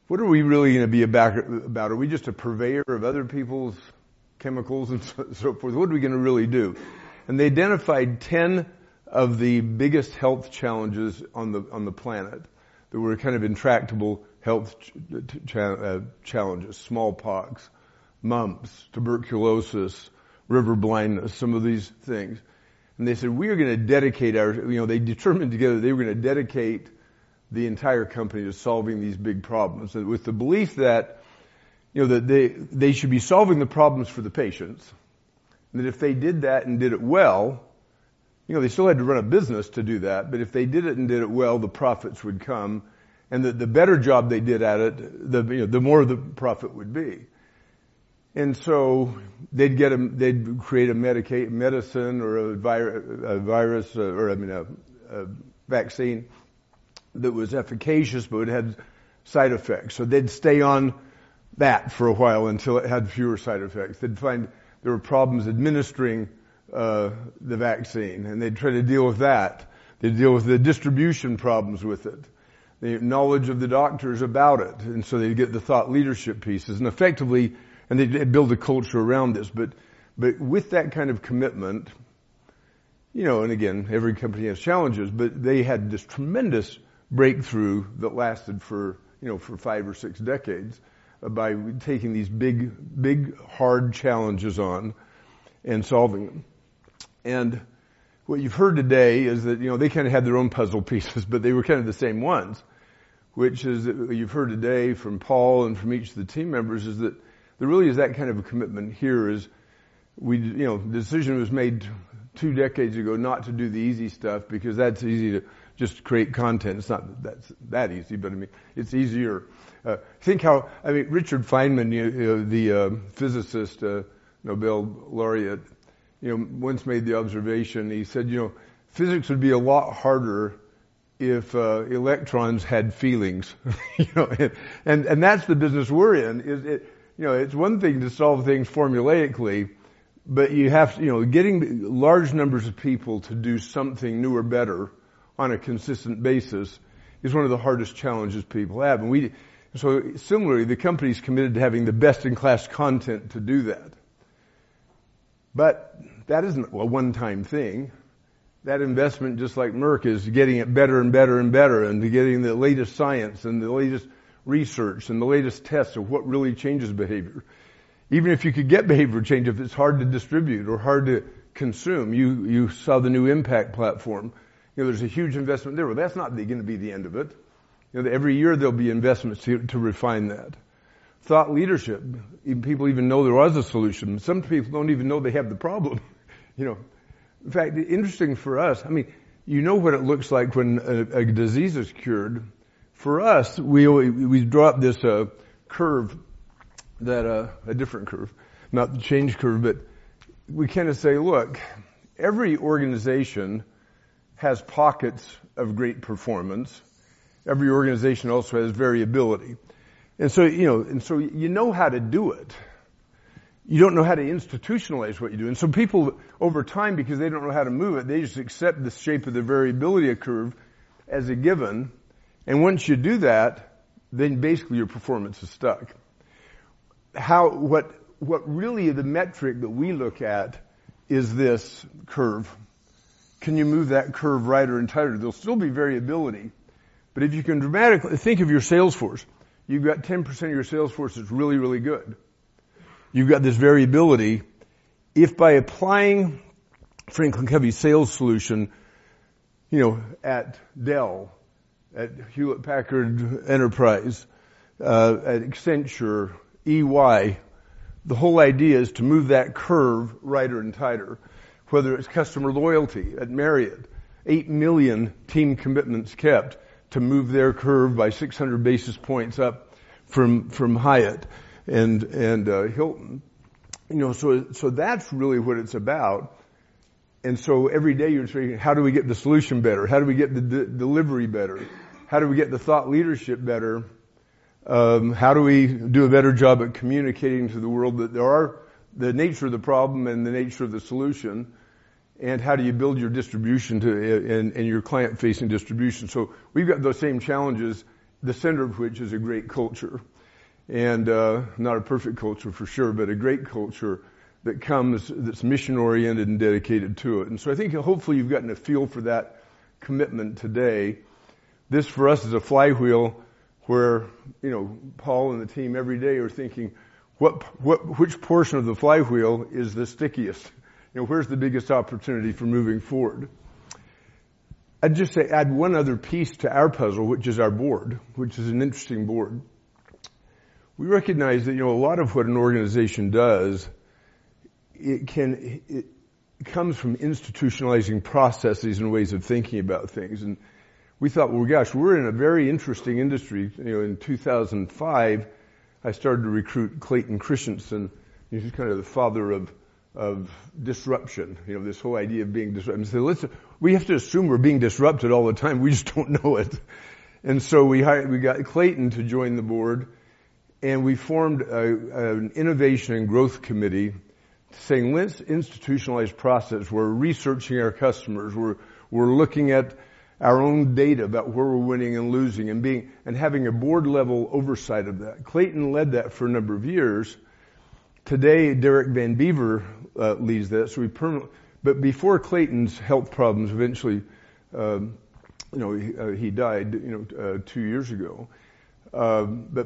what are we really gonna be about? Are we just a purveyor of other people's chemicals and so forth? What are we gonna really do?" They identified 10 of the biggest health challenges on the planet. They were kind of intractable health challenges. Smallpox, mumps, tuberculosis, river blindness, some of these things. They said, "We are gonna dedicate our..." You know, they determined together they were gonna dedicate the entire company to solving these big problems. With the belief that, you know, that they should be solving the problems for the patients, that if they did that and did it well, you know, they still had to run a business to do that. If they did it and did it well, the profits would come, and that the better job they did at it, the, you know, the more the profit would be. They'd get they'd create a medicine or a virus or, I mean, a vaccine that was efficacious, but it had side effects. They'd stay on that for a while until it had fewer side effects. They'd find there were problems administering the vaccine, and they'd try to deal with that. They'd deal with the distribution problems with it. The knowledge of the doctors about it, they'd get the thought leadership pieces. They'd build a culture around this. But with that kind of commitment, you know, and again, every company has challenges, but they had this tremendous breakthrough that lasted for, you know, for five or six decades by taking these big, big, hard challenges on and solving them. What you've heard today is that, you know, they kind of had their own puzzle pieces, but they were kind of the same ones, which is you've heard today from Paul and from each of the team members is that there really is that kind of a commitment here is we, you know, the decision was made two decades ago not to do the easy stuff because that's easy to just create content. It's not that easy, but I mean, it's easier. Think how, I mean, Richard Feynman, you know, the physicist, Nobel laureate, you know, once made the observation, he said, you know, "Physics would be a lot harder if electrons had feelings." You know? That's the business we're in is it, you know, it's 1 thing to solve things formulaically, but you have... You know, getting large numbers of people to do something new or better on a consistent basis is one of the hardest challenges people have. Similarly, the company's committed to having the best-in-class content to do that. That isn't a one-time thing. That investment, just like Merck, is getting it better and better and better, and they're getting the latest science and the latest research and the latest tests of what really changes behavior. Even if you could get behavior change, if it's hard to distribute or hard to consume, you saw the new Impact Platform. You know, there's a huge investment there. Well, that's not gonna be the end of it. You know, every year there'll be investments to refine that. Thought leadership. People even know there was a solution. Some people don't even know they have the problem, you know? In fact, interesting for us, I mean, you know what it looks like when a disease is cured. For us, we draw this curve that a different curve. Not the change curve, but we kinda say, "Look, every organization has pockets of great performance. Every organization also has variability." You know, you know how to do it. You don't know how to institutionalize what you do. People over time, because they don't know how to move it, they just accept the shape of the variability curve as a given. Once you do that, then basically your performance is stuck. What really the metric that we look at is this curve. Can you move that curve right or entirely? There'll still be variability, but if you can dramatically... Think of your sales force. You've got 10% of your sales force is really, really good. You've got this variability. If by applying FranklinCovey sales solution, you know, at Dell, at Hewlett Packard Enterprise, at Accenture, EY, the whole idea is to move that curve righter and tighter, whether it's customer loyalty at Marriott, 8 million team commitments kept to move their curve by 600 basis points up from Hyatt and Hilton. You know, that's really what it's about. Every day you're saying, "How do we get the solution better? How do we get the delivery better? How do we get the thought leadership better? How do we do a better job at communicating to the world that there are the nature of the problem and the nature of the solution? How do you build your distribution to, and your client-facing distribution? We've got those same challenges, the center of which is a great culture. Not a perfect culture for sure, but a great culture that comes, that's mission-oriented and dedicated to it. I think hopefully you've gotten a feel for that commitment today. This for us is a flywheel where, you know, Paul and the team every day are thinking, "Which portion of the flywheel is the stickiest? You know, where's the biggest opportunity for moving forward?" I'd just add one other piece to our puzzle, which is our board, which is an interesting board. We recognize that, you know, a lot of what an organization does, it comes from institutionalizing processes and ways of thinking about things. Well, gosh, we're in a very interesting industry. You know, in 2005, I started to recruit Clayton Christensen. He's just kind of the father of disruption. You know, this whole idea of being disrupted. Listen, we have to assume we're being disrupted all the time. We just don't know it. We got Clayton to join the board, and we formed an innovation and growth committee saying, "Let's institutionalize process. We're researching our customers. We're looking at our own data about where we're winning and losing and having a board-level oversight of that." Clayton led that for a number of years. Today, Derek van Bever leads that. Before Clayton's health problems, eventually, you know, he died, you know, two years ago.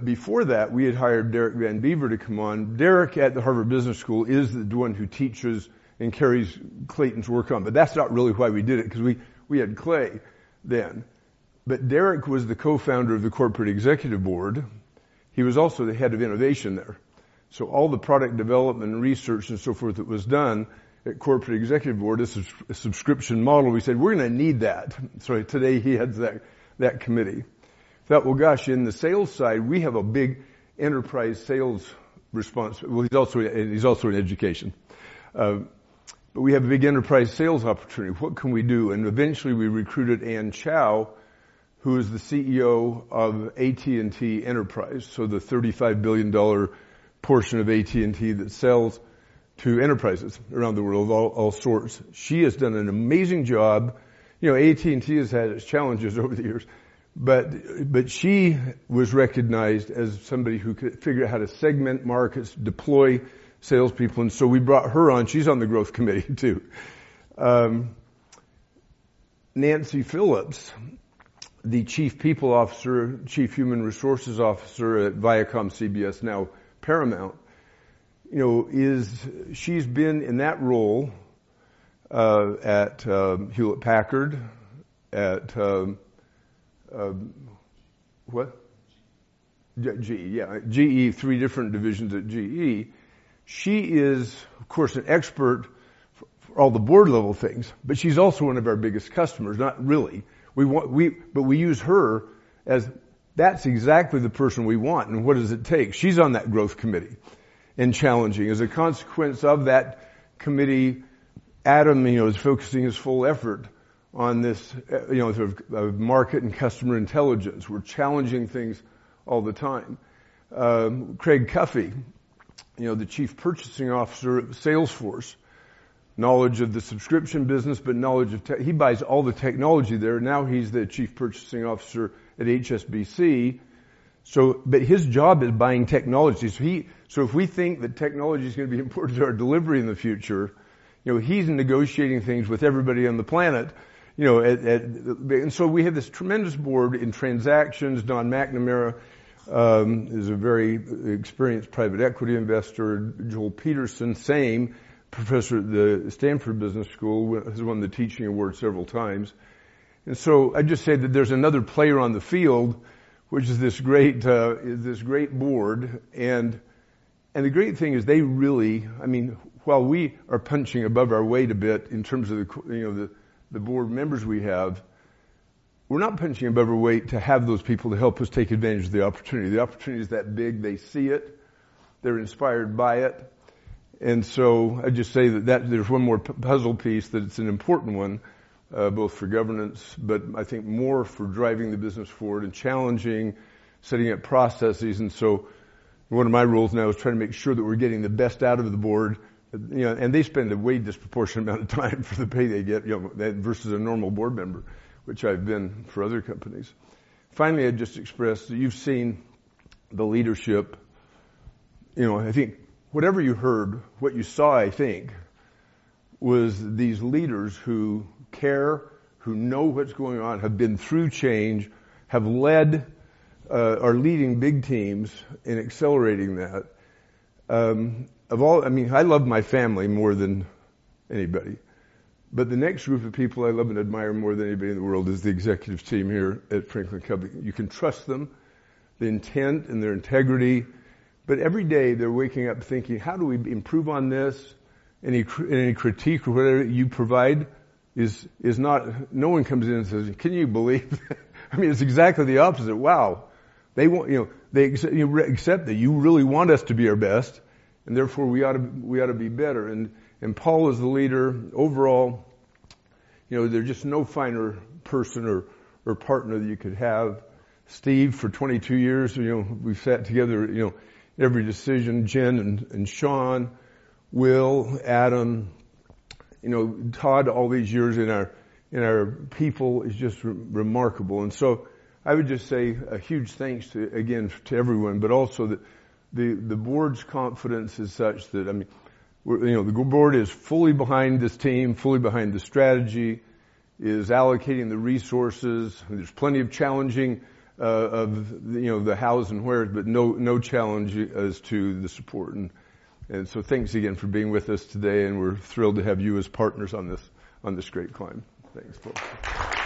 Before that, we had hired Derek van Bever to come on. Derek at the Harvard Business School is the one who teaches and carries Clayton's work on. That's not really why we did it, 'cause we had Clay then. Derek was the co-founder of the Corporate Executive Board. He was also the head of innovation there. All the product development and research and so forth that was done at Corporate Executive Board is a subscription model. We said, "We're gonna need that." Today he heads that committee. Thought, "Well, gosh, in the sales side, we have a big enterprise sales response." Well, he's also in education. We have a big enterprise sales opportunity. What can we do? Eventually we recruited Anne Chow, who is the CEO of AT&T Enterprise, so the $35 billion portion of AT&T that sells to enterprises around the world of all sorts. She has done an amazing job. You know, AT&T has had its challenges over the years, but she was recognized as somebody who could figure out how to segment markets, deploy salespeople. We brought her on. She's on the growth committee too. Nancy Phillips, the Chief People Officer, Chief Human Resources Officer at ViacomCBS, now Paramount, you know, she's been in that role, at Hewlett-Packard, at, what? GE. GE, yeah. GE, three different divisions at GE. She is of course an expert for all the board level things. She's also one of our biggest customers. Not really. We use her as that's exactly the person we want and what does it take. She's on that growth committee and challenging. As a consequence of that committee, Adam, you know, is focusing his full effort on this, you know, sort of market and customer intelligence. We're challenging things all the time. Craig Cuffie, you know, the chief purchasing officer at Salesforce, knowledge of the subscription business, knowledge of technology. He buys all the technology there. Now he's the chief purchasing officer at HSBC. His job is buying technology. If we think that technology's gonna be important to our delivery in the future, you know, he's negotiating things with everybody on the planet, you know. And so we have this tremendous board in transactions. Don McNamara is a very experienced private equity investor. Joel Peterson, same, professor at the Stanford Business School. Has won the teaching award several times. I just say that there's another player on the field, which is this great, this great board. And the great thing is they really, I mean, while we are punching above our weight a bit in terms of you know, the board members we have, we're not punching above our weight to have those people to help us take advantage of the opportunity. The opportunity is that big. They see it. They're inspired by it. I just say there's one more puzzle piece, that it's an important one, both for governance, but I think more for driving the business forward and challenging, setting up processes. One of my roles now is trying to make sure that we're getting the best out of the board. You know, they spend a way disproportionate amount of time for the pay they get, you know, than versus a normal board member, which I've been for other companies. Finally, I'd just express that you've seen the leadership. You know, I think whatever you heard, what you saw, I think, was these leaders who care, who know what's going on, have been through change, have led, are leading big teams in accelerating that. I mean, I love my family more than anybody. The next group of people I love and admire more than anybody in the world is the executives team here at FranklinCovey. You can trust them, their intent and their integrity. Every day they're waking up thinking, "How do we improve on this?" Any critique or whatever you provide is not. No one comes in and says, "Can you believe that?" I mean, it's exactly the opposite. Wow. You know, they accept that you really want us to be our best, and therefore we ought to be better. Paul is the leader overall. You know, there's just no finer person or partner that you could have. Steve for 22 years, you know, we've sat together, you know, every decision. Jen, Sean, Will, Adam, you know, Todd all these years, and our people is just remarkable. I would just say a huge thanks to, again, to everyone, but also the board's confidence is such that, I mean, we're, you know, the board is fully behind this team, fully behind the strategy. Is allocating the resources. There's plenty of challenging, you know, the hows and wheres, but no challenge as to the support. Thanks again for being with us today, and we're thrilled to have you as partners on this great climb. Thanks.